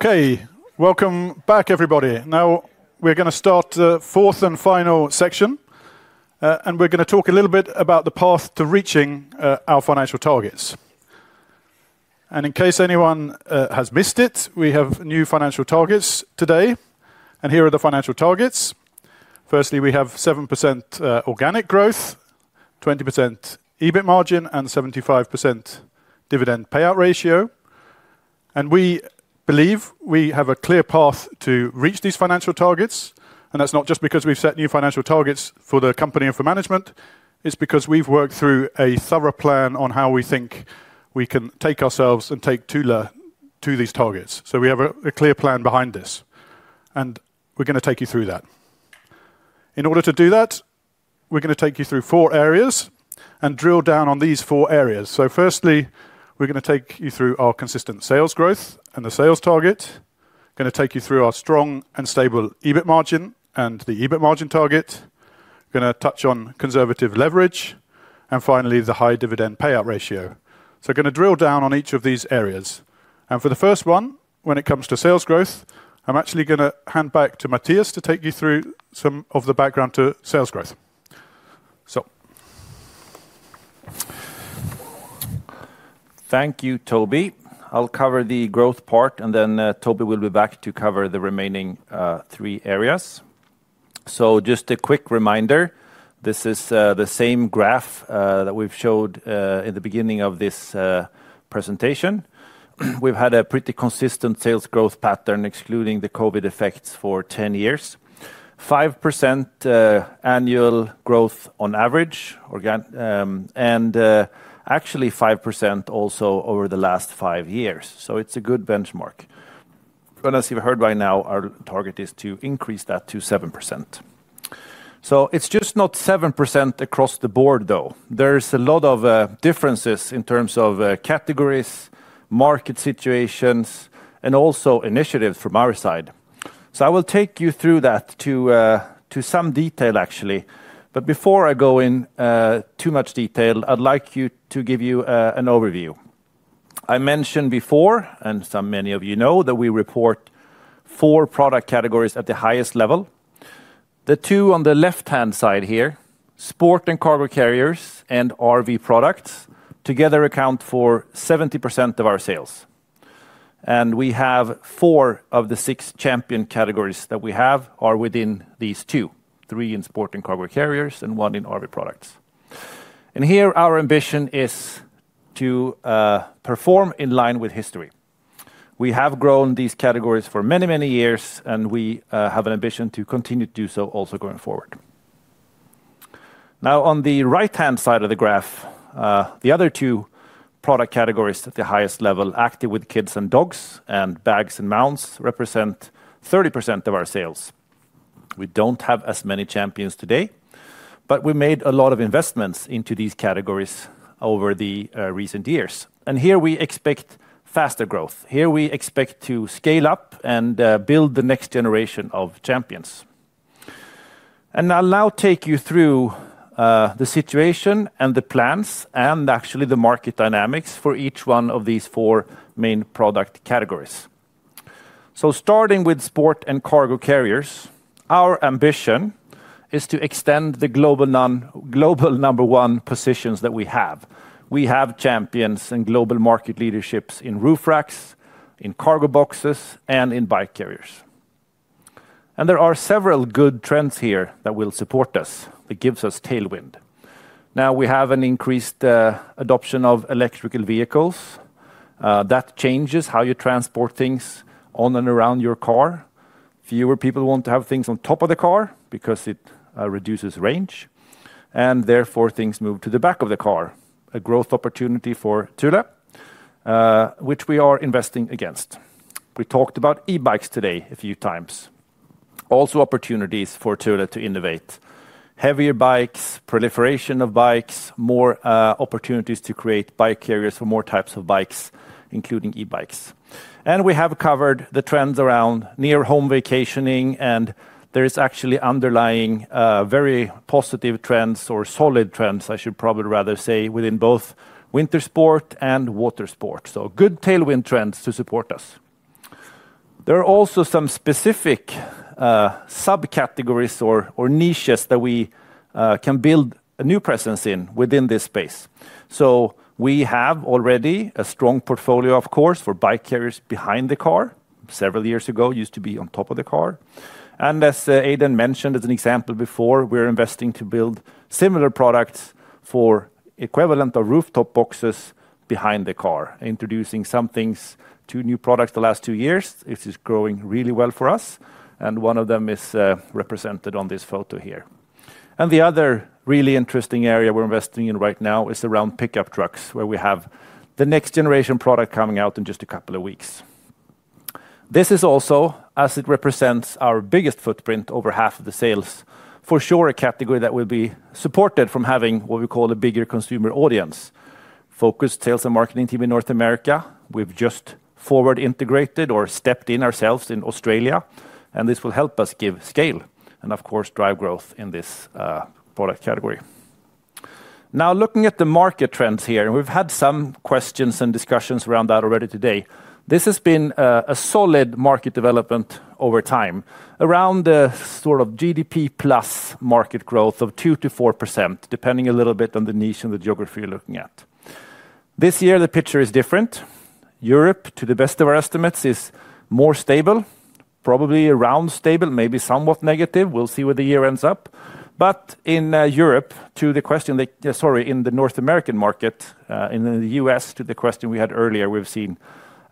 Okay, welcome back, everybody. Now we're going to start the fourth and final section, and we're going to talk a little bit about the path to reaching our financial targets. In case anyone has missed it, we have new financial targets today, and here are the financial targets. Firstly, we have 7% organic growth, 20% EBIT margin, and 75% dividend payout ratio. We believe we have a clear path to reach these financial targets. That's not just because we've set new financial targets for the company and for management. It's because we've worked through a thorough plan on how we think we can take ourselves and take Thule to these targets. We have a clear plan behind this, and we're going to take you through that. In order to do that, we're going to take you through four areas and drill down on these four areas. Firstly, we're going to take you through our consistent sales growth and the sales target. We're going to take you through our strong and stable EBIT margin and the EBIT margin target. We're going to touch on conservative leverage, and finally, the high dividend payout ratio. We're going to drill down on each of these areas. For the first one, when it comes to sales growth, I'm actually going to hand back to Mattias to take you through some of the background to sales growth.
Thank you, Toby. I'll cover the growth part, and then Toby will be back to cover the remaining three areas. Just a quick reminder, this is the same graph that we've showed in the beginning of this presentation. We've had a pretty consistent sales growth pattern, excluding the COVID effects, for 10 years: 5% annual growth on average, and actually 5% also over the last five years. It's a good benchmark. Unless you've heard by now, our target is to increase that to 7%. It's just not 7% across the board, though. There's a lot of differences in terms of categories, market situations, and also initiatives from our side. I will take you through that to some detail, actually. Before I go into too much detail, I'd like to give you an overview. I mentioned before, and so many of you know, that we report four product categories at the highest level. The two on the left-hand side here, sport and cargo carriers and RV products, together account for 70% of our sales. We have four of the six champion categories that we have within these two: three in sport and cargo carriers and one in RV products. Here, our ambition is to perform in line with history. We have grown these categories for many, many years, and we have an ambition to continue to do so also going forward. Now, on the right-hand side of the graph, the other two product categories at the highest level, Active with Kids & Dogs and Bags & Mounts, represent 30% of our sales. We don't have as many champions today, but we made a lot of investments into these categories over the recent years. Here, we expect faster growth. Here, we expect to scale up and build the next generation of champions. I'll now take you through the situation and the plans and actually the market dynamics for each one of these four main product categories. Starting with Sport & Cargo Carriers, our ambition is to extend the global number one positions that we have. We have champions and global market leaderships in roof racks, in cargo boxes, and in bike carriers. There are several good trends here that will support us, that give us tailwind. Now, we have an increased adoption of electric vehicles. That changes how you transport things on and around your car. Fewer people want to have things on top of the car because it reduces range, and therefore things move to the back of the car. A growth opportunity for Thule, which we are investing against. We talked about e-bikes today a few times. Also opportunities for Thule to innovate: heavier bikes, proliferation of bikes, more opportunities to create bike carriers for more types of bikes, including e-bikes. We have covered the trends around near-home vacationing, and there are actually underlying very positive trends, or solid trends, I should probably rather say, within both winter sport and water sport. Good tailwind trends to support us. There are also some specific subcategories or niches that we can build a new presence in within this space. We have already a strong portfolio, of course, for bike carriers behind the car. Several years ago, it used to be on top of the car. As Aidan mentioned as an example before, we're investing to build similar products for equivalent rooftop boxes behind the car, introducing some things to new products the last two years. This is growing really well for us, and one of them is represented on this photo here. The other really interesting area we're investing in right now is around pickup trucks, where we have the next generation product coming out in just a couple of weeks. This is also, as it represents our biggest footprint, over half of the sales for sure a category that will be supported from having what we call a bigger consumer audience. Focused sales and marketing team in North America. We've just forward integrated or stepped in ourselves in Australia, and this will help us give scale and, of course, drive growth in this product category. Now, looking at the market trends here, and we've had some questions and discussions around that already today. This has been a solid market development over time, around the sort of GDP plus market growth of 2-4%, depending a little bit on the niche and the geography you're looking at. This year, the picture is different. Europe, to the best of our estimates, is more stable, probably around stable, maybe somewhat negative. We'll see where the year ends up. In Europe, to the question that, sorry, in the North American market, in the U.S., to the question we had earlier, we've seen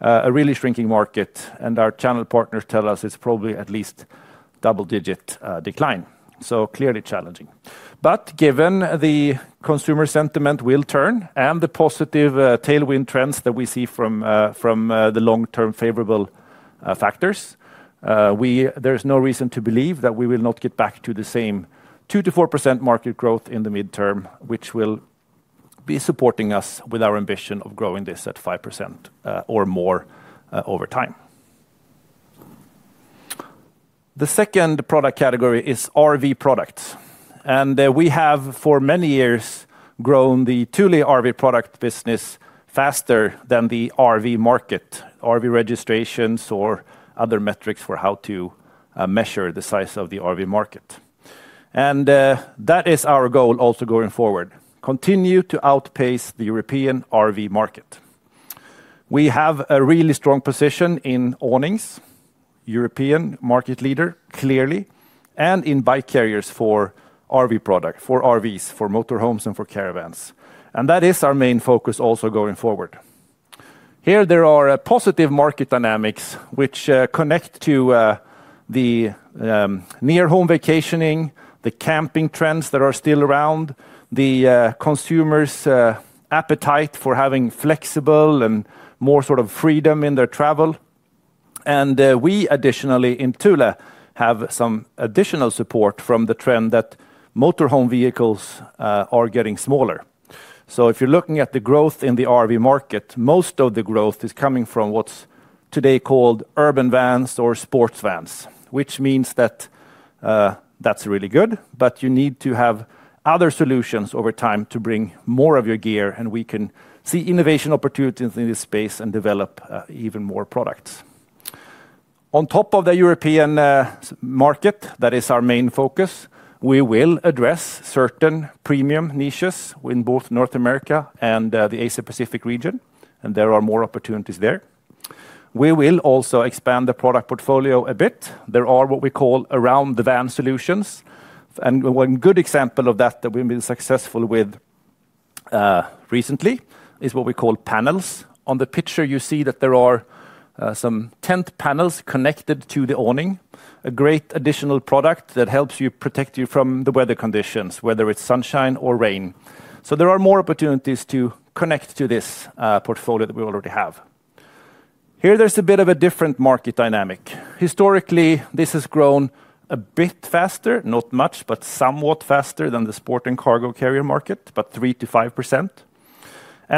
a really shrinking market, and our channel partners tell us it's probably at least double-digit decline. Clearly challenging. Given the consumer sentiment will turn and the positive tailwind trends that we see from the long-term favorable factors, there's no reason to believe that we will not get back to the same 2-4% market growth in the midterm, which will be supporting us with our ambition of growing this at 5% or more over time. The second product category is RV products, and we have for many years grown the Thule RV product business faster than the RV market, RV registrations, or other metrics for how to measure the size of the RV market. That is our goal also going forward: continue to outpace the European RV market. We have a really strong position in awnings, European market leader clearly, and in bike carriers for RV products, for RVs, for motorhomes, and for caravans. That is our main focus also going forward. Here, there are positive market dynamics which connect to the near-home vacationing, the camping trends that are still around, the consumers' appetite for having flexible and more sort of freedom in their travel. We additionally in Thule have some additional support from the trend that motorhome vehicles are getting smaller. If you're looking at the growth in the RV market, most of the growth is coming from what's today called urban vans or sports vans, which means that that's really good, but you need to have other solutions over time to bring more of your gear, and we can see innovation opportunities in this space and develop even more products. On top of the European market, that is our main focus, we will address certain premium niches in both North America and the Asia-Pacific region, and there are more opportunities there. We will also expand the product portfolio a bit. There are what we call around-the-van solutions, and one good example of that that we've been successful with recently is what we call panels. On the picture, you see that there are some tent panels connected to the awning, a great additional product that helps you protect you from the weather conditions, whether it's sunshine or rain. There are more opportunities to connect to this portfolio that we already have. Here, there's a bit of a different market dynamic. Historically, this has grown a bit faster, not much, but somewhat faster than the sport and cargo carrier market, about 3-5%.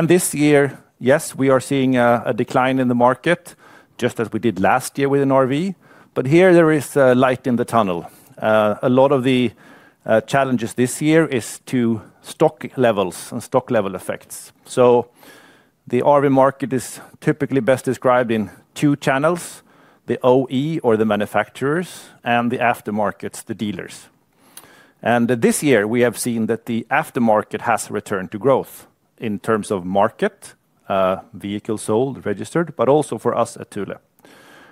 This year, yes, we are seeing a decline in the market, just as we did last year with an RV, but here there is light in the tunnel. A lot of the challenges this year are to stock levels and stock level effects. The RV market is typically best described in two channels: the OE, or the manufacturers, and the aftermarket, the dealers. This year, we have seen that the aftermarket has returned to growth in terms of market, vehicles sold, registered, but also for us at Thule.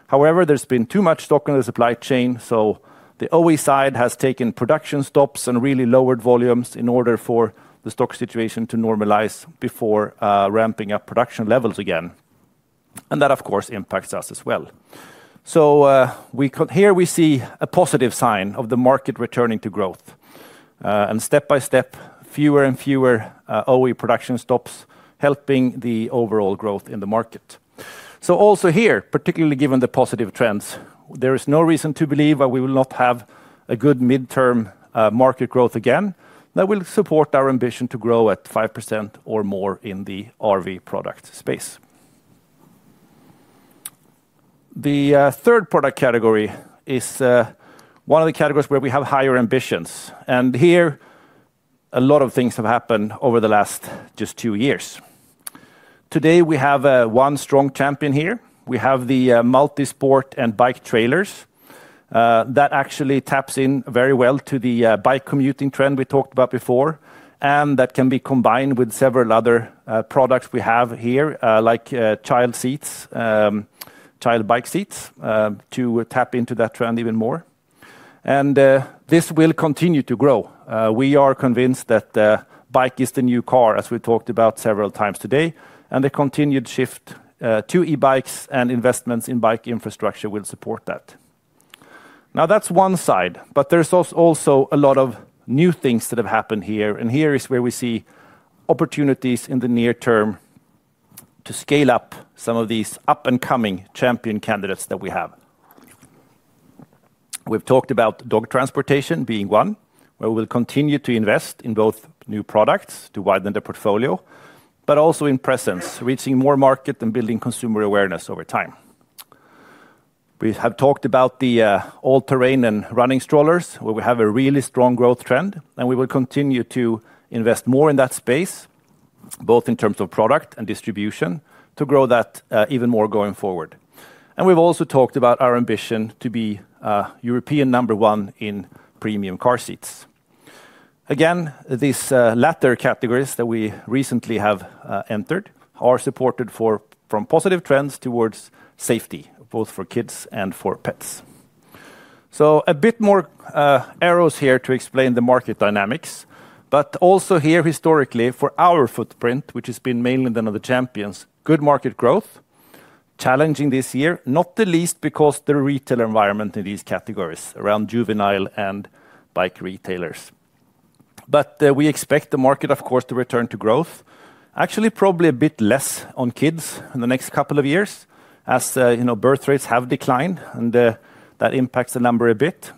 However, there has been too much stock in the supply chain, so the OE side has taken production stops and really lowered volumes in order for the stock situation to normalize before ramping up production levels again. That, of course, impacts us as well. Here we see a positive sign of the market returning to growth, and step by step, fewer and fewer OE production stops helping the overall growth in the market. Also here, particularly given the positive trends, there is no reason to believe that we will not have a good midterm market growth again that will support our ambition to grow at 5% or more in the RV product space. The third product category is one of the categories where we have higher ambitions. Here, a lot of things have happened over the last just two years. Today, we have one strong champion here. We have the multi-sport and bike trailers. That actually taps in very well to the bike commuting trend we talked about before, and that can be combined with several other products we have here, like child seats, child bike seats, to tap into that trend even more. This will continue to grow. We are convinced that bike is the new car, as we talked about several times today, and the continued shift to e-bikes and investments in bike infrastructure will support that. Now, that's one side, but there is also a lot of new things that have happened here, and here is where we see opportunities in the near term to scale up some of these up-and-coming champion candidates that we have. We've talked about dog transportation being one, where we will continue to invest in both new products to widen the portfolio, but also in presence, reaching more market and building consumer awareness over time. We have talked about the all-terrain and running strollers, where we have a really strong growth trend, and we will continue to invest more in that space, both in terms of product and distribution, to grow that even more going forward. We have also talked about our ambition to be European number one in premium car seats. Again, these latter categories that we recently have entered are supported from positive trends towards safety, both for kids and for pets. A bit more arrows here to explain the market dynamics, but also here, historically, for our footprint, which has been mainly the champions, good market growth, challenging this year, not the least because of the retail environment in these categories around juvenile and bike retailers. We expect the market, of course, to return to growth, actually probably a bit less on kids in the next couple of years, as birth rates have declined, and that impacts the number a bit.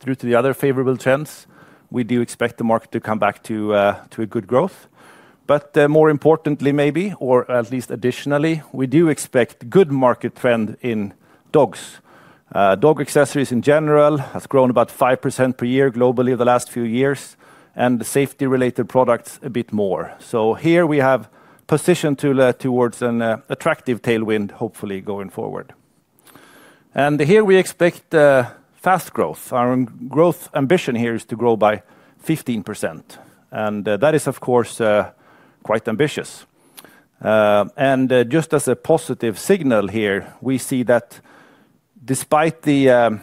Through to the other favorable trends, we do expect the market to come back to a good growth. More importantly, maybe, or at least additionally, we do expect good market trend in dogs. Dog accessories in general have grown about 5% per year globally over the last few years, and safety-related products a bit more. Here we have positioned Thule towards an attractive tailwind, hopefully going forward. Here we expect fast growth. Our growth ambition here is to grow by 15%, and that is, of course, quite ambitious. Just as a positive signal here, we see that despite the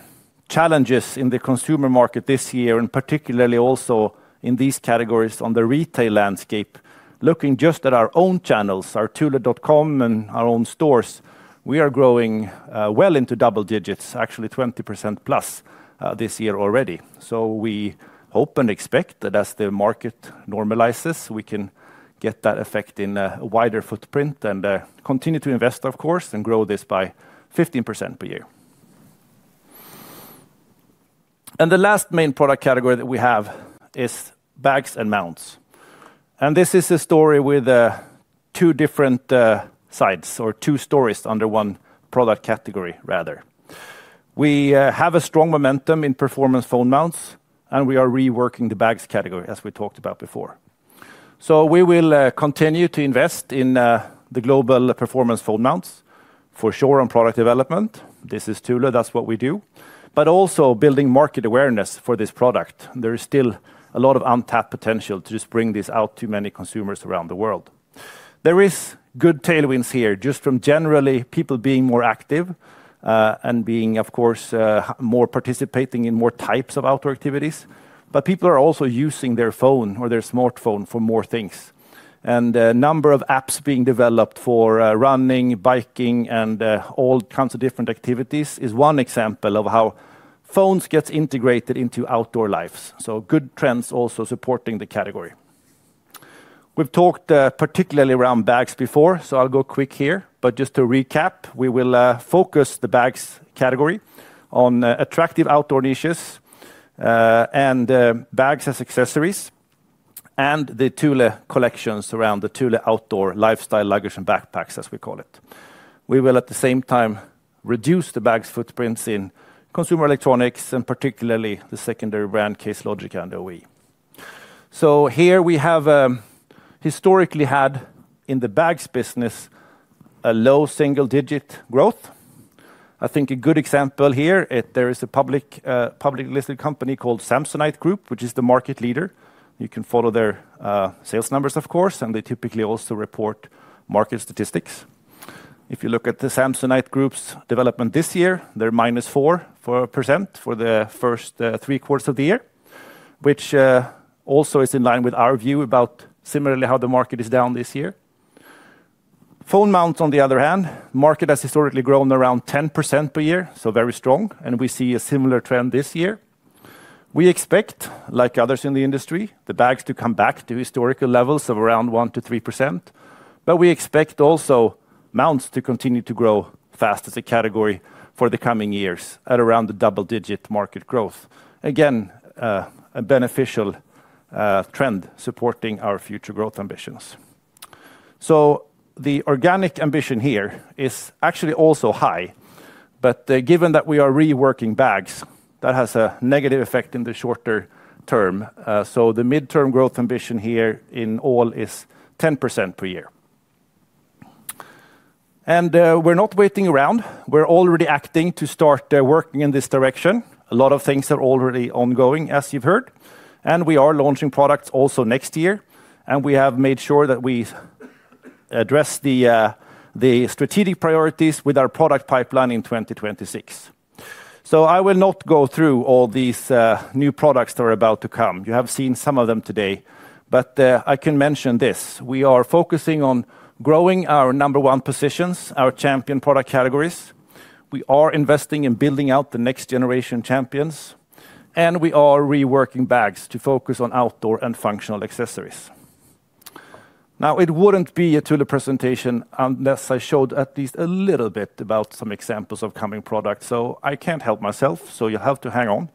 challenges in the consumer market this year, and particularly also in these categories on the retail landscape, looking just at our own channels, our thule.com and our own stores, we are growing well into double digits, actually 20% plus this year already. We hope and expect that as the market normalizes, we can get that effect in a wider footprint and continue to invest, of course, and grow this by 15% per year. The last main product category that we have is bags and mounts. This is a story with two different sides or two stories under one product category, rather. We have a strong momentum in performance phone mounts, and we are reworking the bags category, as we talked about before. We will continue to invest in the global performance phone mounts for sure on product development. This is Thule, that's what we do, but also building market awareness for this product. There is still a lot of untapped potential to just bring this out to many consumers around the world. There are good tailwinds here, just from generally people being more active and being, of course, more participating in more types of outdoor activities. People are also using their phone or their smartphone for more things. A number of apps being developed for running, biking, and all kinds of different activities is one example of how phones get integrated into outdoor lives. Good trends also supporting the category. We've talked particularly around bags before, so I'll go quick here, but just to recap, we will focus the bags category on attractive outdoor niches and bags as accessories and the Thule collections around the Thule Outdoor Lifestyle Luggage and Backpacks, as we call it. We will, at the same time, reduce the bags footprints in consumer electronics, and particularly the secondary brand Case Logic and OE. Here we have historically had in the bags business a low single-digit growth. I think a good example here, there is a publicly listed company called Samsonite Group, which is the market leader. You can follow their sales numbers, of course, and they typically also report market statistics. If you look at the Samsonite Group's development this year, they're minus 4% for the first three quarters of the year, which also is in line with our view about similarly how the market is down this year. Phone mounts, on the other hand, the market has historically grown around 10% per year, so very strong, and we see a similar trend this year. We expect, like others in the industry, the bags to come back to historical levels of around 1-3%, but we expect also mounts to continue to grow fast as a category for the coming years at around the double-digit market growth. Again, a beneficial trend supporting our future growth ambitions. The organic ambition here is actually also high, but given that we are reworking bags, that has a negative effect in the shorter term. The midterm growth ambition here in all is 10% per year. We are not waiting around. We are already acting to start working in this direction. A lot of things are already ongoing, as you've heard, and we are launching products also next year, and we have made sure that we address the strategic priorities with our product pipeline in 2026. I will not go through all these new products that are about to come. You have seen some of them today, but I can mention this. We are focusing on growing our number one positions, our champion product categories. We are investing in building out the next generation champions, and we are reworking bags to focus on outdoor and functional accessories. Now, it would not be a Thule presentation unless I showed at least a little bit about some examples of coming products, so I cannot help myself, so you will have to hang on.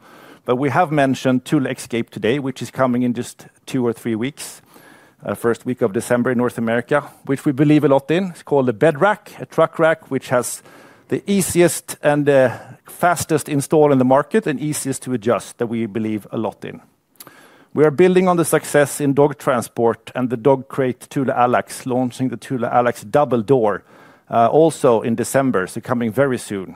We have mentioned Thule Escape today, which is coming in just two or three weeks, first week of December in North America, which we believe a lot in. It's called the Bed Rack, a truck rack, which has the easiest and the fastest install in the market and easiest to adjust that we believe a lot in. We are building on the success in dog transport and the dog crate Thule Alex, launching the Thule Alex Double Door also in December, so coming very soon.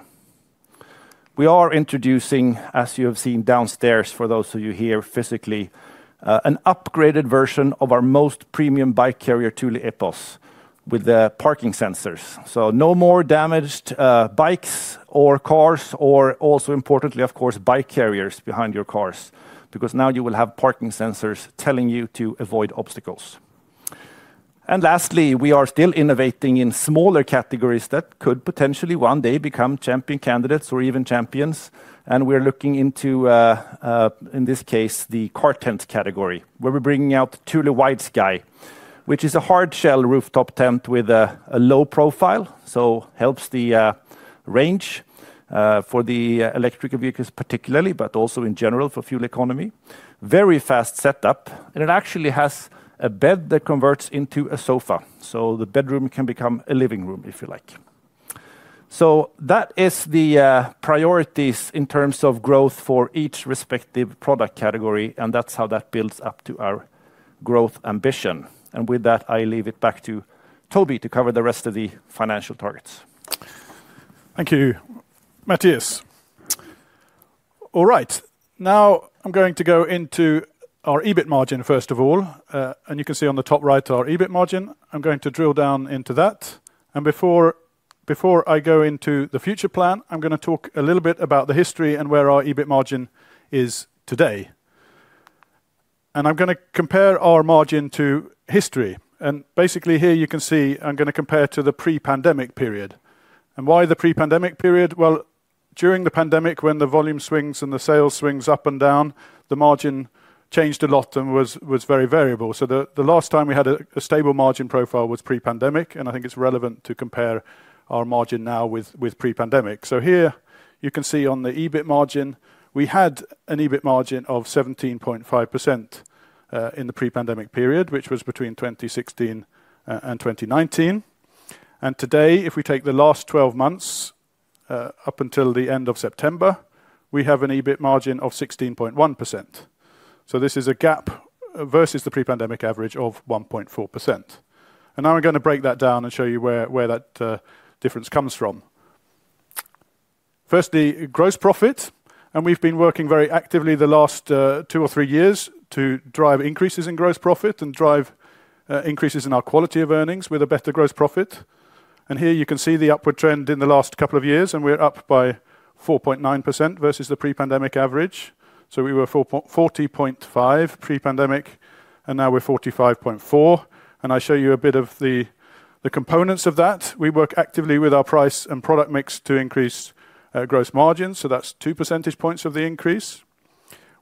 We are introducing, as you have seen downstairs for those of you here physically, an upgraded version of our most premium bike carrier, Thule Epos, with the parking sensors. No more damaged bikes or cars, or also importantly, of course, bike carriers behind your cars, because now you will have parking sensors telling you to avoid obstacles. Lastly, we are still innovating in smaller categories that could potentially one day become champion candidates or even champions, and we're looking into, in this case, the car tent category, where we're bringing out Thule Wide Sky, which is a hard-shell rooftop tent with a low profile, so it helps the range for the electric vehicles particularly, but also in general for fuel economy. Very fast setup, and it actually has a bed that converts into a sofa, so the bedroom can become a living room if you like. That is the priorities in terms of growth for each respective product category, and that's how that builds up to our growth ambition. With that, I leave it back to Toby to cover the rest of the financial targets.
Thank you, Mattias. All right, now I'm going to go into our EBIT margin, first of all, and you can see on the top right our EBIT margin. I'm going to drill down into that, and before I go into the future plan, I'm going to talk a little bit about the history and where our EBIT margin is today. I'm going to compare our margin to history, and basically here you can see I'm going to compare to the pre-pandemic period. Why the pre-pandemic period? During the pandemic, when the volume swings and the sales swings up and down, the margin changed a lot and was very variable. The last time we had a stable margin profile was pre-pandemic, and I think it's relevant to compare our margin now with pre-pandemic. Here you can see on the EBIT margin, we had an EBIT margin of 17.5% in the pre-pandemic period, which was between 2016 and 2019. Today, if we take the last 12 months up until the end of September, we have an EBIT margin of 16.1%. This is a gap versus the pre-pandemic average of 1.4%. Now I'm going to break that down and show you where that difference comes from. First, the gross profit, and we've been working very actively the last two or three years to drive increases in gross profit and drive increases in our quality of earnings with a better gross profit. Here you can see the upward trend in the last couple of years, and we're up by 4.9% versus the pre-pandemic average. We were 40.5% pre-pandemic, and now we're 45.4%. I show you a bit of the components of that. We work actively with our price and product mix to increase gross margins, so that's two percentage points of the increase.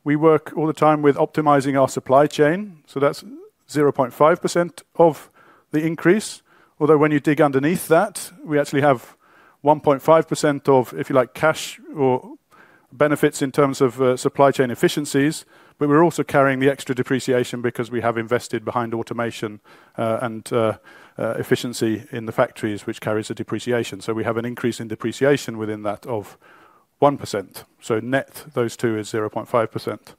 We work all the time with optimizing our supply chain, so that's 0.5% of the increase, although when you dig underneath that, we actually have 1.5% of, if you like, cash or benefits in terms of supply chain efficiencies, but we're also carrying the extra depreciation because we have invested behind automation and efficiency in the factories, which carries a depreciation. We have an increase in depreciation within that of 1%, so net those two is 0.5%.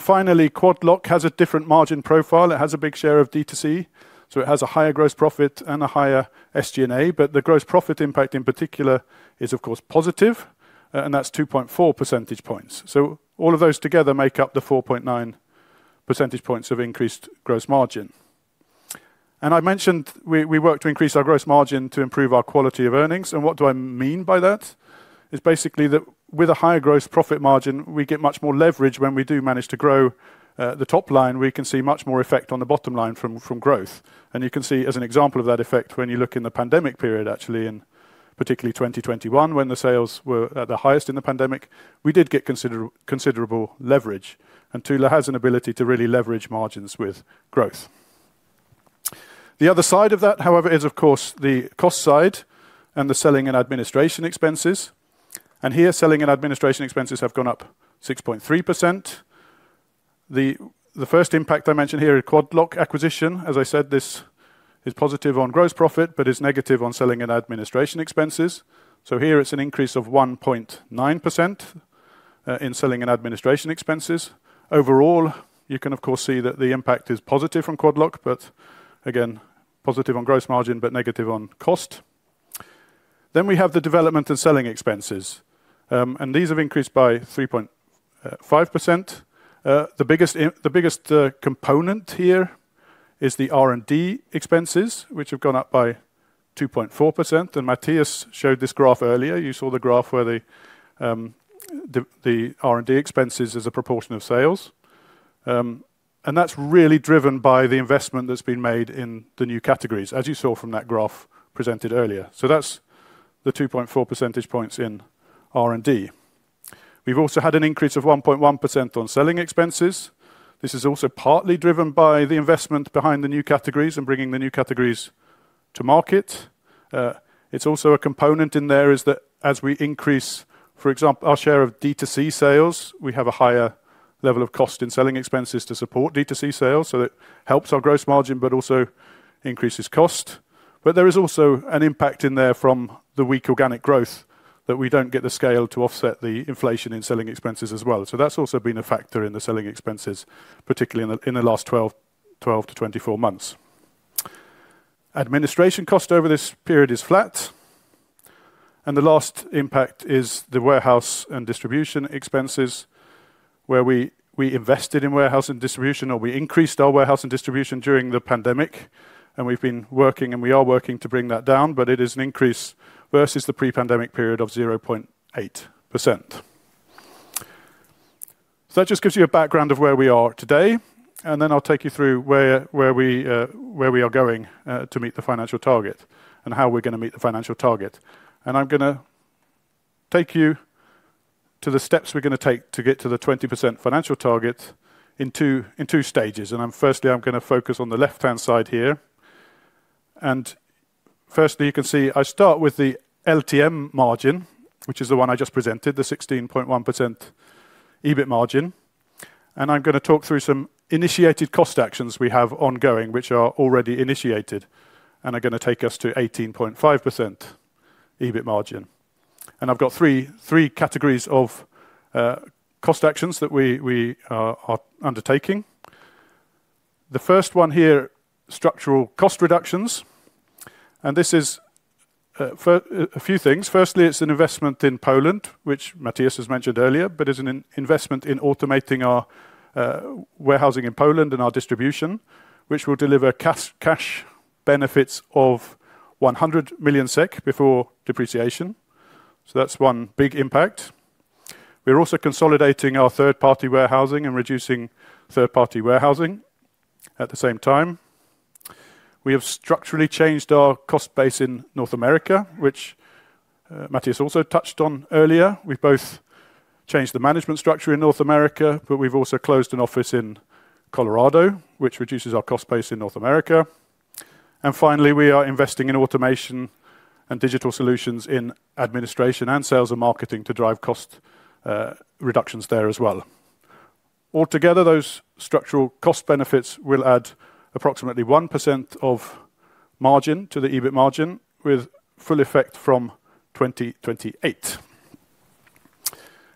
Finally, Quad Lock has a different margin profile. It has a big share of D2C, so it has a higher gross profit and a higher SG&A, but the gross profit impact in particular is, of course, positive, and that's 2.4 percentage points. All of those together make up the 4.9 percentage points of increased gross margin. I mentioned we work to increase our gross margin to improve our quality of earnings, and what do I mean by that? It's basically that with a higher gross profit margin, we get much more leverage. When we do manage to grow the top line, we can see much more effect on the bottom line from growth. You can see, as an example of that effect, when you look in the pandemic period, actually, and particularly 2021, when the sales were at the highest in the pandemic, we did get considerable leverage, and Thule has an ability to really leverage margins with growth. The other side of that, however, is, of course, the cost side and the selling and administration expenses. Here, selling and administration expenses have gone up 6.3%. The first impact I mentioned here is Quad Lock acquisition. As I said, this is positive on gross profit, but it is negative on selling and administration expenses. Here, it is an increase of 1.9% in selling and administration expenses. Overall, you can, of course, see that the impact is positive from Quad Lock, but again, positive on gross margin, but negative on cost. We have the development and selling expenses, and these have increased by 3.5%. The biggest component here is the R&D expenses, which have gone up by 2.4%. Matthias showed this graph earlier. You saw the graph where the R&D expenses is a proportion of sales, and that's really driven by the investment that's been made in the new categories, as you saw from that graph presented earlier. That's the 2.4 percentage points in R&D. We've also had an increase of 1.1% on selling expenses. This is also partly driven by the investment behind the new categories and bringing the new categories to market. Also, a component in there is that as we increase, for example, our share of D2C sales, we have a higher level of cost in selling expenses to support D2C sales, so it helps our gross margin, but also increases cost. There is also an impact in there from the weak organic growth that we do not get the scale to offset the inflation in selling expenses as well. That has also been a factor in the selling expenses, particularly in the last 12 to 24 months. Administration cost over this period is flat, and the last impact is the warehouse and distribution expenses, where we invested in warehouse and distribution, or we increased our warehouse and distribution during the pandemic, and we have been working, and we are working to bring that down, but it is an increase versus the pre-pandemic period of 0.8%. That just gives you a background of where we are today, and then I will take you through where we are going to meet the financial target and how we are going to meet the financial target. I'm going to take you to the steps we're going to take to get to the 20% financial target in two stages. Firstly, I'm going to focus on the left-hand side here. Firstly, you can see I start with the LTM margin, which is the one I just presented, the 16.1% EBIT margin. I'm going to talk through some initiated cost actions we have ongoing, which are already initiated, and are going to take us to 18.5% EBIT margin. I've got three categories of cost actions that we are undertaking. The first one here, structural cost reductions, and this is a few things. Firstly, it's an investment in Poland, which Mattias has mentioned earlier, but is an investment in automating our warehousing in Poland and our distribution, which will deliver cash benefits of 100 million SEK before depreciation. That's one big impact. We're also consolidating our third-party warehousing and reducing third-party warehousing at the same time. We have structurally changed our cost base in North America, which Mattias also touched on earlier. We've both changed the management structure in North America, but we've also closed an office in Colorado, which reduces our cost base in North America. Finally, we are investing in automation and digital solutions in administration and sales and marketing to drive cost reductions there as well. Altogether, those structural cost benefits will add approximately 1% of margin to the EBIT margin with full effect from 2028.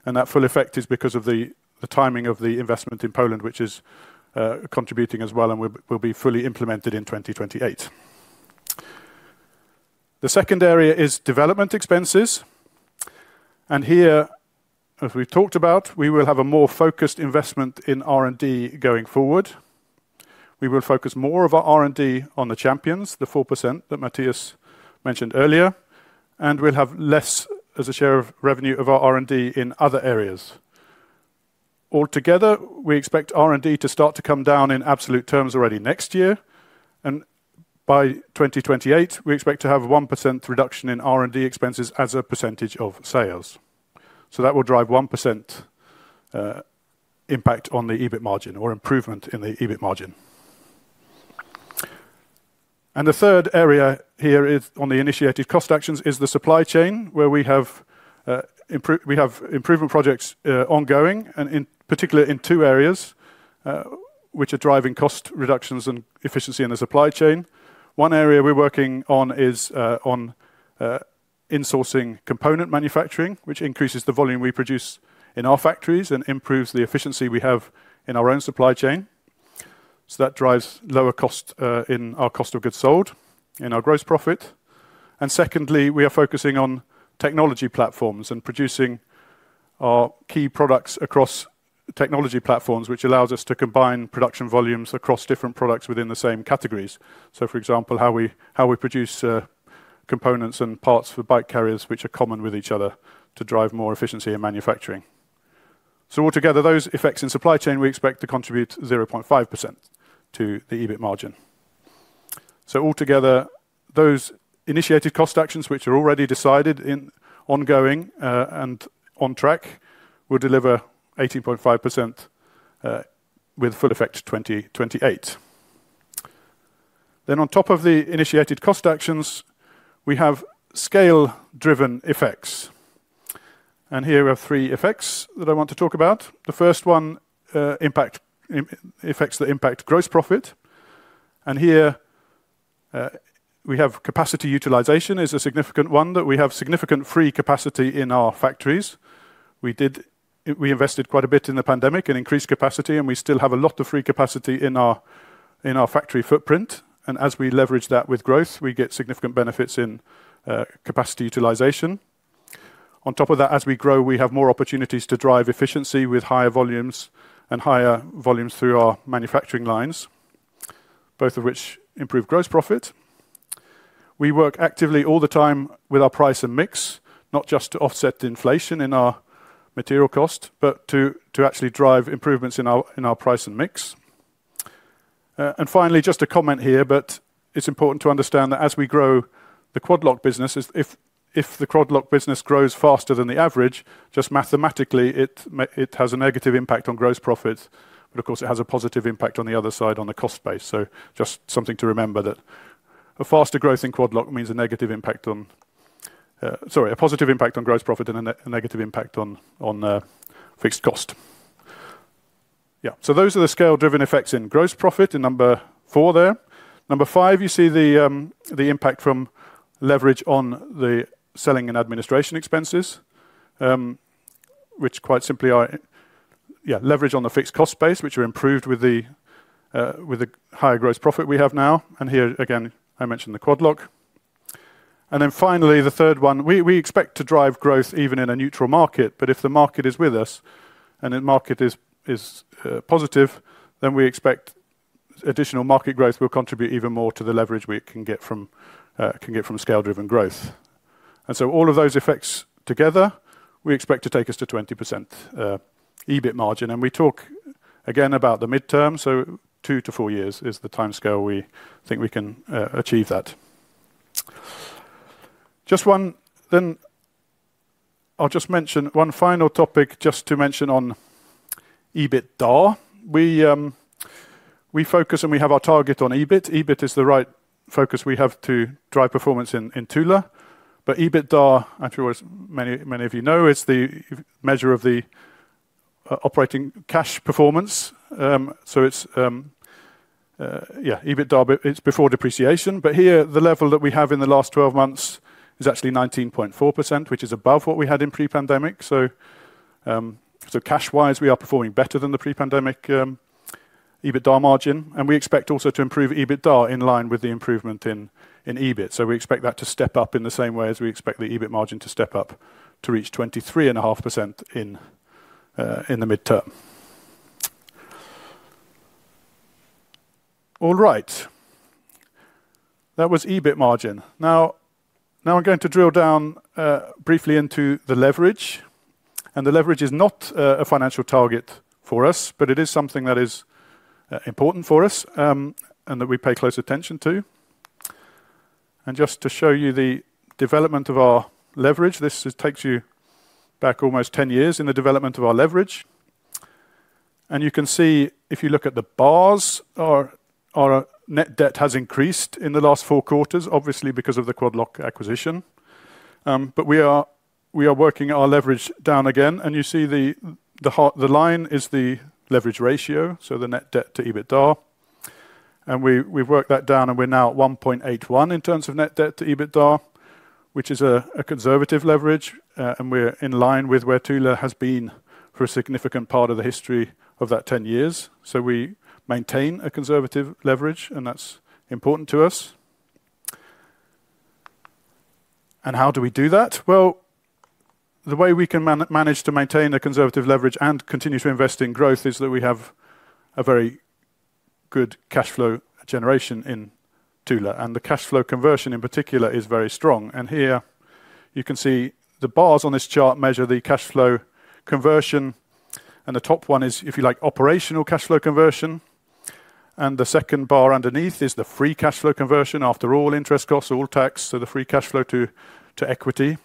That full effect is because of the timing of the investment in Poland, which is contributing as well, and will be fully implemented in 2028. The second area is development expenses. Here, as we've talked about, we will have a more focused investment in R&D going forward. We will focus more of our R&D on the champions, the 4% that Mattias mentioned earlier, and we'll have less as a share of revenue of our R&D in other areas. Altogether, we expect R&D to start to come down in absolute terms already next year, and by 2028, we expect to have a 1% reduction in R&D expenses as a percentage of sales. That will drive 1% impact on the EBIT margin or improvement in the EBIT margin. The third area here on the initiated cost actions is the supply chain, where we have improvement projects ongoing, and in particular in two areas which are driving cost reductions and efficiency in the supply chain. One area we're working on is on insourcing component manufacturing, which increases the volume we produce in our factories and improves the efficiency we have in our own supply chain. That drives lower cost in our cost of goods sold and our gross profit. Secondly, we are focusing on technology platforms and producing our key products across technology platforms, which allows us to combine production volumes across different products within the same categories. For example, how we produce components and parts for bike carriers, which are common with each other, to drive more efficiency in manufacturing. Altogether, those effects in supply chain we expect to contribute 0.5% to the EBIT margin. Altogether, those initiated cost actions, which are already decided, ongoing, and on track, will deliver 18.5% with full effect 2028. On top of the initiated cost actions, we have scale-driven effects. Here we have three effects that I want to talk about. The first one affects the impact gross profit. Here we have capacity utilization is a significant one that we have significant free capacity in our factories. We invested quite a bit in the pandemic and increased capacity, and we still have a lot of free capacity in our factory footprint. As we leverage that with growth, we get significant benefits in capacity utilization. On top of that, as we grow, we have more opportunities to drive efficiency with higher volumes and higher volumes through our manufacturing lines, both of which improve gross profit. We work actively all the time with our price and mix, not just to offset the inflation in our material cost, but to actually drive improvements in our price and mix. Finally, just a comment here, but it's important to understand that as we grow the Quad Lock business, if the Quad Lock business grows faster than the average, just mathematically, it has a negative impact on gross profits, but of course, it has a positive impact on the other side on the cost base. Just something to remember that a faster growth in Quad Lock means a negative impact on, sorry, a positive impact on gross profit and a negative impact on fixed cost. Those are the scale-driven effects in gross profit in number four there. Number five, you see the impact from leverage on the selling and administration expenses, which quite simply are leverage on the fixed cost base, which are improved with the higher gross profit we have now. Here again, I mentioned the Quad Lock. Finally, the third one, we expect to drive growth even in a neutral market, but if the market is with us and the market is positive, then we expect additional market growth will contribute even more to the leverage we can get from scale-driven growth. All of those effects together, we expect to take us to 20% EBIT margin. We talk again about the midterm, so two to four years is the timescale we think we can achieve that. Just one, then I'll just mention one final topic just to mention on EBITDA. We focus and we have our target on EBIT. EBIT is the right focus we have to drive performance in Thule, but EBITDA, I'm sure many of you know, is the measure of the operating cash performance. Yeah, EBITDA, it's before depreciation, but here the level that we have in the last 12 months is actually 19.4%, which is above what we had in pre-pandemic. Cash-wise, we are performing better than the pre-pandemic EBITDA margin, and we expect also to improve EBITDA in line with the improvement in EBIT. We expect that to step up in the same way as we expect the EBIT margin to step up to reach 23.5% in the midterm. All right, that was EBIT margin. Now I'm going to drill down briefly into the leverage, and the leverage is not a financial target for us, but it is something that is important for us and that we pay close attention to. Just to show you the development of our leverage, this takes you back almost 10 years in the development of our leverage. You can see if you look at the bars, our net debt has increased in the last four quarters, obviously because of the Quad Lock acquisition. We are working our leverage down again, and you see the line is the leverage ratio, so the net debt to EBITDA. We have worked that down, and we are now at 1.81 in terms of net debt to EBITDA, which is a conservative leverage, and we are in line with where Thule has been for a significant part of the history of that 10 years. We maintain a conservative leverage, and that is important to us. How do we do that? The way we can manage to maintain a conservative leverage and continue to invest in growth is that we have a very good cash flow generation in Thule, and the cash flow conversion in particular is very strong. Here you can see the bars on this chart measure the cash flow conversion. The top one is, if you like, operational cash flow conversion, and the second bar underneath is the free cash flow conversion after all interest costs, all tax, so the free cash flow to equity.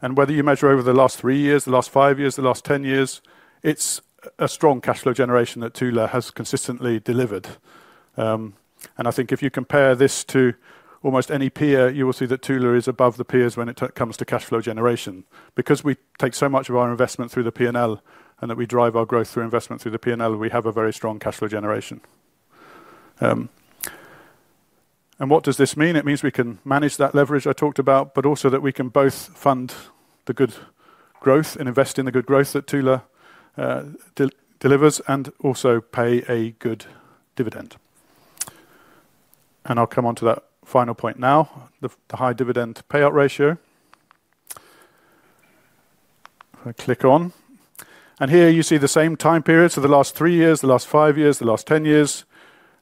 Whether you measure over the last three years, the last five years, the last 10 years, it is a strong cash flow generation that Thule has consistently delivered. I think if you compare this to almost any peer, you will see that Thule is above the peers when it comes to cash flow generation, because we take so much of our investment through the P&L and that we drive our growth through investment through the P&L, we have a very strong cash flow generation. What does this mean? It means we can manage that leverage I talked about, but also that we can both fund the good growth and invest in the good growth that Thule delivers and also pay a good dividend. I'll come on to that final point now, the high dividend payout ratio. If I click on, here you see the same time period, the last three years, the last five years, the last 10 years,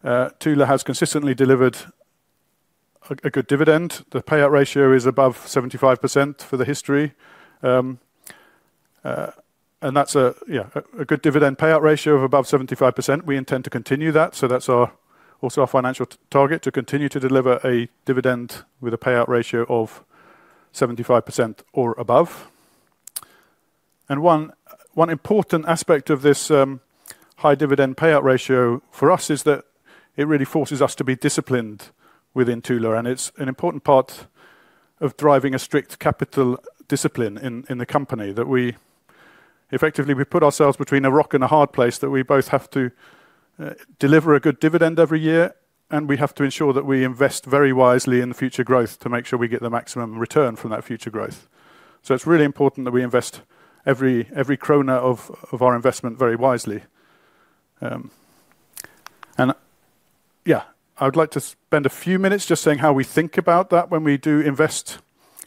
Thule has consistently delivered a good dividend. The payout ratio is above 75% for the history, and that's a good dividend payout ratio of above 75%. We intend to continue that, so that's also our financial target to continue to deliver a dividend with a payout ratio of 75% or above. One important aspect of this high dividend payout ratio for us is that it really forces us to be disciplined within Thule, and it's an important part of driving a strict capital discipline in the company that we effectively put ourselves between a rock and a hard place that we both have to deliver a good dividend every year, and we have to ensure that we invest very wisely in the future growth to make sure we get the maximum return from that future growth. It is really important that we invest every krona of our investment very wisely. Yeah, I would like to spend a few minutes just saying how we think about that when we do invest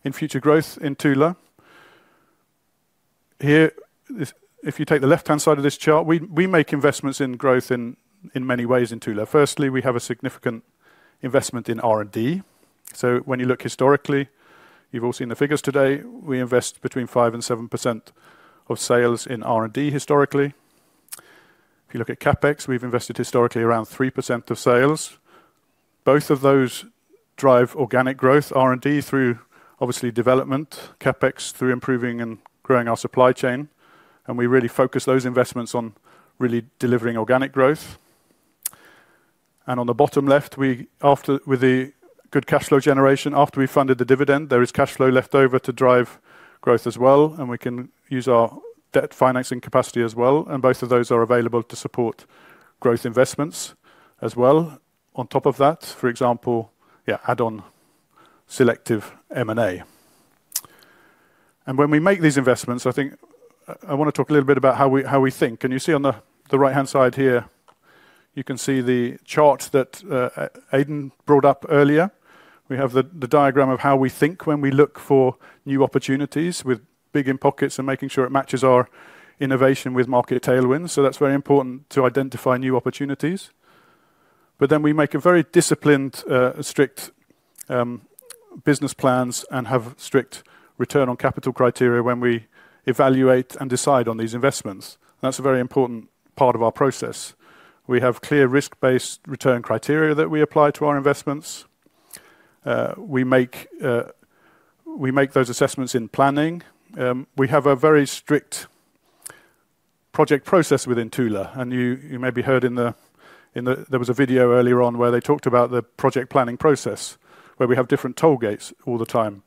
in future growth in Thule. Here, if you take the left-hand side of this chart, we make investments in growth in many ways in Thule. Firstly, we have a significant investment in R&D. When you look historically, you've all seen the figures today, we invest between 5% and 7% of sales in R&D historically. If you look at CapEx, we've invested historically around 3% of sales. Both of those drive organic growth, R&D through obviously development, CapEx through improving and growing our supply chain, and we really focus those investments on really delivering organic growth. On the bottom left, with the good cash flow generation, after we funded the dividend, there is cash flow left over to drive growth as well, and we can use our debt financing capacity as well, and both of those are available to support growth investments as well. On top of that, for example, yeah, add on selective M&A. When we make these investments, I think I want to talk a little bit about how we think. You see on the right-hand side here, you can see the chart that Aidan brought up earlier. We have the diagram of how we think when we look for new opportunities with big in pockets and making sure it matches our innovation with market tailwinds. That is very important to identify new opportunities. We make a very disciplined, strict business plans and have strict return on capital criteria when we evaluate and decide on these investments. That is a very important part of our process. We have clear risk-based return criteria that we apply to our investments. We make those assessments in planning. We have a very strict project process within Thule, and you may have heard in the, there was a video earlier on where they talked about the project planning process where we have different toll gates all the time.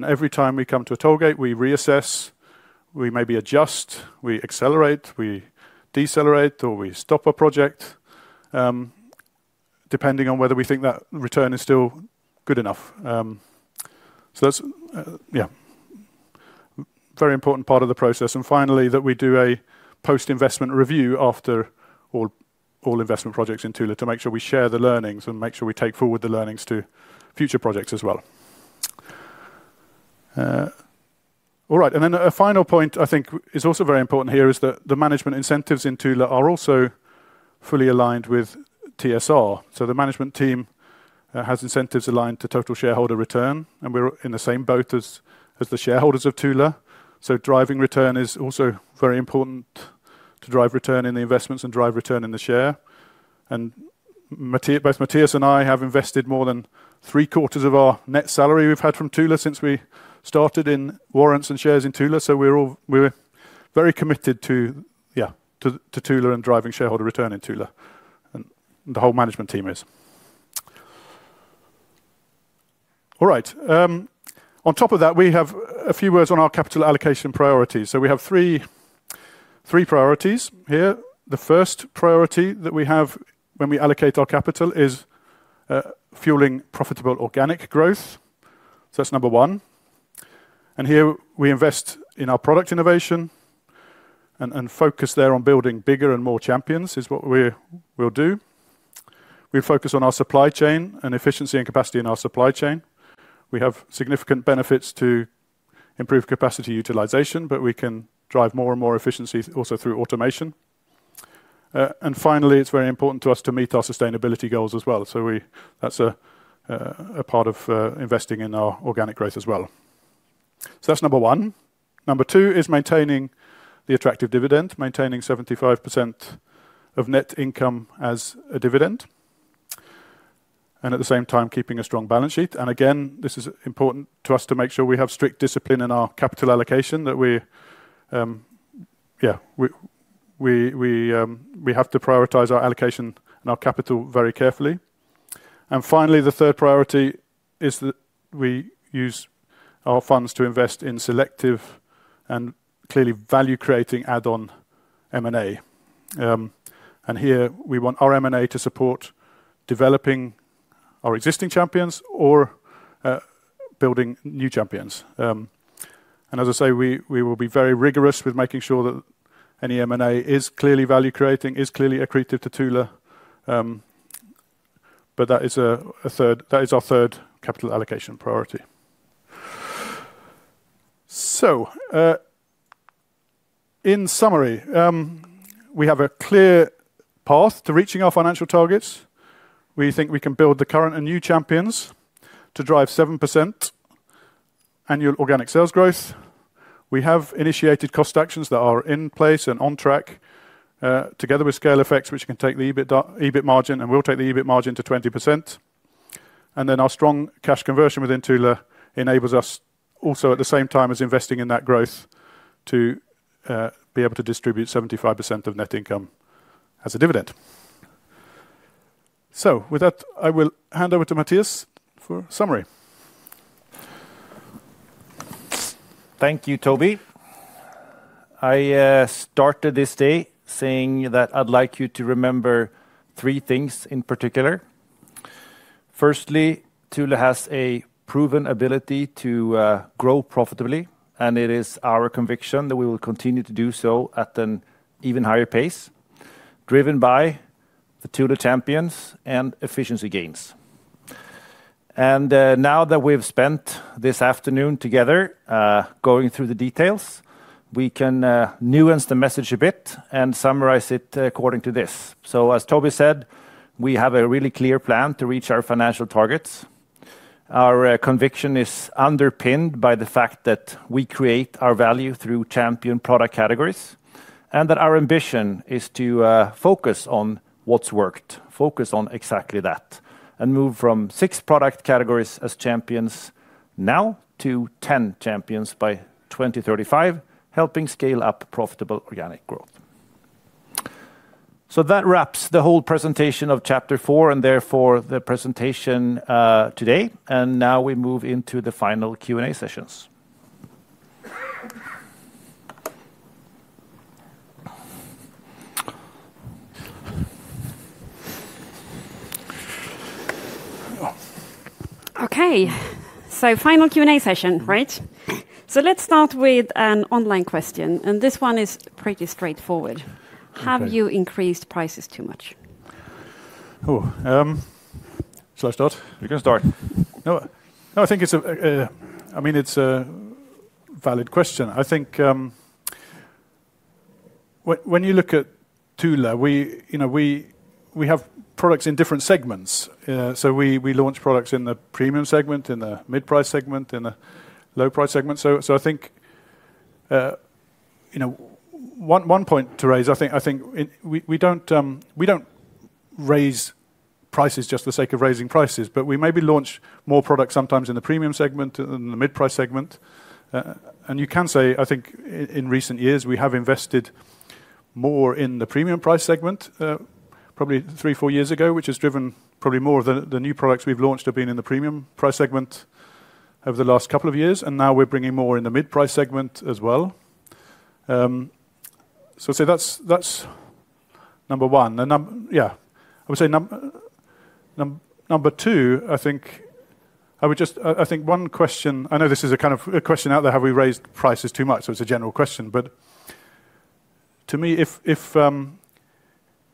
Every time we come to a toll gate, we reassess, we maybe adjust, we accelerate, we decelerate, or we stop a project depending on whether we think that return is still good enough. That is a very important part of the process. Finally, we do a post-investment review after all investment projects in Thule to make sure we share the learnings and make sure we take forward the learnings to future projects as well. All right, a final point I think is also very important here is that the management incentives in Thule are also fully aligned with TSR. The management team has incentives aligned to total shareholder return, and we are in the same boat as the shareholders of Thule. Driving return is also very important to drive return in the investments and drive return in the share. Both Mattias and I have invested more than three quarters of our net salary we've had from Thule since we started in warrants and shares in Thule. We are all very committed to, yeah, to Thule and driving shareholder return in Thule and the whole management team is. All right, on top of that, we have a few words on our capital allocation priorities. We have three priorities here. The first priority that we have when we allocate our capital is fueling profitable organic growth. That is number one. Here we invest in our product innovation and focus there on building bigger and more champions is what we will do. We focus on our supply chain and efficiency and capacity in our supply chain. We have significant benefits to improve capacity utilization, but we can drive more and more efficiency also through automation. Finally, it's very important to us to meet our sustainability goals as well. That's a part of investing in our organic growth as well. That's number one. Number two is maintaining the attractive dividend, maintaining 75% of net income as a dividend, and at the same time keeping a strong balance sheet. Again, this is important to us to make sure we have strict discipline in our capital allocation that we, yeah, we have to prioritize our allocation and our capital very carefully. Finally, the third priority is that we use our funds to invest in selective and clearly value-creating add-on M&A. Here we want our M&A to support developing our existing champions or building new champions. As I say, we will be very rigorous with making sure that any M&A is clearly value-creating, is clearly accretive to Thule, but that is our third capital allocation priority. In summary, we have a clear path to reaching our financial targets. We think we can build the current and new champions to drive 7% annual organic sales growth. We have initiated cost actions that are in place and on track together with scale effects, which can take the EBIT margin and will take the EBIT margin to 20%. Our strong cash conversion within Thule enables us also at the same time as investing in that growth to be able to distribute 75% of net income as a dividend. With that, I will hand over to Mattias for a summary.
Thank you, Toby. I started this day saying that I'd like you to remember three things in particular. Firstly, Thule has a proven ability to grow profitably, and it is our conviction that we will continue to do so at an even higher pace, driven by the Thule champions and efficiency gains. Now that we've spent this afternoon together going through the details, we can nuance the message a bit and summarize it according to this. As Toby said, we have a really clear plan to reach our financial targets. Our conviction is underpinned by the fact that we create our value through champion product categories and that our ambition is to focus on what's worked, focus on exactly that, and move from six product categories as champions now to 10 champions by 2035, helping scale up profitable organic growth. That wraps the whole presentation of chapter four and therefore the presentation today. Now we move into the final Q&A sessions.
Okay, so final Q&A session, right? Let's start with an online question, and this one is pretty straightforward. Have you increased prices too much?
Oh, should I start? You can start. No, I think it's, I mean, it's a valid question. I think when you look at Thule, we have products in different segments. We launch products in the premium segment, in the mid-price segment, in the low-price segment. I think one point to raise, I think we don't raise prices just for the sake of raising prices, but we maybe launch more products sometimes in the premium segment and the mid-price segment. You can say, I think in recent years we have invested more in the premium price segment, probably three, four years ago, which has driven probably more of the new products we've launched have been in the premium price segment over the last couple of years, and now we're bringing more in the mid-price segment as well. I'd say that's number one. Yeah, I would say number two, I think I would just, I think one question, I know this is a kind of a question out there, have we raised prices too much? It is a general question, but to me,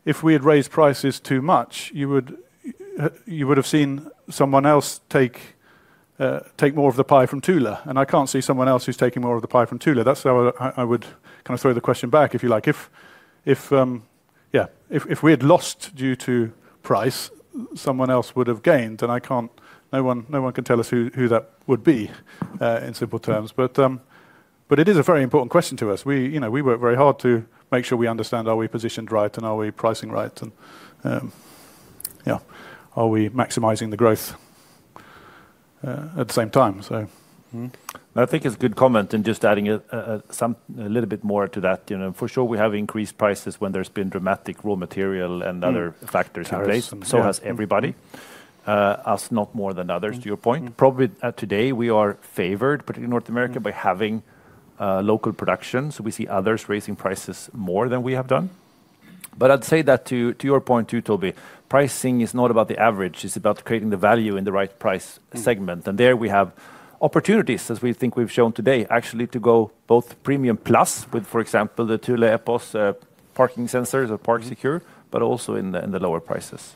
if we had raised prices too much, you would have seen someone else take more of the pie from Thule, and I cannot see someone else who is taking more of the pie from Thule. That is how I would kind of throw the question back, if you like. If, yeah, if we had lost due to price, someone else would have gained, and I cannot, no one can tell us who that would be in simple terms, but it is a very important question to us. We work very hard to make sure we understand, are we positioned right and are we pricing right, and yeah, are we maximizing the growth at the same time.
I think it's a good comment and just adding a little bit more to that. For sure, we have increased prices when there's been dramatic raw material and other factors in place. So has everybody, us not more than others, to your point. Probably today we are favored, particularly North America, by having local productions. We see others raising prices more than we have done. I'd say that to your point too, Toby, pricing is not about the average, it's about creating the value in the right price segment. There we have opportunities, as we think we've shown today, actually to go both premium plus with, for example, the Thule Epos parking sensors or Park Secure, but also in the lower prices.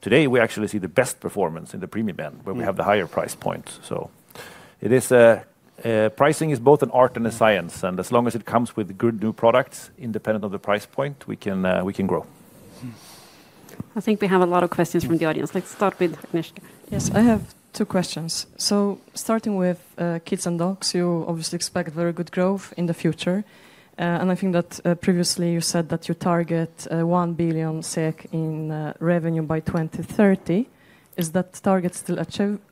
Today we actually see the best performance in the premium end where we have the higher price points. Pricing is both an art and a science, and as long as it comes with good new products, independent of the price point, we can grow.
I think we have a lot of questions from the audience. Let's start with Agnieszka.
Yes, I have two questions. Starting with kids and dogs, you obviously expect very good growth in the future. I think that previously you said that you target 1 billion SEK in revenue by 2030. Is that target still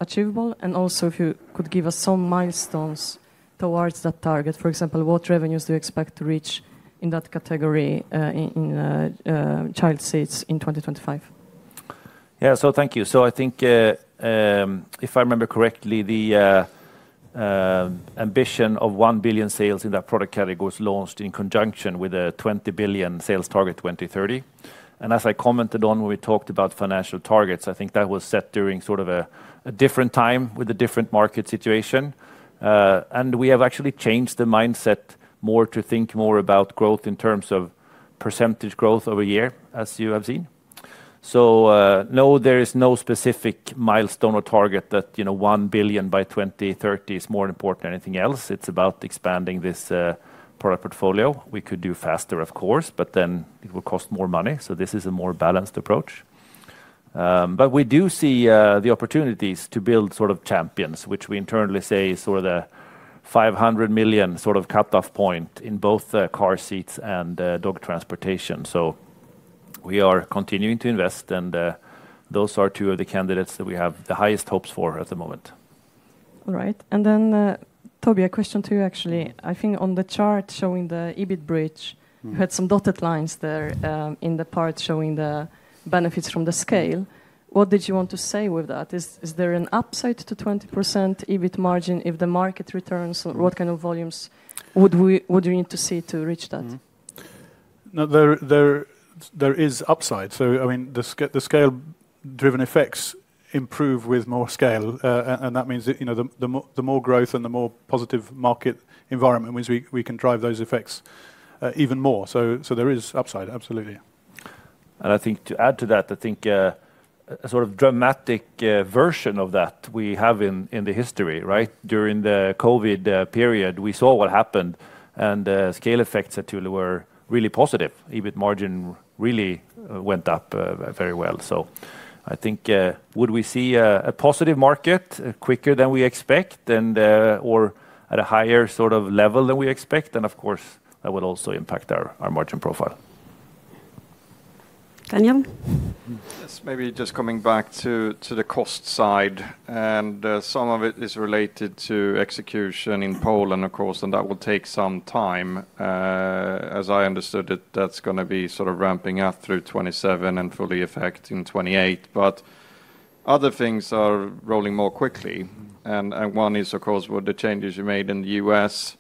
achievable? Also, if you could give us some milestones towards that target, for example, what revenues do you expect to reach in that category in child seats in 2025?
Yeah, thank you. I think if I remember correctly, the ambition of $1 billion sales in that product category was launched in conjunction with a 20 billion sales target for 2030. As I commented on when we talked about financial targets, I think that was set during a different time with a different market situation. We have actually changed the mindset more to think more about growth in terms of percentage growth over a year, as you have seen. No, there is no specific milestone or target that $1 billion by 2030 is more important than anything else. It is about expanding this product portfolio. We could do it faster, of course, but then it will cost more money. This is a more balanced approach. We do see the opportunities to build sort of champions, which we internally say is sort of the 500 million sort of cutoff point in both car seats and dog transportation. We are continuing to invest, and those are two of the candidates that we have the highest hopes for at the moment.
All right. Toby, a question to you actually. I think on the chart showing the EBIT bridge, you had some dotted lines there in the part showing the benefits from the scale. What did you want to say with that? Is there an upside to 20% EBIT margin if the market returns? What kind of volumes would you need to see to reach that?
No, there is upside. I mean, the scale-driven effects improve with more scale, and that means the more growth and the more positive market environment means we can drive those effects even more. There is upside, absolutely.
I think to add to that, I think a sort of dramatic version of that we have in the history, right? During the COVID period, we saw what happened, and the scale effects at Thule were really positive. EBIT margin really went up very well. I think would we see a positive market quicker than we expect and/or at a higher sort of level than we expect? Of course, that would also impact our margin profile.
Daniel?
Yes, maybe just coming back to the cost side, and some of it is related to execution in Poland, of course, and that will take some time. As I understood it, that's going to be sort of ramping up through 2027 and fully effect in 2028, but other things are rolling more quickly. One is, of course, with the changes you made in the U.S.,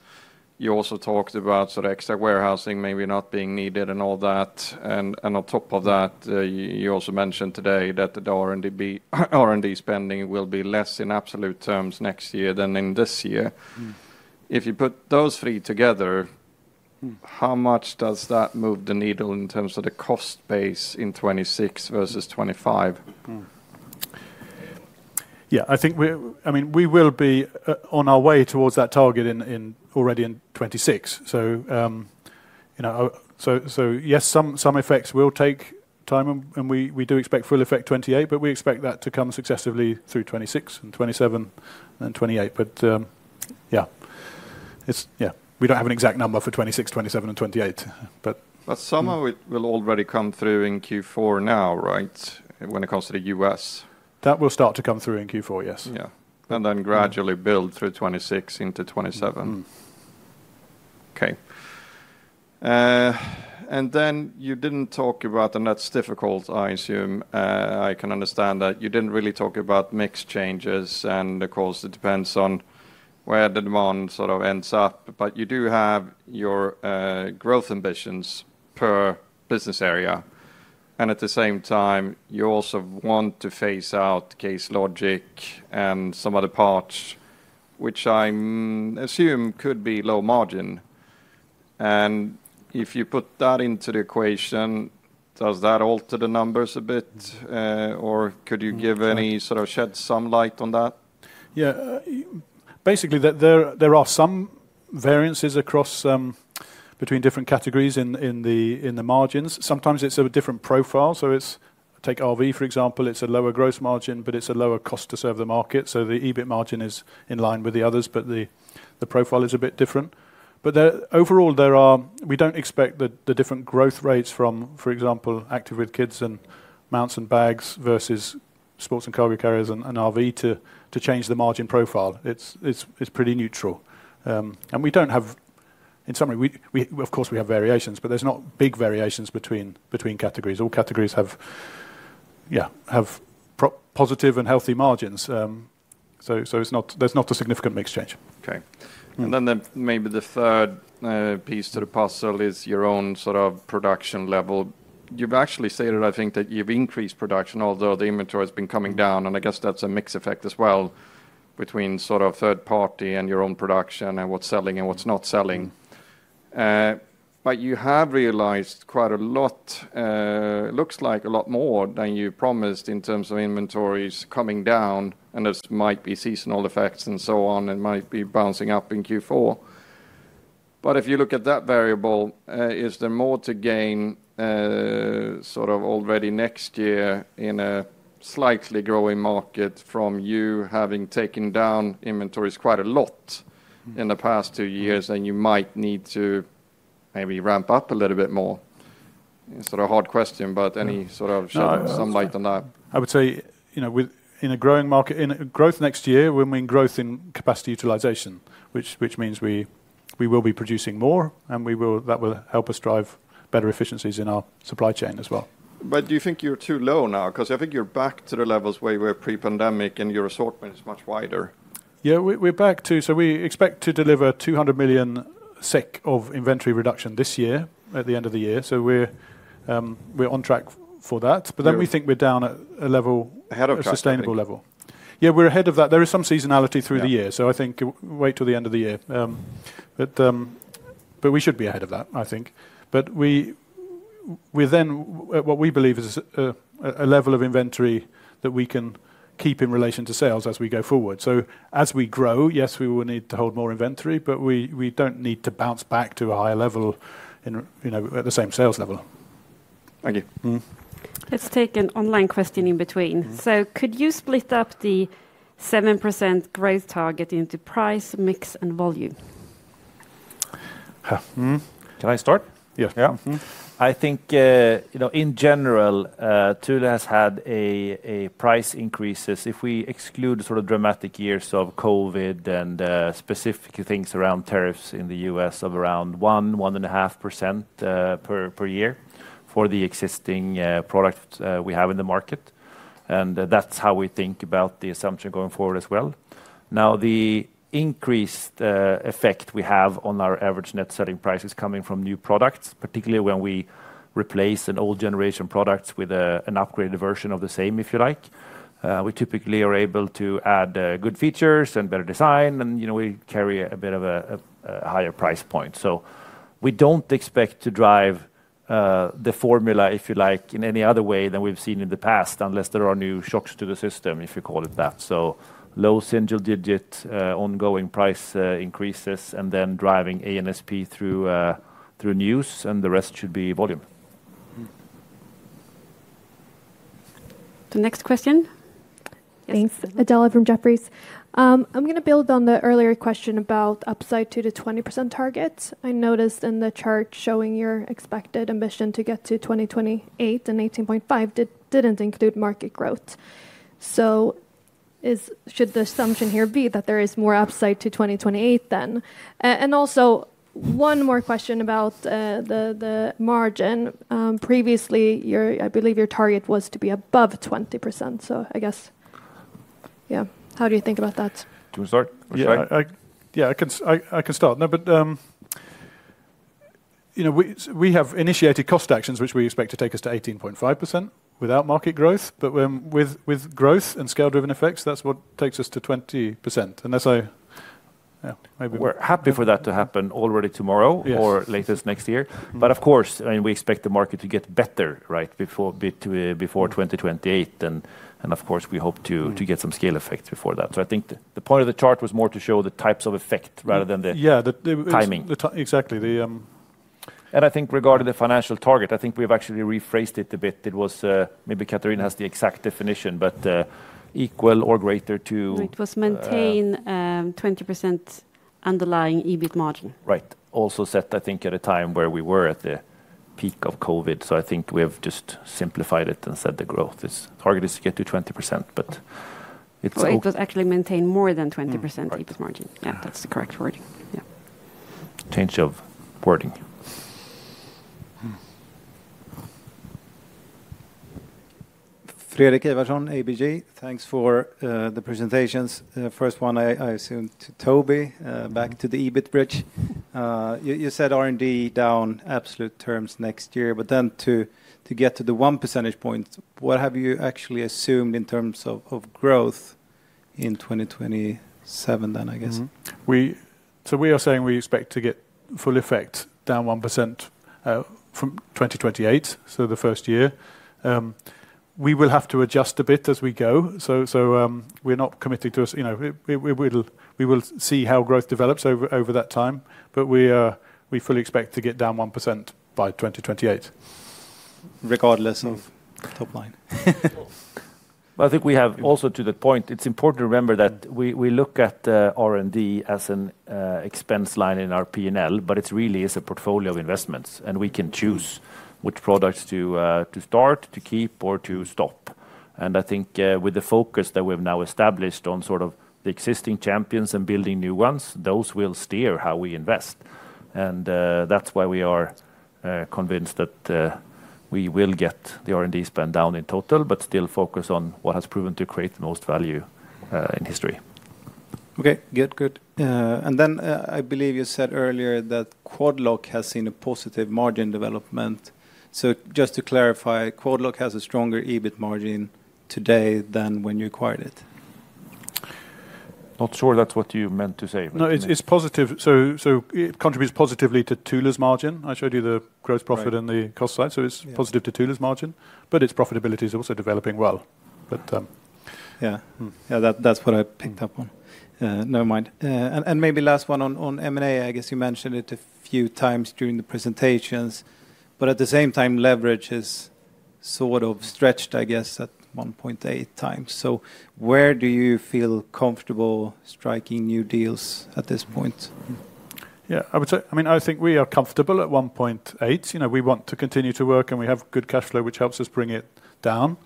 you also talked about sort of extra warehousing maybe not being needed and all that. On top of that, you also mentioned today that the R&D spending will be less in absolute terms next year than in this year. If you put those three together, how much does that move the needle in terms of the cost base in 2026 versus 2025?
Yeah. I mean, we will be on our way towards that target already in 2026. Yes, some effects will take time, and we do expect full effect in 2028, but we expect that to come successively through 2026 and 2027 and then 2028. Yeah, we do not have an exact number for 2026, 2027, and 2028,
but some of it will already come through in Q4 now, right, when it comes to the U.S.?
That will start to come through in Q4, yes.
Yeah, and then gradually build through 2026 into 2027. Okay. You did not talk about, and that is difficult, I assume. I can understand that you did not really talk about mix changes and the cost. It depends on where the demand sort of ends up, but you do have your growth ambitions per business area. At the same time, you also want to phase out Case Logic and some other parts, which I assume could be low margin. If you put that into the equation, does that alter the numbers a bit, or could you give any sort of shed some light on that?
Yeah. Basically, there are some variances across between different categories in the margins. Sometimes it's a different profile. Take RV, for example, it's a lower gross margin, but it's a lower cost to serve the market. The EBIT margin is in line with the others, but the profile is a bit different. Overall, we don't expect the different growth rates from, for example, Active with Kids and Mounts and Bags versus Sports and Cargo Carriers and RV to change the margin profile. It's pretty neutral. We don't have, in summary, of course, we have variations, but there's not big variations between categories. All categories have, yeah, have positive and healthy margins. There's not a significant mixed change. Okay.
Maybe the third piece to the parcel is your own sort of production level. You've actually stated, I think, that you've increased production, although the inventory has been coming down. I guess that's a mixed effect as well between sort of third party and your own production and what's selling and what's not selling. You have realized quite a lot, looks like a lot more than you promised in terms of inventories coming down, and there might be seasonal effects and so on, and might be bouncing up in Q4. If you look at that variable, is there more to gain sort of already next year in a slightly growing market from you having taken down inventories quite a lot in the past two years and you might need to maybe ramp up a little bit more? It's sort of a hard question, but any sort of some light on that?
I would say in a growing market, in a growth next year, we mean growth in capacity utilization, which means we will be producing more, and that will help us drive better efficiencies in our supply chain as well. Do you think you're too low now? Because I think you're back to the levels where you were pre-pandemic and your assortment is much wider. Yeah, we're back to, so we expect to deliver 200 million SEK of inventory reduction this year at the end of the year. We're on track for that. We think we're down at a level, a sustainable level. Yeah, we're ahead of that. There is some seasonality through the year, so I think wait till the end of the year. We should be ahead of that, I think. We are then at what we believe is a level of inventory that we can keep in relation to sales as we go forward. As we grow, yes, we will need to hold more inventory, but we do not need to bounce back to a higher level at the same sales level.
Thank you.
Let's take an online question in between. Could you split up the 7% growth target into price, mix, and volume?
Can I start?
Yeah.
Yeah. I think in general, Thule has had price increases. If we exclude sort of dramatic years of COVID and specific things around tariffs in the U.S. of around 1-1.5% per year for the existing product we have in the market. That is how we think about the assumption going forward as well. Now, the increased effect we have on our average net selling price is coming from new products, particularly when we replace an old generation product with an upgraded version of the same, if you like. We typically are able to add good features and better design, and we carry a bit of a higher price point. We do not expect to drive the formula, if you like, in any other way than we have seen in the past, unless there are new shocks to the system, if you call it that. Low single digit ongoing price increases and then driving ANSP through news, and the rest should be volume.
The next question.
Thanks. Adela from Jefferies. I'm going to build on the earlier question about upside to the 20% target. I noticed in the chart showing your expected ambition to get to 2028 and 18.5% didn't include market growth. Should the assumption here be that there is more upside to 2028 then? Also, one more question about the margin. Previously, I believe your target was to be above 20%. I guess, yeah, how do you think about that?
Do we start?
Yeah, I can start. No, but we have initiated cost actions, which we expect to take us to 18.5% without market growth. With growth and scale-driven effects, that's what takes us to 20%. That's how maybe.
We're happy for that to happen already tomorrow or latest next year. Of course, we expect the market to get better, right, before 2028. Of course, we hope to get some scale effects before that. I think the point of the chart was more to show the types of effect rather than the timing.
Yeah, exactly.
I think regarding the financial target, I think we have actually rephrased it a bit. It was maybe Catharina has the exact definition, but equal or greater to.
It was maintain 20% underlying EBIT margin.
Right. Also set, I think, at a time where we were at the peak of COVID. I think we have just simplified it and said the growth target is to get to 20%, but it's.
It was actually maintain more than 20% EBIT margin. Yeah, that's the correct wording. Yeah.
Change of wording.
Thanks for the presentations. First one, I assumed to Toby, back to the EBIT bridge. You said R&D down absolute terms next year, but then to get to the 1 percentage points, what have you actually assumed in terms of growth in 2027 then, I guess? We are saying we expect to get full effect down 1% from 2028, so the first year. We will have to adjust a bit as we go. We are not committed to us. We will see how growth develops over that time, but we fully expect to get down 1% by 2028. Regardless of top line.
I think we have also to the point, it's important to remember that we look at R&D as an expense line in our P&L, but it really is a portfolio of investments, and we can choose which products to start, to keep, or to stop. I think with the focus that we have now established on sort of the existing champions and building new ones, those will steer how we invest. That's why we are convinced that we will get the R&D spend down in total, but still focus on what has proven to create the most value in history.
Okay, good, good. I believe you said earlier that Quad Lock has seen a positive margin development. Just to clarify, Quad Lock has a stronger EBIT margin today than when you acquired it.
Not sure that's what you meant to say.
No, it's positive. It contributes positively to Thule's margin. I showed you the gross profit and the cost side, so it's positive to Thule's margin, but its profitability is also developing well. Yeah, that's what I picked up on. Never mind. Maybe last one on M&A, I guess you mentioned it a few times during the presentations, but at the same time, leverage is sort of stretched, I guess, at 1.8 times. Where do you feel comfortable striking new deals at this point? Yeah. I mean, I think we are comfortable at 1.8. We want to continue to work, and we have good cash flow, which helps us bring it down.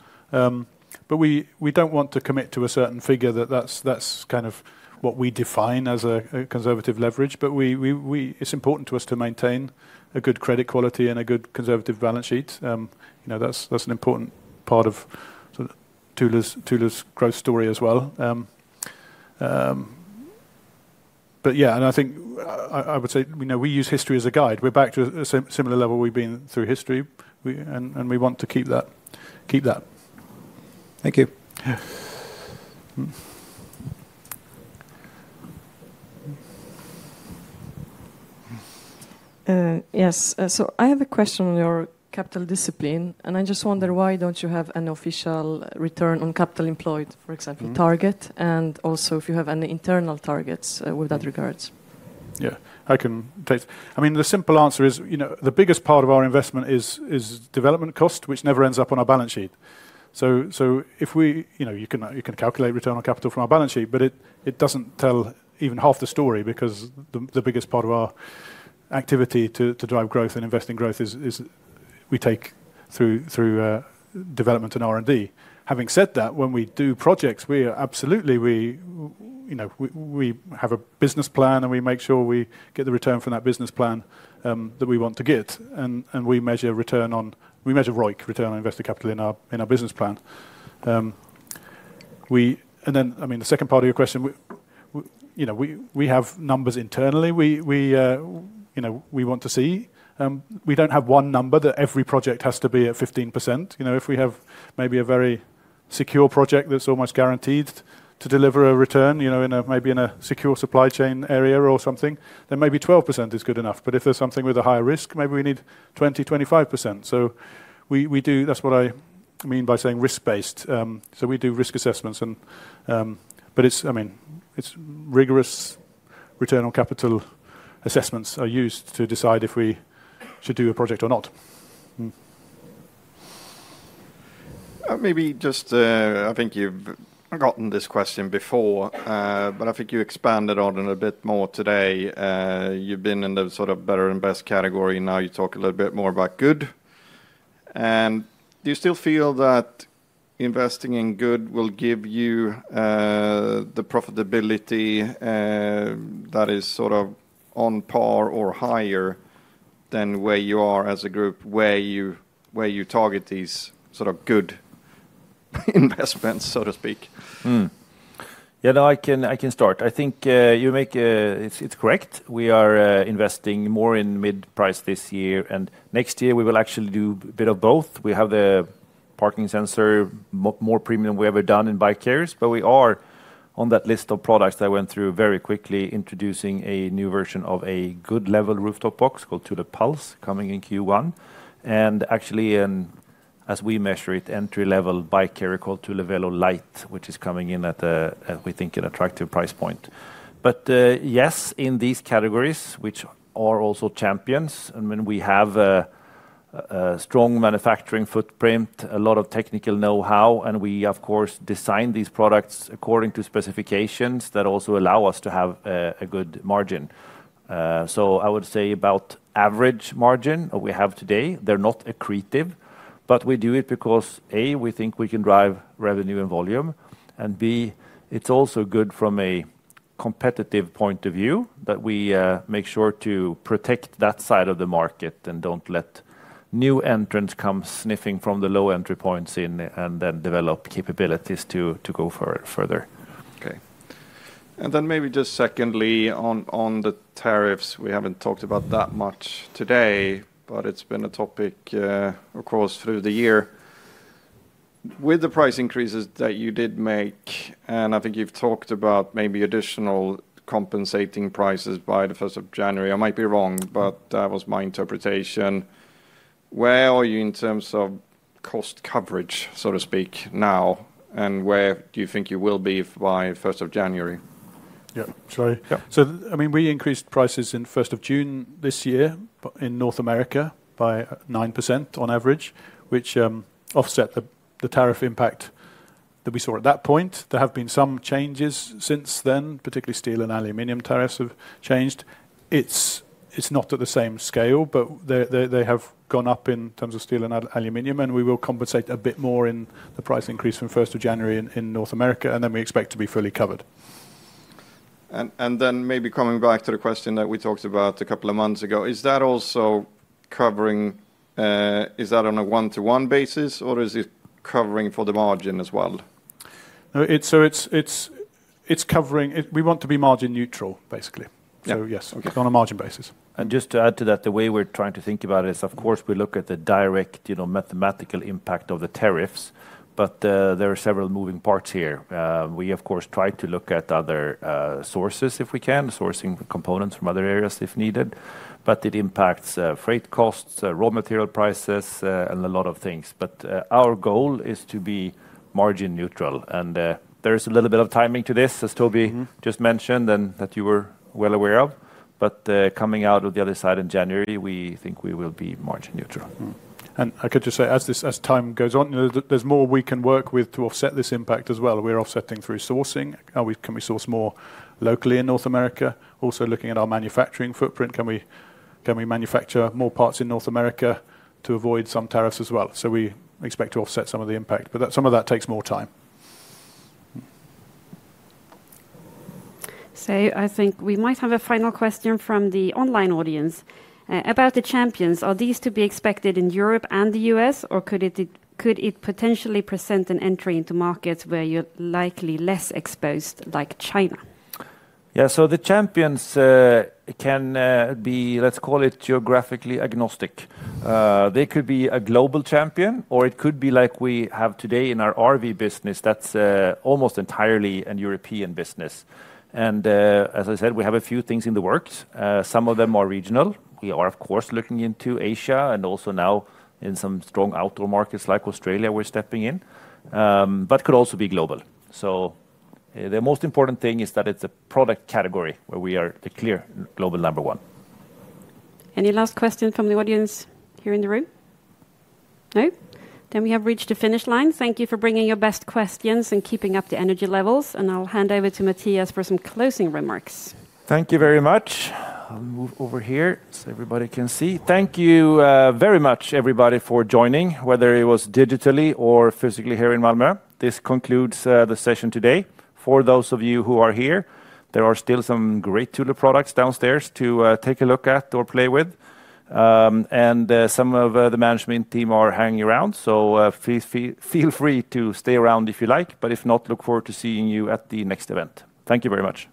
We do not want to commit to a certain figure. That is kind of what we define as a conservative leverage, but it is important to us to maintain a good credit quality and a good conservative balance sheet. That is an important part of Thule's growth story as well. Yeah, I think I would say we use history as a guide. We are back to a similar level we have been through history, and we want to keep that.
Thank you.
Yes, I have a question on your capital discipline, and I just wonder why don't you have an official return on capital employed, for example, target, and also if you have any internal targets with that regards.
Yeah, I can take. I mean, the simple answer is the biggest part of our investment is development cost, which never ends up on our balance sheet. If you can calculate return on capital from our balance sheet, but it does not tell even half the story because the biggest part of our activity to drive growth and invest in growth is we take through development and R&D. Having said that, when we do projects, we absolutely have a business plan, and we make sure we get the return from that business plan that we want to get. We measure return on, we measure ROIC, return on invested capital in our business plan. I mean, the second part of your question, we have numbers internally we want to see. We do not have one number that every project has to be at 15%. If we have maybe a very secure project that's almost guaranteed to deliver a return, maybe in a secure supply chain area or something, then maybe 12% is good enough. If there's something with a higher risk, maybe we need 20%, 25%. That's what I mean by saying risk-based. We do risk assessments, but I mean, rigorous return on capital assessments are used to decide if we should do a project or not.
Maybe just I think you've gotten this question before, but I think you expanded on it a bit more today. You've been in the sort of better and best category. Now you talk a little bit more about good. Do you still feel that investing in good will give you the profitability that is sort of on par or higher than where you are as a group, where you target these sort of good investments, so to speak?
Yeah, I can start. I think you make it correct. We are investing more in mid-price this year, and next year we will actually do a bit of both. We have the parking sensor, more premium than we ever done in bike carriers, but we are on that list of products that I went through very quickly introducing a new version of a good level rooftop box called Thule Pulse coming in Q1. And actually, as we measure it, entry-level bike carrier called Thule Velo Lite, which is coming in at, we think, an attractive price point. Yes, in these categories, which are also champions, and when we have a strong manufacturing footprint, a lot of technical know-how, and we, of course, design these products according to specifications that also allow us to have a good margin. I would say about average margin we have today, they're not accretive, but we do it because, A, we think we can drive revenue and volume, and B, it's also good from a competitive point of view that we make sure to protect that side of the market and don't let new entrants come sniffing from the low entry points in and then develop capabilities to go further.
Okay. And then maybe just secondly, on the tariffs, we haven't talked about that much today, but it's been a topic, of course, through the year. With the price increases that you did make, and I think you've talked about maybe additional compensating prices by the 1st of January, I might be wrong, but that was my interpretation. Where are you in terms of cost coverage, so to speak, now, and where do you think you will be by 1st of January? Yeah. Sorry. I mean, we increased prices in 1st of June this year in North America by 9% on average, which offset the tariff impact that we saw at that point. There have been some changes since then, particularly steel and aluminium tariffs have changed. It's not at the same scale, but they have gone up in terms of steel and aluminium, and we will compensate a bit more in the price increase from first January in North America, and we expect to be fully covered. Maybe coming back to the question that we talked about a couple of months ago, is that also covering? Is that on a one-to-one basis, or is it covering for the margin as well? It's covering. We want to be margin neutral, basically. Yes, on a margin basis.
Just to add to that, the way we're trying to think about it is, of course, we look at the direct mathematical impact of the tariffs, but there are several moving parts here. We, of course, try to look at other sources if we can, sourcing components from other areas if needed, but it impacts freight costs, raw material prices, and a lot of things. Our goal is to be margin neutral, and there is a little bit of timing to this, as Toby just mentioned and that you were well aware of. Coming out of the other side in January, we think we will be margin neutral.
I could just say, as time goes on, there's more we can work with to offset this impact as well. We're offsetting through sourcing. Can we source more locally in North America? Also looking at our manufacturing footprint, can we manufacture more parts in North America to avoid some tariffs as well? We expect to offset some of the impact, but some of that takes more time.
I think we might have a final question from the online audience. About the champions, are these to be expected in Europe and the U.S., or could it potentially present an entry into markets where you're likely less exposed, like China?
Yeah, so the champions can be, let's call it geographically agnostic. They could be a global champion, or it could be like we have today in our RV business that's almost entirely a European business. As I said, we have a few things in the works. Some of them are regional. We are, of course, looking into Asia and also now in some strong outdoor markets like Australia we're stepping in, but could also be global. The most important thing is that it's a product category where we are the clear global number one.
Any last question from the audience here in the room? No? We have reached the finish line. Thank you for bringing your best questions and keeping up the energy levels, and I'll hand over to Mattias for some closing remarks.
Thank you very much. I'll move over here so everybody can see. Thank you very much, everybody, for joining, whether it was digitally or physically here in Malmö. This concludes the session today. For those of you who are here, there are still some great Thule products downstairs to take a look at or play with, and some of the management team are hanging around, so feel free to stay around if you like, but if not, look forward to seeing you at the next event. Thank you very much.